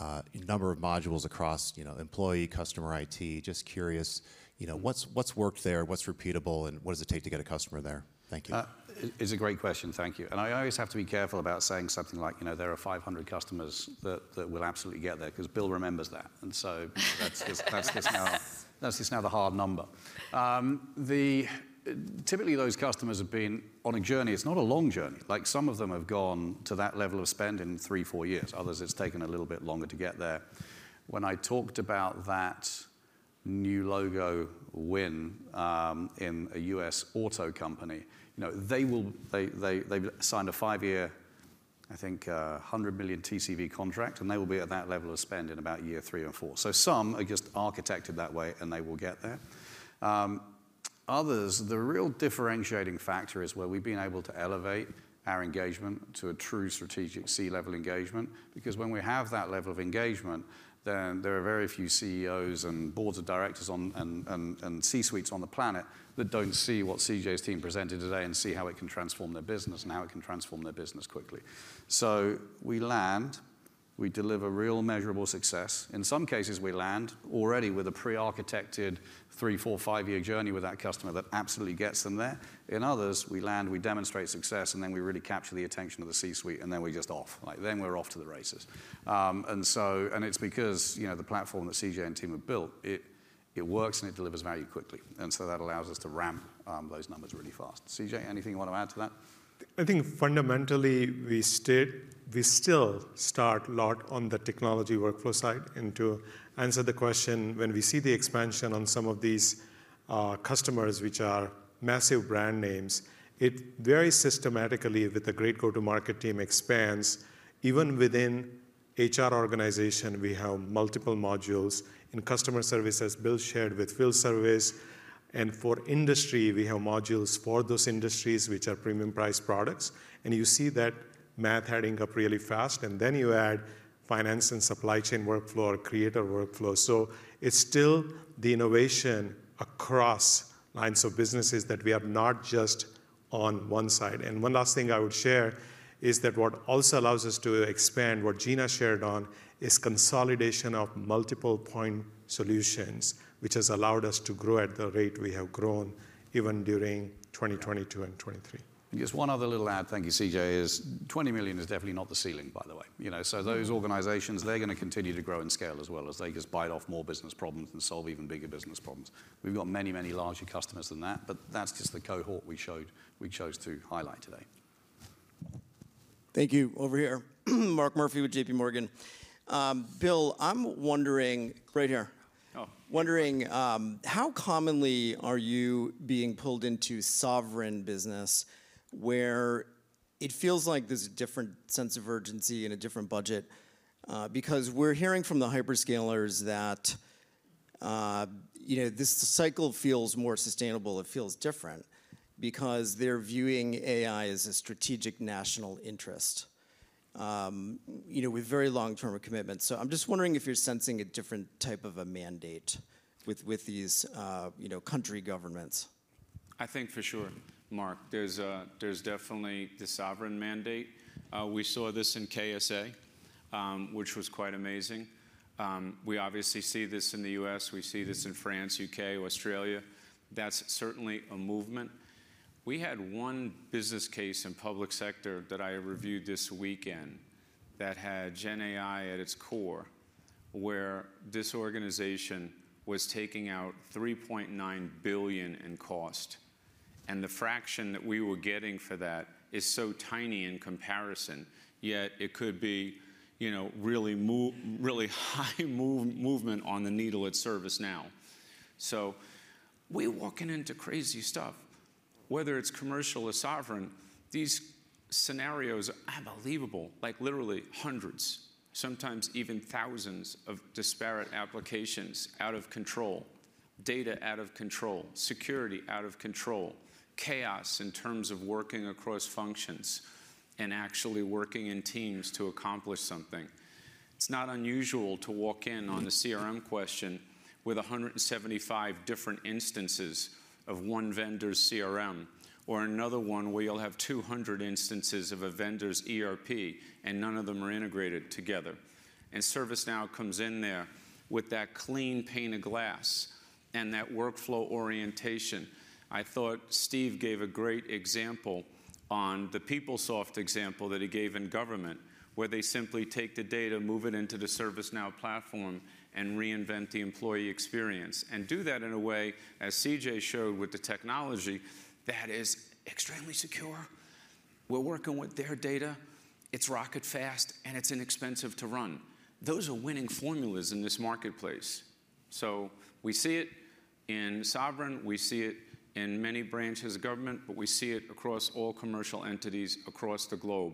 a number of modules across employee, customer, IT. Just curious, what's worked there? What's repeatable? And what does it take to get a customer there? Thank you. It's a great question. Thank you. And I always have to be careful about saying something like, "There are 500 customers that will absolutely get there," because Bill remembers that. And so that's just now the hard number. Typically, those customers have been on a journey. It's not a long journey. Some of them have gone to that level of spend in three to four years. Others, it's taken a little bit longer to get there. When I talked about that new logo win in a U.S. auto company, they've signed a five-year, I think, $100 million TCV contract. And they will be at that level of spend in about year three and four. So some are just architected that way. And they will get there. Others, the real differentiating factor is where we've been able to elevate our engagement to a true strategic C-level engagement. Because when we have that level of engagement, then there are very few CEOs and boards of directors and C-suites on the planet that don't see what CJ's team presented today and see how it can transform their business and how it can transform their business quickly. So we land. We deliver real measurable success. In some cases, we land already with a pre-architected three-, four-, five-year journey with that customer that absolutely gets them there. In others, we land. We demonstrate success. And then we really capture the attention of the C-suite. And then we're just off. Then we're off to the races. And it's because the platform that CJ and team have built, it works. And it delivers value quickly. And so that allows us to ramp those numbers really fast. CJ, anything you want to add to that? I think fundamentally, we still start a lot on the Technology Workflow side. To answer the question, when we see the expansion on some of these customers, which are massive brand names, it very systematically, with the great go-to-market team, expands. Even within HR organization, we have multiple modules. In customer service, as Bill shared with field service. And for industry, we have modules for those industries, which are premium-priced products. And you see that math adding up really fast. And then you add Finance and Supply Chain Workflow or Creator Workflow. So it's still the innovation across lines of businesses that we have not just on one side. One last thing I would share is that what also allows us to expand, what Gina shared on, is consolidation of multiple-point solutions, which has allowed us to grow at the rate we have grown even during 2022 and 2023. Just one other little ad. Thank you, CJ. $20 million is definitely not the ceiling, by the way. So those organizations, they're going to continue to grow and scale as well as they just bite off more business problems and solve even bigger business problems. We've got many, many larger customers than that. But that's just the cohort we chose to highlight today. Thank you. Over here, Mark Murphy with JPMorgan. Bill, I'm wondering how commonly are you being pulled into sovereign business where it feels like there's a different sense of urgency and a different budget? Because we're hearing from the hyperscalers that this cycle feels more sustainable. It feels different because they're viewing AI as a strategic national interest with very long-term commitments. So I'm just wondering if you're sensing a different type of a mandate with these country governments. I think for sure, Mark. There's definitely the sovereign mandate. We saw this in KSA, which was quite amazing. We obviously see this in the U.S. We see this in France, U.K., Australia. That's certainly a movement. We had one business case in public sector that I reviewed this weekend that had GenAI at its core, where this organization was taking out $3.9 billion in cost. And the fraction that we were getting for that is so tiny in comparison. Yet it could be really high movement on the needle at ServiceNow. So we're walking into crazy stuff. Whether it's commercial or sovereign, these scenarios are unbelievable, literally hundreds, sometimes even thousands of disparate applications out of control, data out of control, security out of control, chaos in terms of working across functions and actually working in teams to accomplish something. It's not unusual to walk in on the CRM question with 175 different instances of one vendor's CRM or another one where you'll have 200 instances of a vendor's ERP. And none of them are integrated together. And ServiceNow comes in there with that clean pane of glass and that workflow orientation. I thought Steve gave a great example on the Peoplesoft example that he gave in government, where they simply take the data, move it into the ServiceNow Platform, and reinvent the employee experience, and do that in a way, as CJ showed with the technology, that is extremely secure. We're working with their data. It's rocket-fast. And it's inexpensive to run. Those are winning formulas in this marketplace. So we see it in sovereign. We see it in many branches of government. But we see it across all commercial entities across the globe.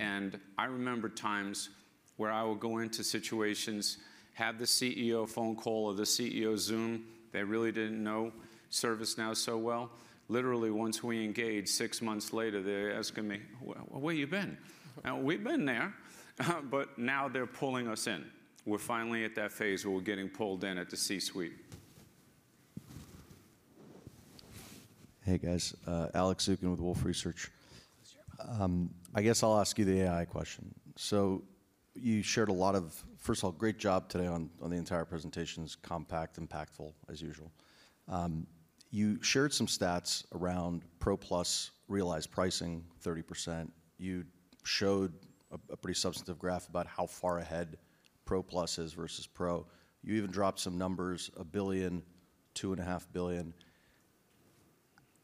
I remember times where I would go into situations, have the CEO phone call or the CEO Zoom. They really didn't know ServiceNow so well. Literally, once we engaged, six months later, they're asking me, "Where have you been?" "We've been there. But now they're pulling us in. We're finally at that phase where we're getting pulled in at the C-suite. Hey, guys. Alex Zukin with Wolfe Research. I guess I'll ask you the AI question. So you shared a lot of first of all, great job today on the entire presentation. It's compact, impactful, as usual. You shared some stats around Pro Plus realized pricing, 30%. You showed a pretty substantive graph about how far ahead Pro Plus is versus Pro. You even dropped some numbers, $1 billion, $2.5 billion.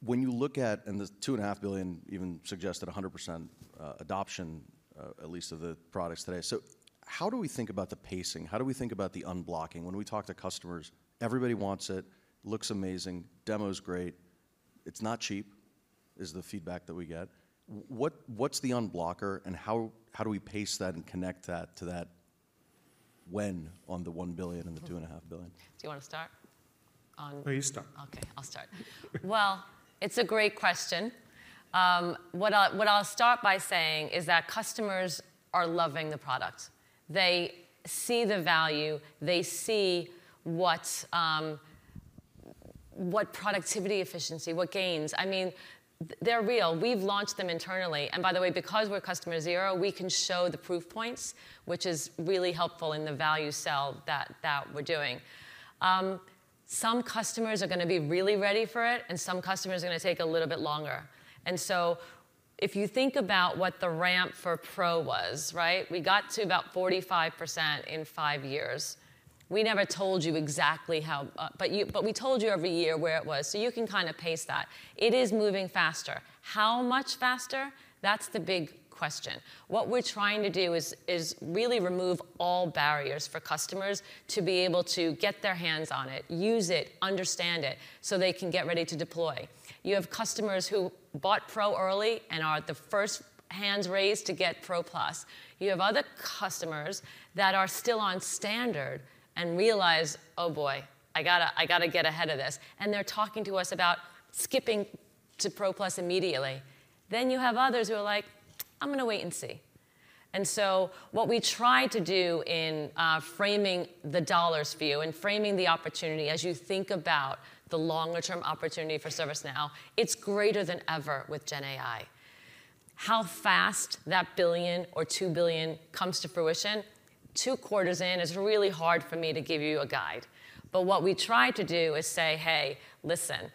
When you look at and the $2.5 billion even suggested 100% adoption, at least, of the products today. So how do we think about the pacing? How do we think about the unblocking? When we talk to customers, everybody wants it. Looks amazing. Demo's great. It's not cheap, is the feedback that we get. What's the unblocker? How do we pace that and connect that to that when on the $1 billion and the $2.5 billion? Do you want to start on? Oh, you start. OK. I'll start. Well, it's a great question. What I'll start by saying is that customers are loving the product. They see the value. They see what productivity, efficiency, what gains. I mean, they're real. We've launched them internally. And by the way, because we're Customer Zero, we can show the proof points, which is really helpful in the value sell that we're doing. Some customers are going to be really ready for it. And some customers are going to take a little bit longer. And so if you think about what the ramp for Pro was, right, we got to about 45% in five years. We never told you exactly how but we told you every year where it was. So you can kind of pace that. It is moving faster. How much faster? That's the big question. What we're trying to do is really remove all barriers for customers to be able to get their hands on it, use it, understand it so they can get ready to deploy. You have customers who bought Pro early and are the first hands raised to get Pro Plus. You have other customers that are still on Standard and realize, "Oh, boy. I got to get ahead of this." And they're talking to us about skipping to Pro Plus immediately. Then you have others who are like, "I'm going to wait and see." And so what we try to do in framing the dollars view and framing the opportunity, as you think about the longer-term opportunity for ServiceNow, it's greater than ever with GenAI. How fast that $1 billion or $2 billion comes to fruition, two quarters in, is really hard for me to give you a guide. But what we try to do is say, "Hey, listen.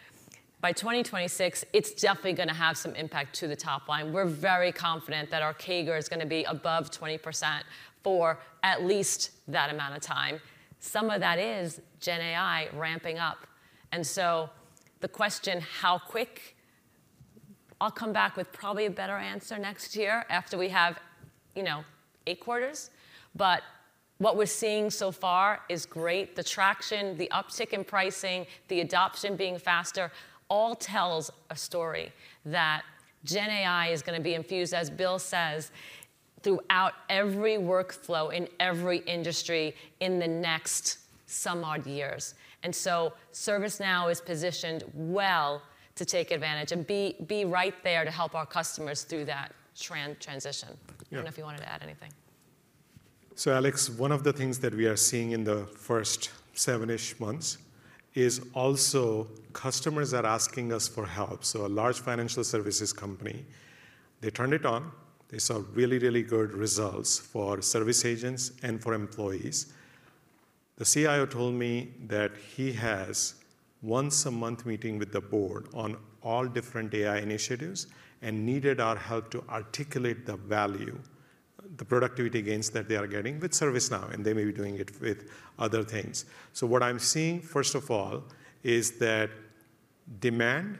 By 2026, it's definitely going to have some impact to the top line. We're very confident that our CAGR is going to be above 20% for at least that amount of time. Some of that is GenAI ramping up." And so the question, how quick? I'll come back with probably a better answer next year after we have 8 quarters. But what we're seeing so far is great. The traction, the uptick in pricing, the adoption being faster, all tells a story that GenAI is going to be infused, as Bill says, throughout every workflow in every industry in the next some odd years. And so ServiceNow is positioned well to take advantage and be right there to help our customers through that transition. I don't know if you wanted to add anything. So Alex, one of the things that we are seeing in the first seven-ish months is also customers are asking us for help. So a large financial services company, they turned it on. They saw really, really good results for service agents and for employees. The CIO told me that he has once a month meeting with the board on all different AI initiatives and needed our help to articulate the value, the productivity gains that they are getting with ServiceNow. And they may be doing it with other things. So what I'm seeing, first of all, is that demand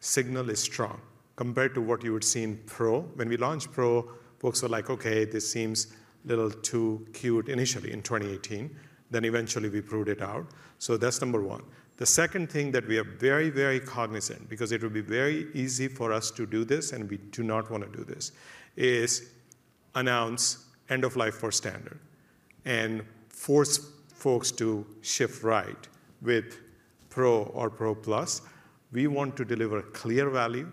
signal is strong compared to what you would see in Pro. When we launched Pro, folks were like, "OK, this seems a little too cute initially in 2018." Then eventually, we proved it out. So that's number one. The second thing that we are very, very cognizant because it would be very easy for us to do this and we do not want to do this is announce end-of-life for Standard and force folks to shift right with Pro or Pro Plus. We want to deliver clear value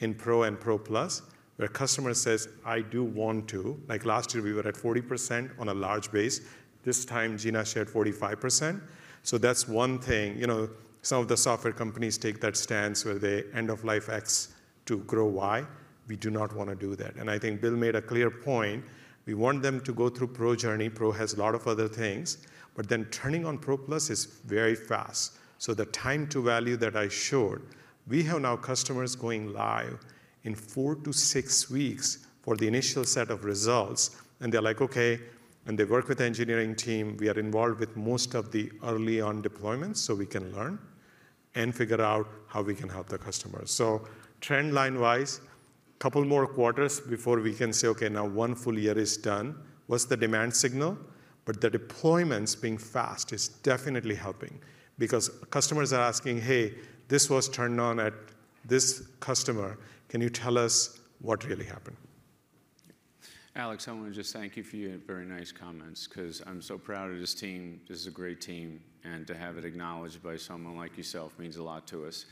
in Pro and Pro Plus where a customer says, "I do want to." Last year, we were at 40% on a large base. This time, Gina shared 45%. So that's one thing. Some of the software companies take that stance where they end-of-life X to grow Y. We do not want to do that. And I think Bill made a clear point. We want them to go through Pro journey. Pro has a lot of other things. But then turning on Pro Plus is very fast. The time to value that I showed, we have now customers going live in 4-6 weeks for the initial set of results. They're like, "OK." They work with the engineering team. We are involved with most of the early-on deployments so we can learn and figure out how we can help the customers. Trendline-wise, a couple more quarters before we can say, "OK, now one full year is done." What's the demand signal? The deployments being fast is definitely helping because customers are asking, "Hey, this was turned on at this customer. Can you tell us what really happened? Alex, I want to just thank you for your very nice comments because I'm so proud of this team. This is a great team. And to have it acknowledged by someone like yourself means a lot to us.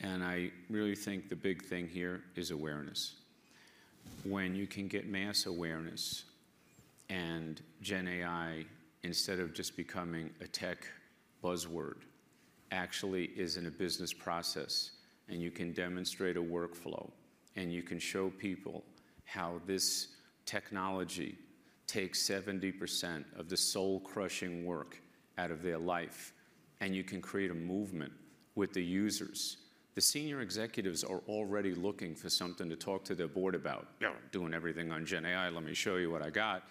And I really think the big thing here is awareness. When you can get mass awareness and GenAI, instead of just becoming a tech buzzword, actually is in a business process. And you can demonstrate a workflow. And you can show people how this technology takes 70% of the soul-crushing work out of their life. And you can create a movement with the users. The senior executives are already looking for something to talk to their board about, doing everything on GenAI. Let me show you what I got.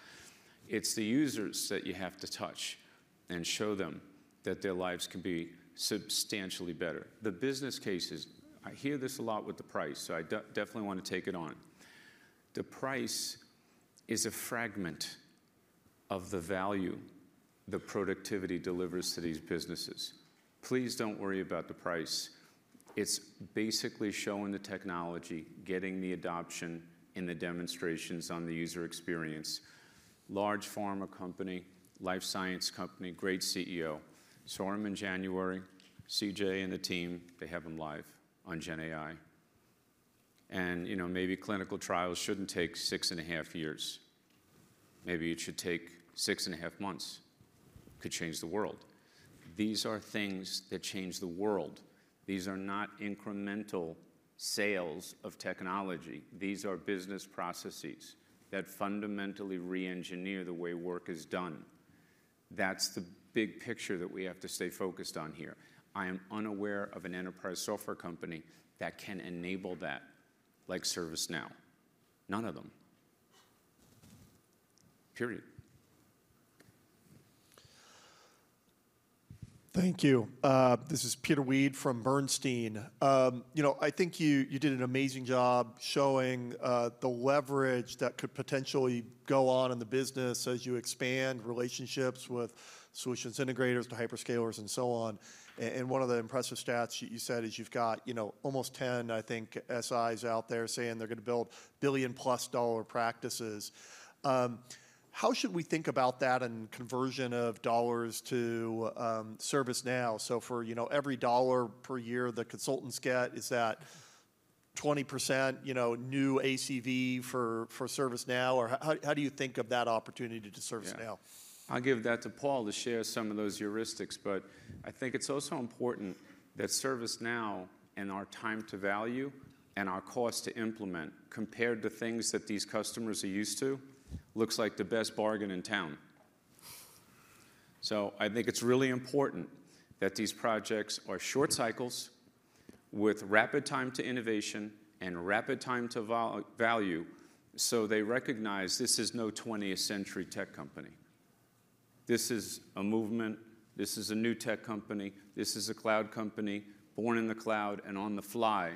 It's the users that you have to touch and show them that their lives can be substantially better. The business cases, I hear this a lot with the price. So I definitely want to take it on. The price is a fragment of the value the productivity delivers to these businesses. Please don't worry about the price. It's basically showing the technology, getting the adoption in the demonstrations on the user experience. Large pharma company, life science company, great CEO, swarm in January, CJ and the team, they have them live on GenAI. And maybe clinical trials shouldn't take six and a half years. Maybe it should take six and a half months. It could change the world. These are things that change the world. These are not incremental sales of technology. These are business processes that fundamentally re-engineer the way work is done. That's the big picture that we have to stay focused on here. I am unaware of an enterprise software company that can enable that like ServiceNow. None of them. Period. Thank you. This is Peter Weed from Bernstein. I think you did an amazing job showing the leverage that could potentially go on in the business as you expand relationships with solutions integrators to hyperscalers and so on. One of the impressive stats you said is you've got almost 10, I think, SIs out there saying they're going to build $1 billion+ practices. How should we think about that and conversion of dollars to ServiceNow? For every dollar per year the consultants get, is that 20% new ACV for ServiceNow? Or how do you think of that opportunity to ServiceNow? I'll give that to Paul to share some of those heuristics. But I think it's also important that ServiceNow and our time to value and our cost to implement compared to things that these customers are used to looks like the best bargain in town. So I think it's really important that these projects are short cycles with rapid time to innovation and rapid time to value so they recognize this is no 20th-century tech company. This is a movement. This is a new tech company. This is a cloud company born in the cloud and on the fly,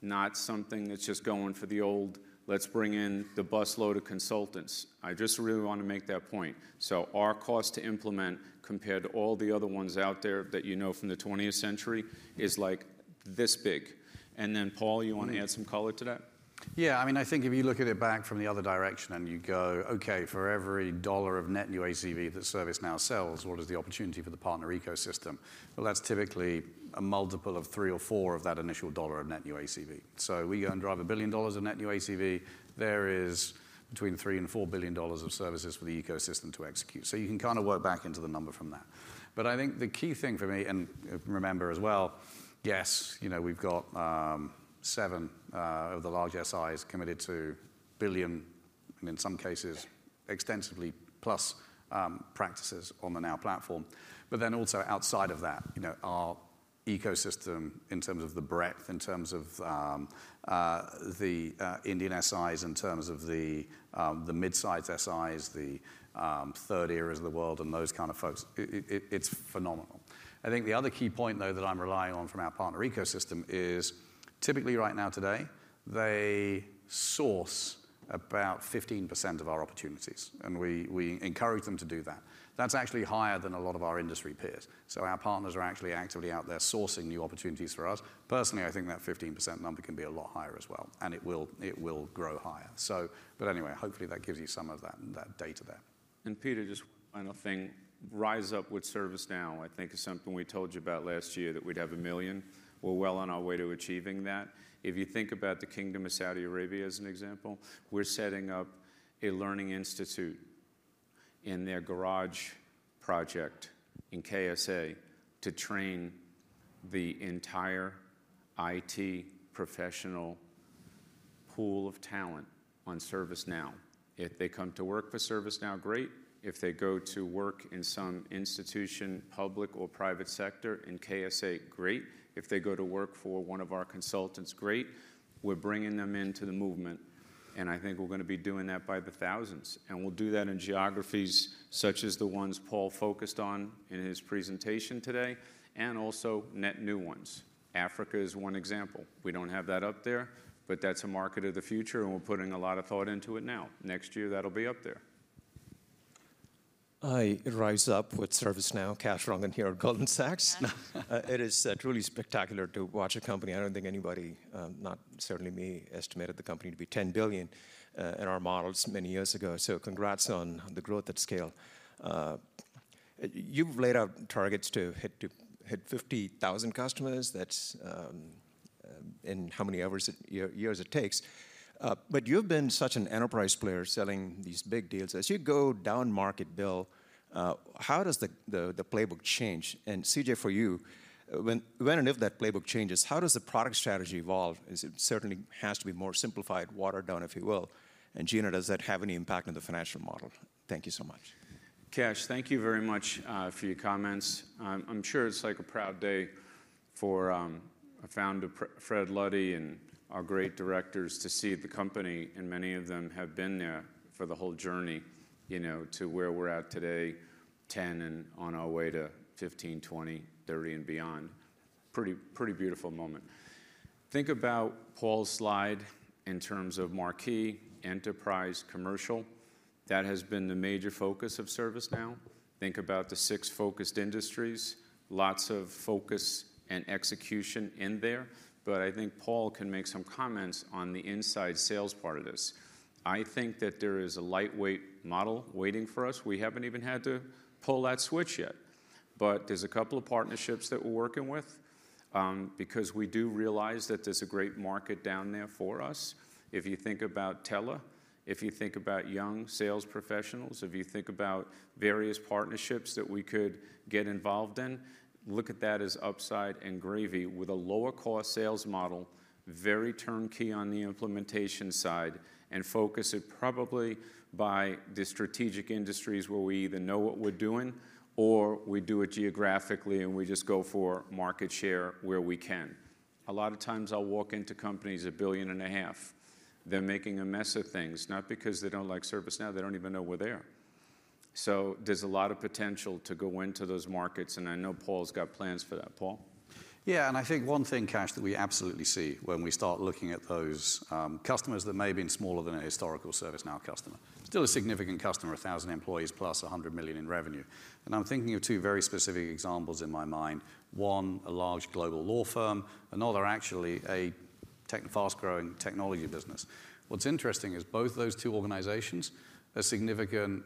not something that's just going for the old, let's bring in the busload of consultants. I just really want to make that point. So our cost to implement compared to all the other ones out there that you know from the 20th-century is like this big. And then, Paul, you want to add some color to that? Yeah. I mean, I think if you look at it back from the other direction and you go, "OK, for every dollar of net new ACV that ServiceNow sells, what is the opportunity for the partner ecosystem?" Well, that's typically a multiple of three or four of that initial dollar of net new ACV. So we go and drive $1 billion of net new ACV. There is between $3 billion and $4 billion of services for the ecosystem to execute. So you can kind of work back into the number from that. But I think the key thing for me and remember as well, yes, we've got seven of the large SIs committed to billion, in some cases, extensively plus practices on the Now Platform. But then also outside of that, our ecosystem in terms of the breadth, in terms of the Indian SIs, in terms of the mid-sized SIs, the third areas of the world, and those kind of folks, it's phenomenal. I think the other key point, though, that I'm relying on from our partner ecosystem is typically right now today, they source about 15% of our opportunities. And we encourage them to do that. That's actually higher than a lot of our industry peers. So our partners are actually actively out there sourcing new opportunities for us. Personally, I think that 15% number can be a lot higher as well. And it will grow higher. But anyway, hopefully, that gives you some of that data there. Peter, just one final thing. RiseUp with ServiceNow, I think, is something we told you about last year that we'd have 1 million. We're well on our way to achieving that. If you think about the Kingdom of Saudi Arabia, as an example, we're setting up a learning institute in their Garage project in KSA to train the entire IT professional pool of talent on ServiceNow. If they come to work for ServiceNow, great. If they go to work in some institution, public or private sector in KSA, great. If they go to work for one of our consultants, great. We're bringing them into the movement. I think we're going to be doing that by the thousands. We'll do that in geographies such as the ones Paul focused on in his presentation today and also net new ones. Africa is one example. We don't have that up there. That's a market of the future. We're putting a lot of thought into it now. Next year, that'll be up there. It rises up with ServiceNow. Kash Rangan here, at Goldman Sachs. It is truly spectacular to watch a company. I don't think anybody, not certainly me, estimated the company to be $10 billion in our models many years ago. So congrats on the growth at scale. You've laid out targets to hit 50,000 customers. That's in how many years it takes. But you've been such an enterprise player selling these big deals. As you go down market, Bill, how does the playbook change? And CJ, for you, when and if that playbook changes, how does the product strategy evolve? It certainly has to be more simplified, watered down, if you will. And Gina, does that have any impact on the financial model? Thank you so much. Kash, thank you very much for your comments. I'm sure it's like a proud day for a founder, Fred Luddy, and our great directors to see the company. Many of them have been there for the whole journey to where we're at today, 10, and on our way to 15, 20, 30, and beyond. Pretty beautiful moment. Think about Paul's slide in terms of marquee, enterprise, commercial. That has been the major focus of ServiceNow. Think about the six focused industries, lots of focus and execution in there. But I think Paul can make some comments on the inside sales part of this. I think that there is a lightweight model waiting for us. We haven't even had to pull that switch yet. But there's a couple of partnerships that we're working with because we do realize that there's a great market down there for us. If you think about tele, if you think about young sales professionals, if you think about various partnerships that we could get involved in, look at that as upside and gravy with a lower-cost sales model, very turnkey on the implementation side, and focus it probably by the strategic industries where we either know what we're doing or we do it geographically. And we just go for market share where we can. A lot of times, I'll walk into companies $1.5 billion. They're making a mess of things, not because they don't like ServiceNow. They don't even know we're there. So there's a lot of potential to go into those markets. And I know Paul's got plans for that. Paul? Yeah. And I think one thing, Kash, that we absolutely see when we start looking at those customers that may have been smaller than a historical ServiceNow customer, still a significant customer, 1,000 employees plus $100 million in revenue. And I'm thinking of two very specific examples in my mind, one, a large global law firm, another, actually, a fast-growing technology business. What's interesting is both those two organizations are significant,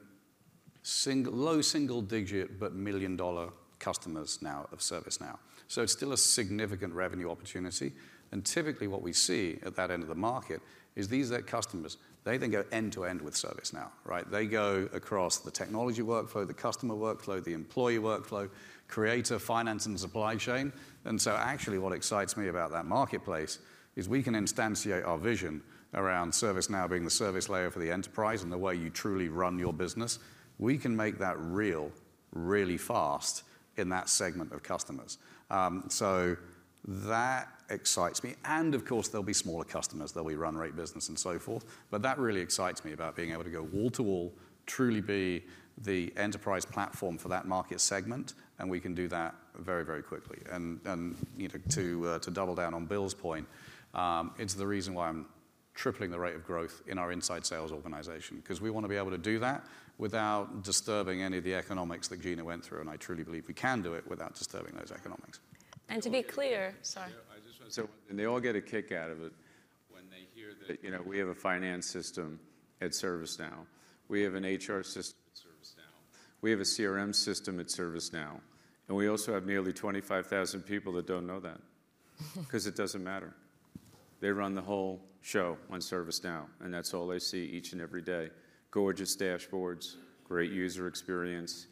low single-digit but million-dollar customers now of ServiceNow. So it's still a significant revenue opportunity. And typically, what we see at that end of the market is these are customers. They then go end to end with ServiceNow. They go across the Technology Workflow, the Customer Workflow, the Employee Workflow, Creator, Finance, and Supply Chain. Actually, what excites me about that marketplace is we can instantiate our vision around ServiceNow being the service layer for the enterprise and the way you truly run your business. We can make that real, really fast in that segment of customers. So that excites me. And of course, there'll be smaller customers. There'll be run-rate business and so forth. But that really excites me about being able to go wall to wall, truly be the enterprise platform for that market segment. And we can do that very, very quickly. And to double down on Bill's point, it's the reason why I'm tripling the rate of growth in our inside sales organization because we want to be able to do that without disturbing any of the economics that Gina went through. And I truly believe we can do it without disturbing those economics. To be clear, sorry. I just want to say one thing. They all get a kick out of it when they hear that we have a finance system at ServiceNow. We have an HR system at ServiceNow. We have a CRM system at ServiceNow. And we also have nearly 25,000 people that don't know that because it doesn't matter. They run the whole show on ServiceNow. And that's all they see each and every day: gorgeous dashboards, great user experience.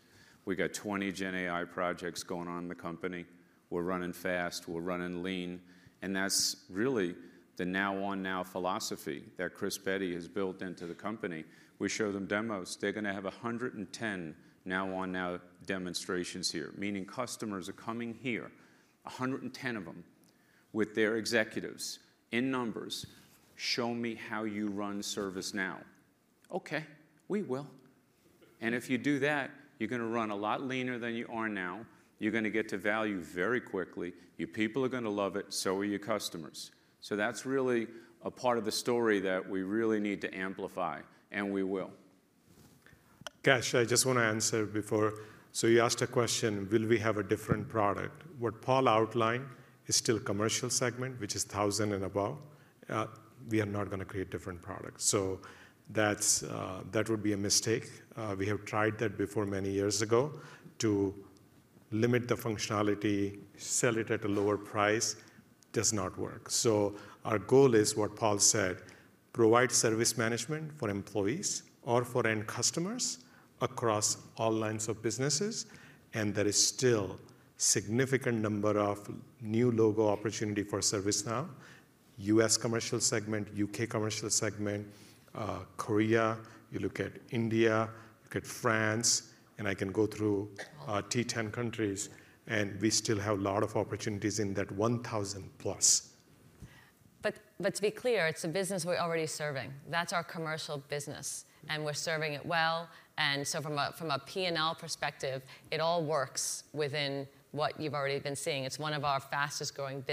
We got 20 GenAI projects going on in the company. We're running fast. We're running lean. And that's really the Now on Now philosophy that Chris Bedi has built into the company. We show them demos. They're going to have 110 Now on Now demonstrations here, meaning customers are coming here, 110 of them, with their executives in numbers, show me how you run ServiceNow. OK, we will. And if you do that, you're going to run a lot leaner than you are now. You're going to get to value very quickly. People are going to love it. So are your customers. So that's really a part of the story that we really need to amplify. And we will. Kash, I just want to answer before. You asked a question. Will we have a different product? What Paul outlined is still commercial segment, which is 1,000 and above. We are not going to create different products. That would be a mistake. We have tried that before many years ago to limit the functionality, sell it at a lower price. It does not work. Our goal is, what Paul said, provide service management for employees or for end customers across all lines of businesses. There is still a significant number of new logo opportunities for ServiceNow: US commercial segment, U.K. commercial segment, Korea. You look at India, look at France. I can go through T10 countries. We still have a lot of opportunities in that 1,000+. But to be clear, it's a business we're already serving. That's our commercial business. And we're serving it well. And so from a P&L perspective, it all works within what you've already been seeing. It's one of our fastest-growing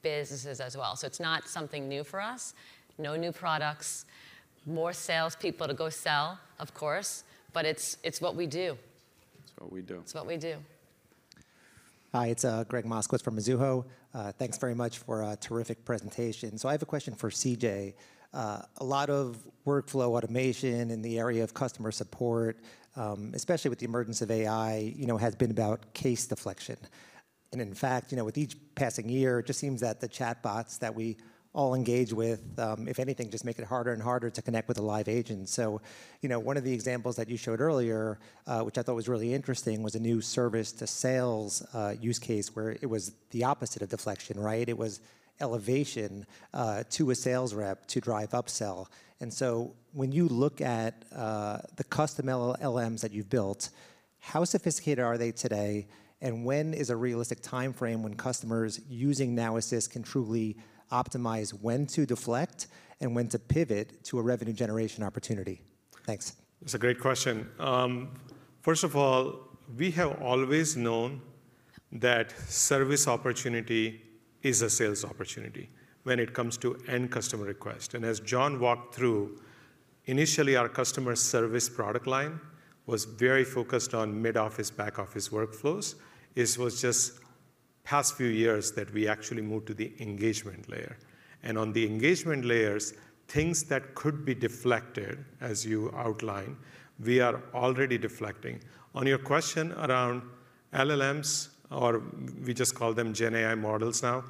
businesses as well. So it's not something new for us, no new products, more salespeople to go sell, of course. But it's what we do. It's what we do. It's what we do. Hi. It's Gregg Moskowitz from Mizuho. Thanks very much for a terrific presentation. So I have a question for CJ. A lot of workflow automation in the area of customer support, especially with the emergence of AI, has been about case deflection. And in fact, with each passing year, it just seems that the chatbots that we all engage with, if anything, just make it harder and harder to connect with a live agent. So one of the examples that you showed earlier, which I thought was really interesting, was a new service to sales use case where it was the opposite of deflection. It was elevation to a sales rep to drive upsell. And so when you look at the custom LMs that you've built, how sophisticated are they today? When is a realistic time frame when customers using Now Assist can truly optimize when to deflect and when to pivot to a revenue generation opportunity? Thanks. It's a great question. First of all, we have always known that service opportunity is a sales opportunity when it comes to end customer request. As John walked through, initially, our customer service product line was very focused on mid-office, back-office workflows. It was just the past few years that we actually moved to the engagement layer. On the engagement layers, things that could be deflected, as you outlined, we are already deflecting. On your question around LLMs, or we just call them GenAI models now,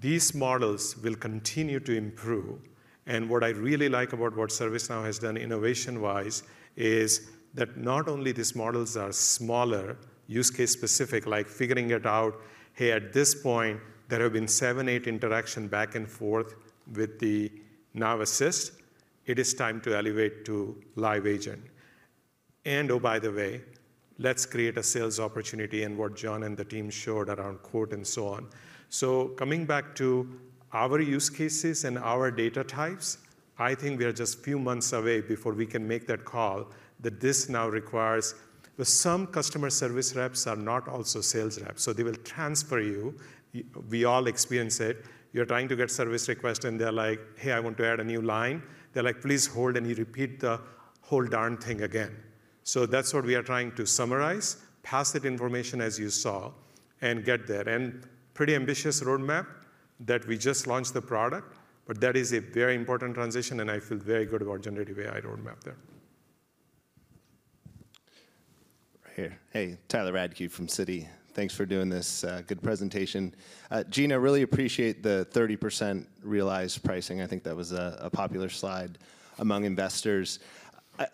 these models will continue to improve. What I really like about what ServiceNow has done innovation-wise is that not only are these models smaller, use case specific, like figuring it out, hey, at this point, there have been seven, eight interactions back and forth with the Now Assist. It is time to elevate to live agent. And oh, by the way, let's create a sales opportunity in what John and the team showed around quote and so on. So coming back to our use cases and our data types, I think we are just a few months away before we can make that call that this now requires some customer service reps are not also sales reps. So they will transfer you. We all experience it. You're trying to get service requests. And they're like, hey, I want to add a new line. They're like, please hold. And you repeat the whole darn thing again. So that's what we are trying to summarize, pass that information, as you saw, and get there. And pretty ambitious roadmap that we just launched the product. But that is a very important transition. And I feel very good about Generative AI roadmap there. Right here. Hey, Tyler Radke from Citi. Thanks for doing this good presentation. Gina, I really appreciate the 30% realized pricing. I think that was a popular slide among investors.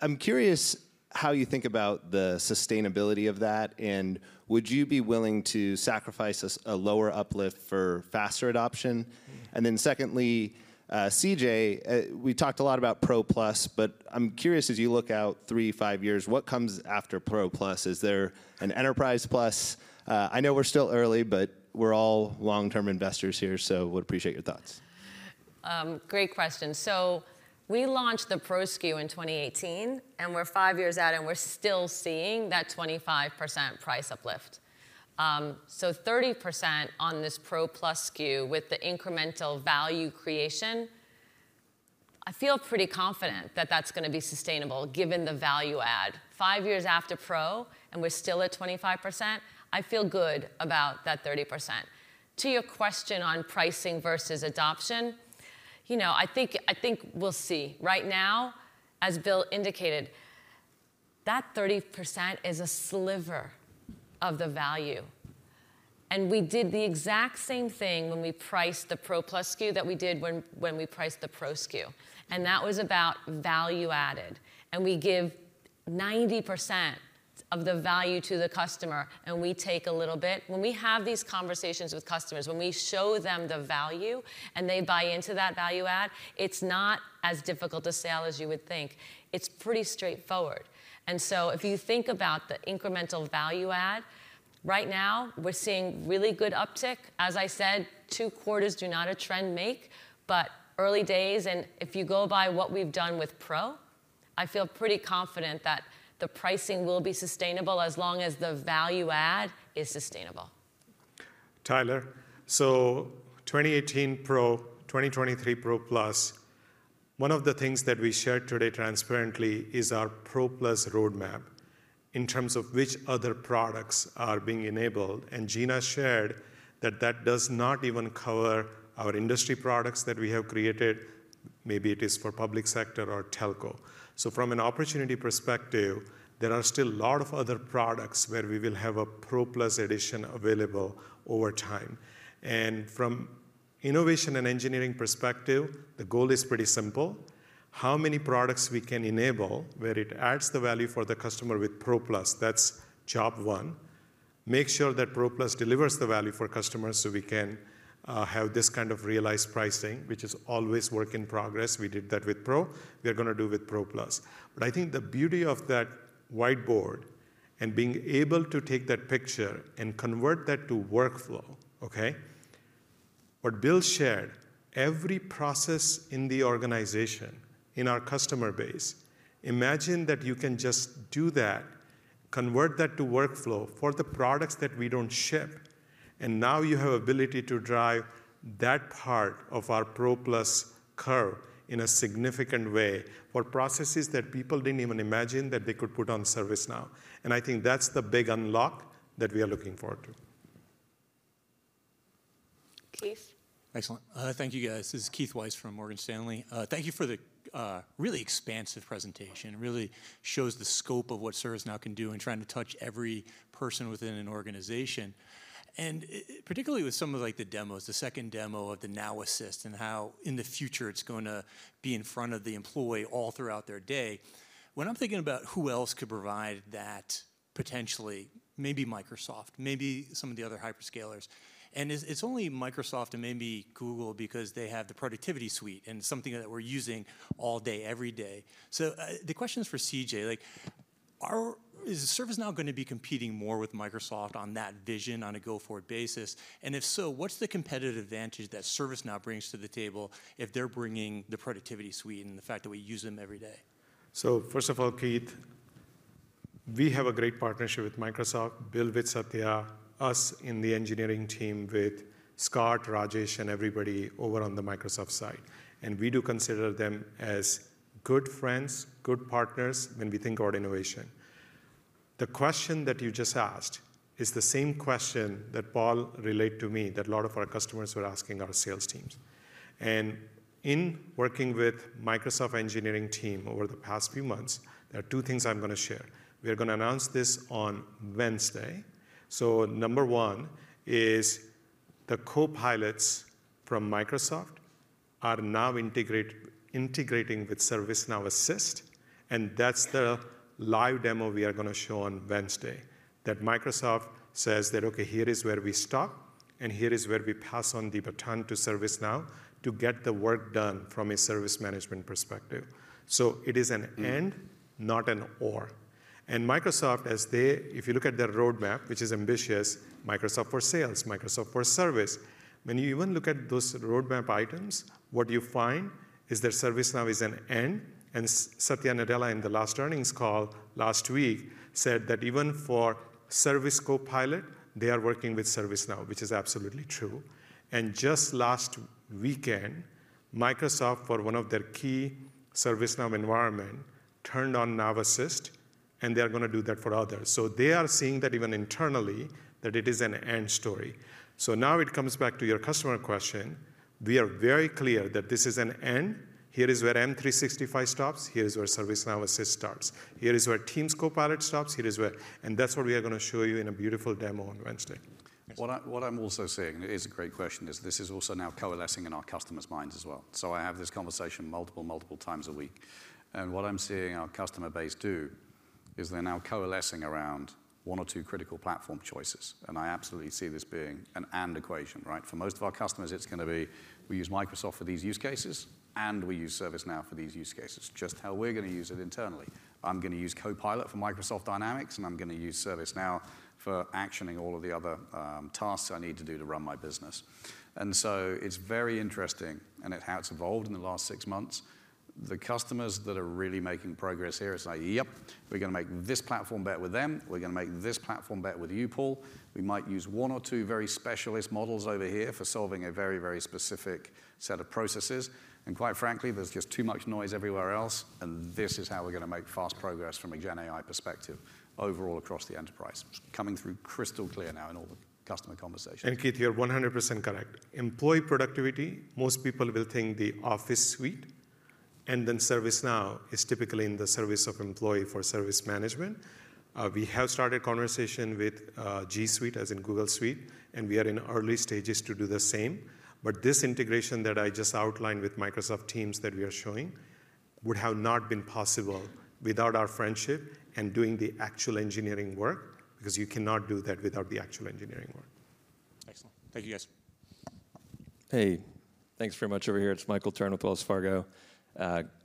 I'm curious how you think about the sustainability of that. Would you be willing to sacrifice a lower uplift for faster adoption? Then secondly, CJ, we talked a lot about Pro Plus. But I'm curious, as you look out three, five years, what comes after Pro Plus? Is there an Enterprise Plus? I know we're still early. But we're all long-term investors here. So I would appreciate your thoughts. Great question. We launched the Pro SKU in 2018. We're five years out. We're still seeing that 25% price uplift. 30% on this Pro Plus SKU with the incremental value creation, I feel pretty confident that that's going to be sustainable given the value add. Five years after Pro, we're still at 25%, I feel good about that 30%. To your question on pricing versus adoption, I think we'll see. Right now, as Bill indicated, that 30% is a sliver of the value. We did the exact same thing when we priced the Pro Plus SKU that we did when we priced the Pro SKU. That was about value added. We give 90% of the value to the customer. We take a little bit. When we have these conversations with customers, when we show them the value, and they buy into that value add, it's not as difficult to sell as you would think. It's pretty straightforward. And so if you think about the incremental value add, right now, we're seeing really good uptick. As I said, two quarters do not a trend make. But early days, and if you go by what we've done with Pro, I feel pretty confident that the pricing will be sustainable as long as the value add is sustainable. Tyler, so 2018 Pro, 2023 Pro Plus, one of the things that we shared today transparently is our Pro Plus roadmap in terms of which other products are being enabled. And Gina shared that that does not even cover our industry products that we have created. Maybe it is for public sector or telco. So from an opportunity perspective, there are still a lot of other products where we will have a Pro Plus edition available over time. And from innovation and engineering perspective, the goal is pretty simple: how many products we can enable where it adds the value for the customer with Pro Plus. That's job one. Make sure that Pro Plus delivers the value for customers so we can have this kind of realized pricing, which is always work in progress. We did that with Pro. We are going to do with Pro Plus. But I think the beauty of that whiteboard and being able to take that picture and convert that to workflow, what Bill shared, every process in the organization, in our customer base. Imagine that you can just do that, convert that to workflow for the products that we don't ship. And now you have ability to drive that part of our Pro Plus curve in a significant way for processes that people didn't even imagine that they could put on ServiceNow. And I think that's the big unlock that we are looking forward to. Keith? Excellent. Thank you, guys. This is Keith Weiss from Morgan Stanley. Thank you for the really expansive presentation. It really shows the scope of what ServiceNow can do in trying to touch every person within an organization, and particularly with some of the demos, the second demo of the Now Assist and how, in the future, it's going to be in front of the employee all throughout their day. When I'm thinking about who else could provide that potentially, maybe Microsoft, maybe some of the other hyperscalers. And it's only Microsoft and maybe Google because they have the productivity suite and something that we're using all day, every day. So the question is for CJ. Is ServiceNow going to be competing more with Microsoft on that vision on a go-forward basis? If so, what's the competitive advantage that ServiceNow brings to the table if they're bringing the productivity suite and the fact that we use them every day? So first of all, Keith, we have a great partnership with Microsoft, Bill with Satya, us in the engineering team with Scott, Rajesh, and everybody over on the Microsoft side. And we do consider them as good friends, good partners when we think about innovation. The question that you just asked is the same question that Paul relayed to me, that a lot of our customers were asking our sales teams. And in working with Microsoft engineering team over the past few months, there are two things I'm going to share. We are going to announce this on Wednesday. So number one is the Copilots from Microsoft are now integrating with Now Assist. And that's the live demo we are going to show on Wednesday, that Microsoft says that, OK, here is where we stop. Here is where we pass on the baton to ServiceNow to get the work done from a service management perspective. So it is an and, not an or. Microsoft, if you look at their roadmap, which is ambitious, Microsoft for Sales, Microsoft for Service, when you even look at those roadmap items, what you find is that ServiceNow is an and. Satya Nadella, in the last earnings call last week, said that even for Service Copilot, they are working with ServiceNow, which is absolutely true. Just last weekend, Microsoft, for one of their key ServiceNow environments, turned on Now Assist. They are going to do that for others. So they are seeing that even internally, that it is an and story. So now it comes back to your customer question. We are very clear that this is an and. Here is where M365 stops. Here is where Now Assist starts. Here is where Teams Copilot stops. And that's what we are going to show you in a beautiful demo on Wednesday. What I'm also seeing, and it is a great question, is this is also now coalescing in our customers' minds as well. So I have this conversation multiple, multiple times a week. And what I'm seeing our customer base do is they're now coalescing around one or two critical platform choices. And I absolutely see this being an and equation. For most of our customers, it's going to be, we use Microsoft for these use cases. And we use ServiceNow for these use cases, just how we're going to use it internally. I'm going to use Copilot for Microsoft Dynamics. And I'm going to use ServiceNow for actioning all of the other tasks I need to do to run my business. And so it's very interesting. And how it's evolved in the last six months, the customers that are really making progress here are like, yep, we're going to make this platform better with them. We're going to make this platform better with you, Paul. We might use one or two very specialist models over here for solving a very, very specific set of processes. And quite frankly, there's just too much noise everywhere else. And this is how we're going to make fast progress from a GenAI perspective overall across the enterprise, coming through crystal clear now in all the customer conversations. Keith, you're 100% correct. Employee productivity, most people will think the Office suite. And then ServiceNow is typically in the service of employee for service management. We have started conversation with G Suite, as in Google Suite. And we are in early stages to do the same. But this integration that I just outlined with Microsoft Teams that we are showing would have not been possible without our friendship and doing the actual engineering work because you cannot do that without the actual engineering work. Excellent. Thank you, guys. Hey, thanks very much over here. It's Michael Turrin with Wells Fargo.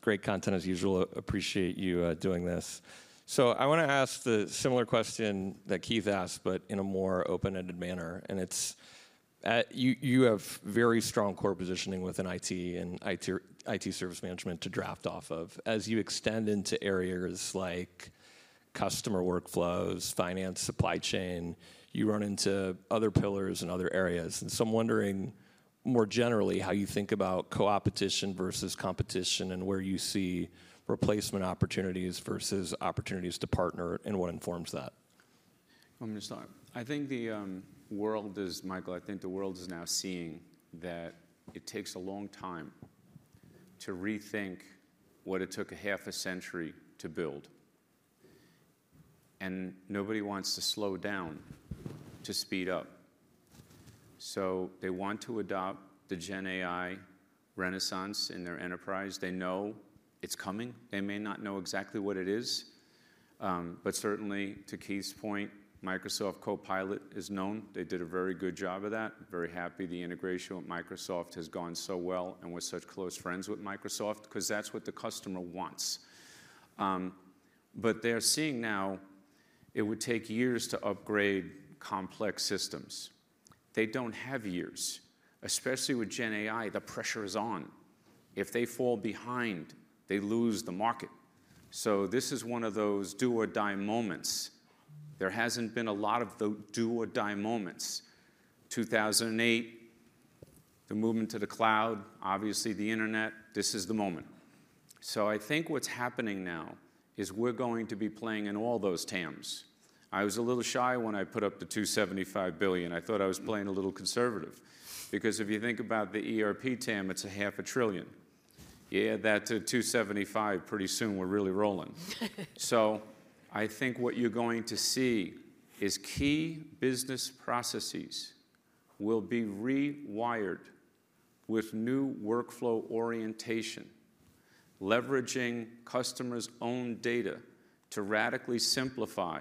Great content, as usual. I appreciate you doing this. So I want to ask the similar question that Keith asked, but in a more open-ended manner. And you have very strong core positioning within IT and IT Service Management to draft off of. As you extend into areas like Customer Workflows, Finance, Supply Chain, you run into other pillars and other areas. And so I'm wondering, more generally, how you think about co-opetition versus competition and where you see replacement opportunities versus opportunities to partner, and what informs that. I'm going to start. I think the world is, Michael, I think the world is now seeing that it takes a long time to rethink what it took a half a century to build. And nobody wants to slow down to speed up. So they want to adopt the GenAI renaissance in their enterprise. They know it's coming. They may not know exactly what it is. But certainly, to Keith's point, Microsoft Copilot is known. They did a very good job of that. Very happy the integration with Microsoft has gone so well and we're such close friends with Microsoft because that's what the customer wants. But they are seeing now it would take years to upgrade complex systems. They don't have years, especially with GenAI. The pressure is on. If they fall behind, they lose the market. So this is one of those do or die moments. There hasn't been a lot of the do or die moments. 2008, the movement to the cloud, obviously the internet. This is the moment. So I think what's happening now is we're going to be playing in all those TAMs. I was a little shy when I put up the $275 billion. I thought I was playing a little conservative because if you think about the ERP TAM, it's $0.5 trillion. Yeah, that $275 billion, pretty soon, we're really rolling. So I think what you're going to see is key business processes will be rewired with new workflow orientation, leveraging customers' own data to radically simplify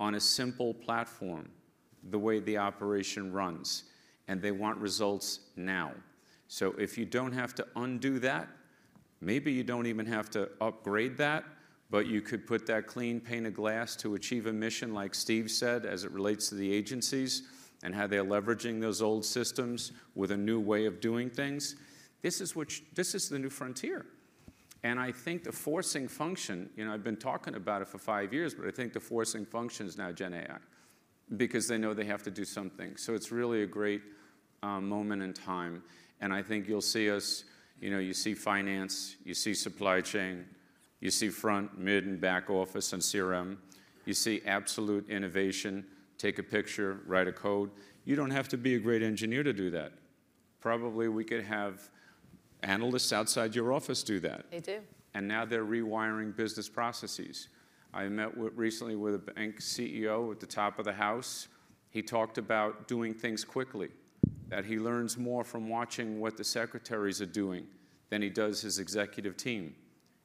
on a simple platform the way the operation runs. And they want results now. So if you don't have to undo that, maybe you don't even have to upgrade that. But you could put that clean pane of glass to achieve a mission, like Steve said, as it relates to the agencies and how they're leveraging those old systems with a new way of doing things. This is the new frontier. I think the forcing function I've been talking about it for five years. But I think the forcing function is now GenAI because they know they have to do something. It's really a great moment in time. I think you'll see us you see finance. You see supply chain. You see front, mid, and back office and CRM. You see absolute innovation. Take a picture. Write a code. You don't have to be a great engineer to do that. Probably, we could have analysts outside your office do that. They do. Now they're rewiring business processes. I met recently with a bank CEO at the top of the house. He talked about doing things quickly, that he learns more from watching what the secretaries are doing than he does his executive team.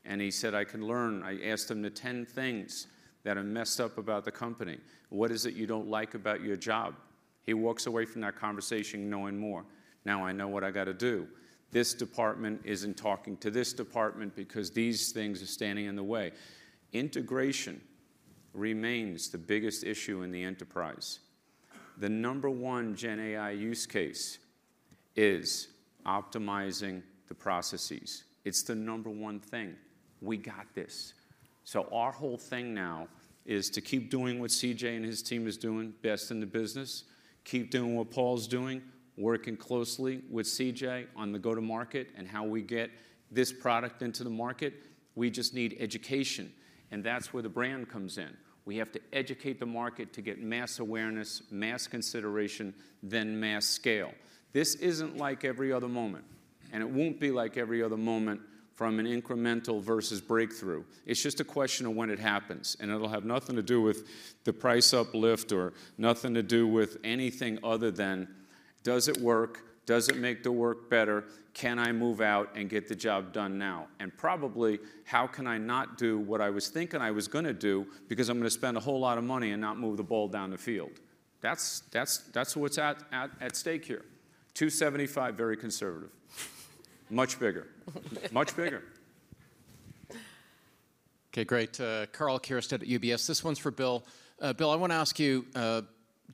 And he said, "I can learn." I asked him to 10 things that are messed up about the company. "What is it you don't like about your job?" He walks away from that conversation knowing more. Now I know what I got to do. This department isn't talking to this department because these things are standing in the way. Integration remains the biggest issue in the enterprise. The number one GenAI use case is optimizing the processes. It's the number one thing. We got this. So our whole thing now is to keep doing what CJ and his team is doing best in the business, keep doing what Paul's doing, working closely with CJ on the go-to-market and how we get this product into the market. We just need education. And that's where the brand comes in. We have to educate the market to get mass awareness, mass consideration, then mass scale. This isn't like every other moment. And it won't be like every other moment from an incremental versus breakthrough. It's just a question of when it happens. And it'll have nothing to do with the price uplift or nothing to do with anything other than, does it work? Does it make the work better? Can I move out and get the job done now? Probably, how can I not do what I was thinking I was going to do because I'm going to spend a whole lot of money and not move the ball down the field? That's what's at stake here. $275 billion, very conservative, much bigger, much bigger. OK, great. Karl Keirstead at UBS. This one's for Bill. Bill, I want to ask you,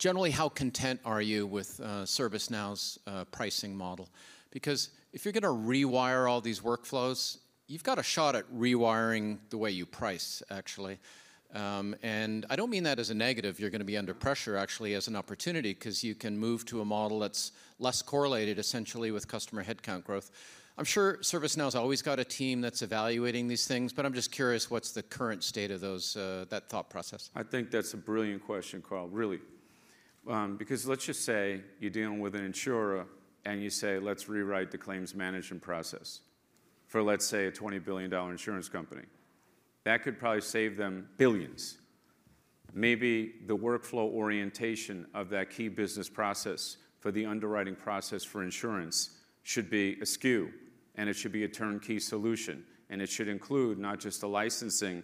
generally, how content are you with ServiceNow's pricing model? Because if you're going to rewire all these workflows, you've got a shot at rewiring the way you price, actually. I don't mean that as a negative. You're going to be under pressure, actually, as an opportunity because you can move to a model that's less correlated, essentially, with customer headcount growth. I'm sure ServiceNow's always got a team that's evaluating these things. I'm just curious, what's the current state of that thought process? I think that's a brilliant question, Karl, really, because let's just say you're dealing with an insurer. And you say, let's rewrite the claims management process for, let's say, a $20 billion insurance company. That could probably save them billions. Maybe the workflow orientation of that key business process for the underwriting process for insurance should be a SKU. And it should be a turnkey solution. And it should include not just the licensing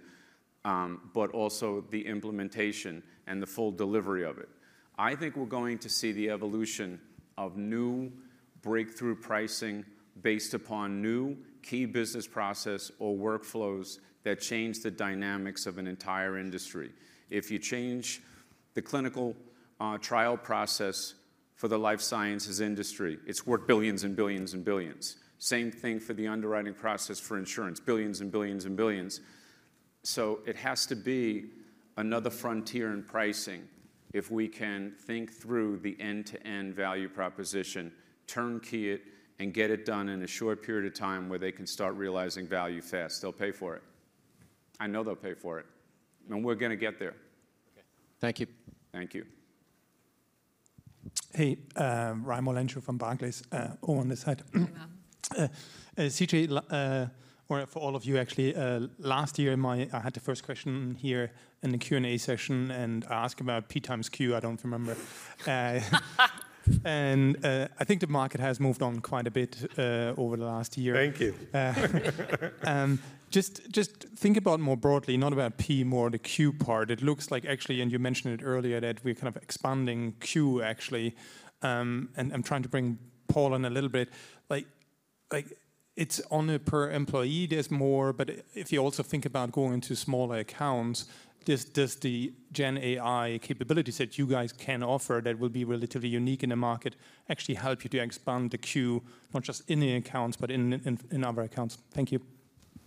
but also the implementation and the full delivery of it. I think we're going to see the evolution of new breakthrough pricing based upon new key business process or workflows that change the dynamics of an entire industry. If you change the clinical trial process for the life sciences industry, it's worth billions and billions and billions. Same thing for the underwriting process for insurance, billions and billions and billions. So it has to be another frontier in pricing if we can think through the end-to-end value proposition, turnkey it, and get it done in a short period of time where they can start realizing value fast. They'll pay for it. I know they'll pay for it. And we're going to get there. OK, thank you. Thank you. Hey, Raimo Lenschow from Barclays. Oh, on this side. Hi there. CJ, or for all of you, actually, last year, I had the first question here in the Q&A session. I asked about P times Q. I don't remember. I think the market has moved on quite a bit over the last year. Thank you. Just think about more broadly, not about P, more the Q part. It looks like, actually, and you mentioned it earlier, that we're kind of expanding Q, actually. And I'm trying to bring Paul in a little bit. It's on a per employee. There's more. But if you also think about going into smaller accounts, does the GenAI capabilities that you guys can offer that will be relatively unique in the market actually help you to expand the Q, not just in the accounts but in other accounts? Thank you. Do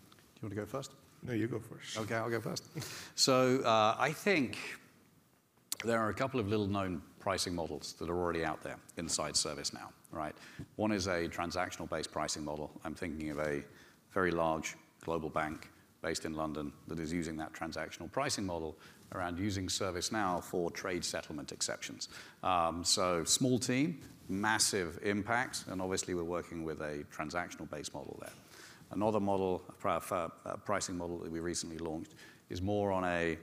you want to go first? No, you go first. OK, I'll go first. So I think there are a couple of little known pricing models that are already out there inside ServiceNow. One is a transactional-based pricing model. I'm thinking of a very large global bank based in London that is using that transactional pricing model around using ServiceNow for trade settlement exceptions. So small team, massive impact. And obviously, we're working with a transactional-based model there. Another pricing model that we recently launched is more on a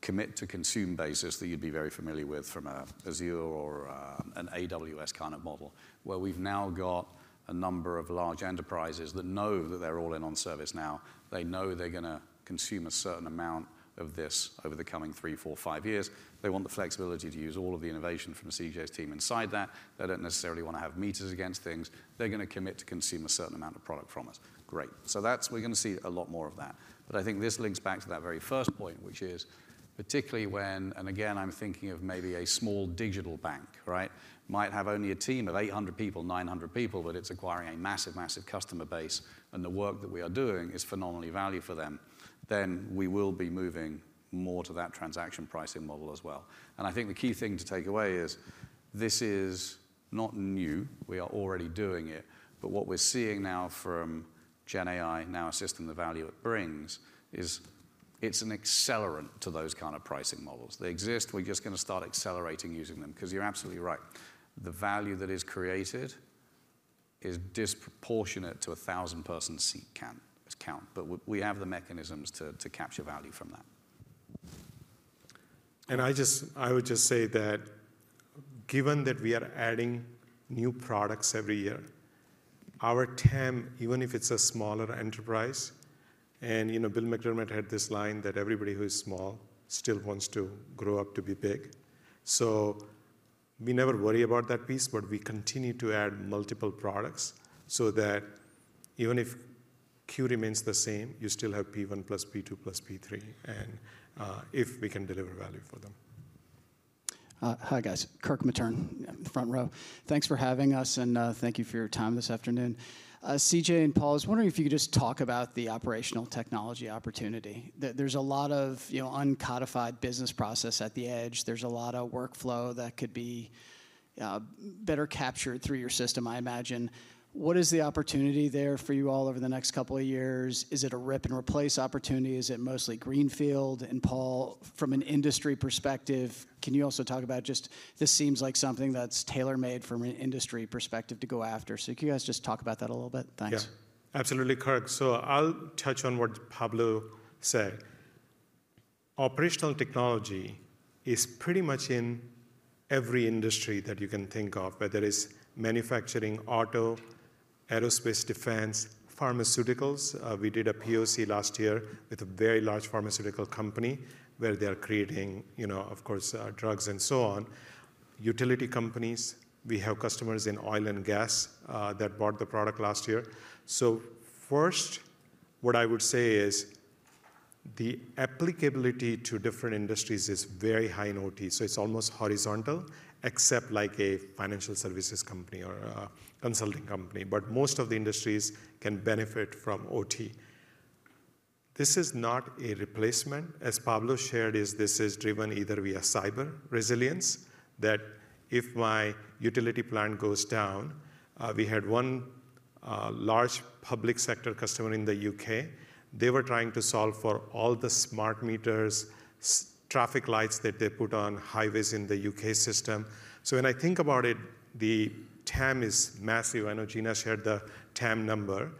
commit-to-consume basis that you'd be very familiar with from Azure or an AWS kind of model, where we've now got a number of large enterprises that know that they're all in on ServiceNow. They know they're going to consume a certain amount of this over the coming three, four, five years. They want the flexibility to use all of the innovation from CJ's team inside that. They don't necessarily want to have meters against things. They're going to commit to consume a certain amount of product from us. Great. So we're going to see a lot more of that. But I think this links back to that very first point, which is particularly when and again, I'm thinking of maybe a small digital bank, might have only a team of 800 people, 900 people. But it's acquiring a massive, massive customer base. And the work that we are doing is phenomenal value for them. Then we will be moving more to that transaction pricing model as well. And I think the key thing to take away is this is not new. We are already doing it. But what we're seeing now from GenAI, Now Assist, the value it brings is it's an accelerant to those kind of pricing models. They exist. We're just going to start accelerating using them because you're absolutely right. The value that is created is disproportionate to 1,000-person seat count. But we have the mechanisms to capture value from that. I would just say that given that we are adding new products every year, our TAM, even if it's a smaller enterprise and Bill McDermott had this line that everybody who is small still wants to grow up to be big. So we never worry about that piece. But we continue to add multiple products so that even if Q remains the same, you still have P1 plus P2 plus P3 if we can deliver value for them. Hi, guys. Kirk Materne, front row. Thanks for having us. Thank you for your time this afternoon. CJ and Paul, I was wondering if you could just talk about the operational technology opportunity. There's a lot of uncodified business process at the edge. There's a lot of workflow that could be better captured through your system, I imagine. What is the opportunity there for you all over the next couple of years? Is it a rip-and-replace opportunity? Is it mostly greenfield? And Paul, from an industry perspective, can you also talk about just this? It seems like something that's tailor-made from an industry perspective to go after. So could you guys just talk about that a little bit? Thanks. Yeah, absolutely, Kirk. So I'll touch on what Pablo said. Operational technology is pretty much in every industry that you can think of, whether it's manufacturing, auto, aerospace, defense, pharmaceuticals. We did a POC last year with a very large pharmaceutical company where they are creating, of course, drugs and so on, utility companies. We have customers in oil and gas that bought the product last year. So first, what I would say is the applicability to different industries is very high in OT. So it's almost horizontal, except like a financial services company or a consulting company. But most of the industries can benefit from OT. This is not a replacement. As Pablo shared, this is driven either via cyber resilience that if my utility plant goes down we had one large public sector customer in the U.K. They were trying to solve for all the smart meters, traffic lights that they put on highways in the U.K. system. So when I think about it, the TAM is massive. I know Gina shared the TAM number.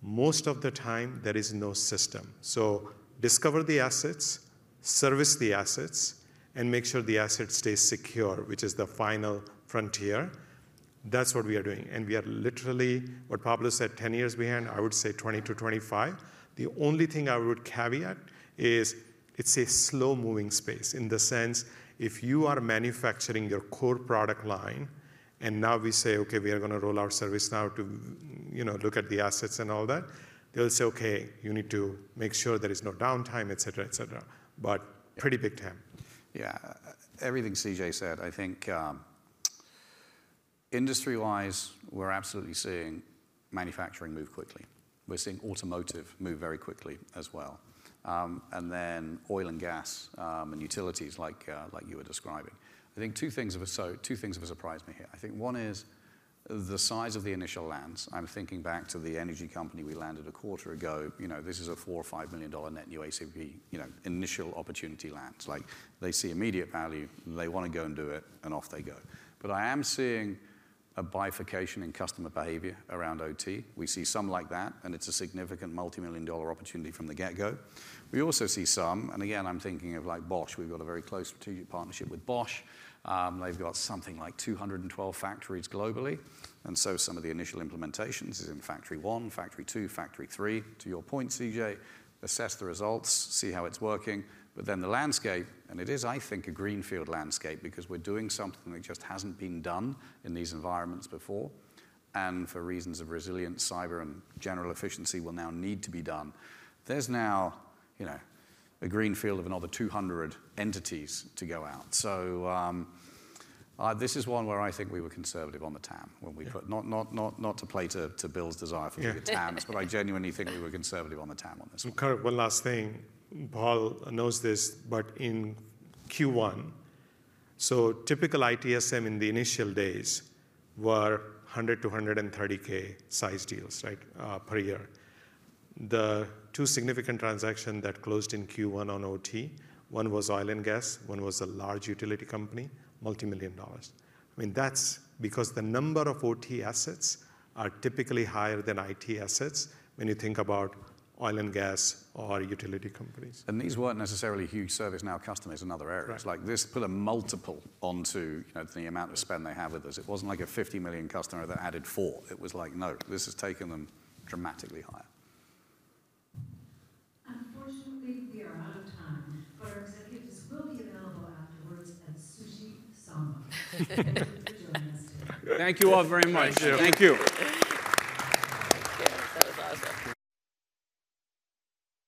Most of the time, there is no system. So discover the assets, service the assets, and make sure the asset stays secure, which is the final frontier. That's what we are doing. And we are literally, what Pablo said, 10 years behind. I would say 20-25. The only thing I would caveat is it's a slow-moving space in the sense if you are manufacturing your core product line. And now we say, OK, we are going to roll out ServiceNow to look at the assets and all that, they'll say, OK, you need to make sure there is no downtime, et cetera, et cetera. But pretty big TAM. Yeah, everything CJ said. I think industry-wise, we're absolutely seeing manufacturing move quickly. We're seeing automotive move very quickly as well and then oil and gas and utilities like you were describing. I think two things have surprised me here. I think one is the size of the initial lands. I'm thinking back to the energy company we landed a quarter ago. This is a $4 million-$5 million net new ACV initial opportunity lands. They see immediate value. They want to go and do it. And off they go. But I am seeing a bifurcation in customer behavior around OT. We see some like that. And it's a significant multimillion-dollar opportunity from the get-go. We also see some. And again, I'm thinking of Bosch. We've got a very close strategic partnership with Bosch. They've got something like 212 factories globally. And so some of the initial implementations is in factory one, factory two, factory three, to your point, CJ, assess the results, see how it's working. But then the landscape and it is, I think, a greenfield landscape because we're doing something that just hasn't been done in these environments before. And for reasons of resilience, cyber, and general efficiency will now need to be done. There's now a greenfield of another 200 entities to go out. So this is one where I think we were conservative on the TAM when we put not to play to Bill's desire for bigger TAMs. But I genuinely think we were conservative on the TAM on this one. Kirk, one last thing. Paul knows this. But in Q1, so typical ITSM in the initial days were $100,000-$130,000 size deals per year. The two significant transactions that closed in Q1 on OT, one was oil and gas. One was a large utility company, multimillion dollars. I mean, that's because the number of OT assets are typically higher than IT assets when you think about oil and gas or utility companies. These weren't necessarily huge ServiceNow customers in other areas. This put a multiple onto the amount of spend they have with us. It wasn't like a $50 million customer that added $4 million. It was like, no, this has taken them dramatically higher. Unfortunately, we are out of time. But our executives will be available afterwards at SushiSamba for joining us today. Thank you all very much. Thank you.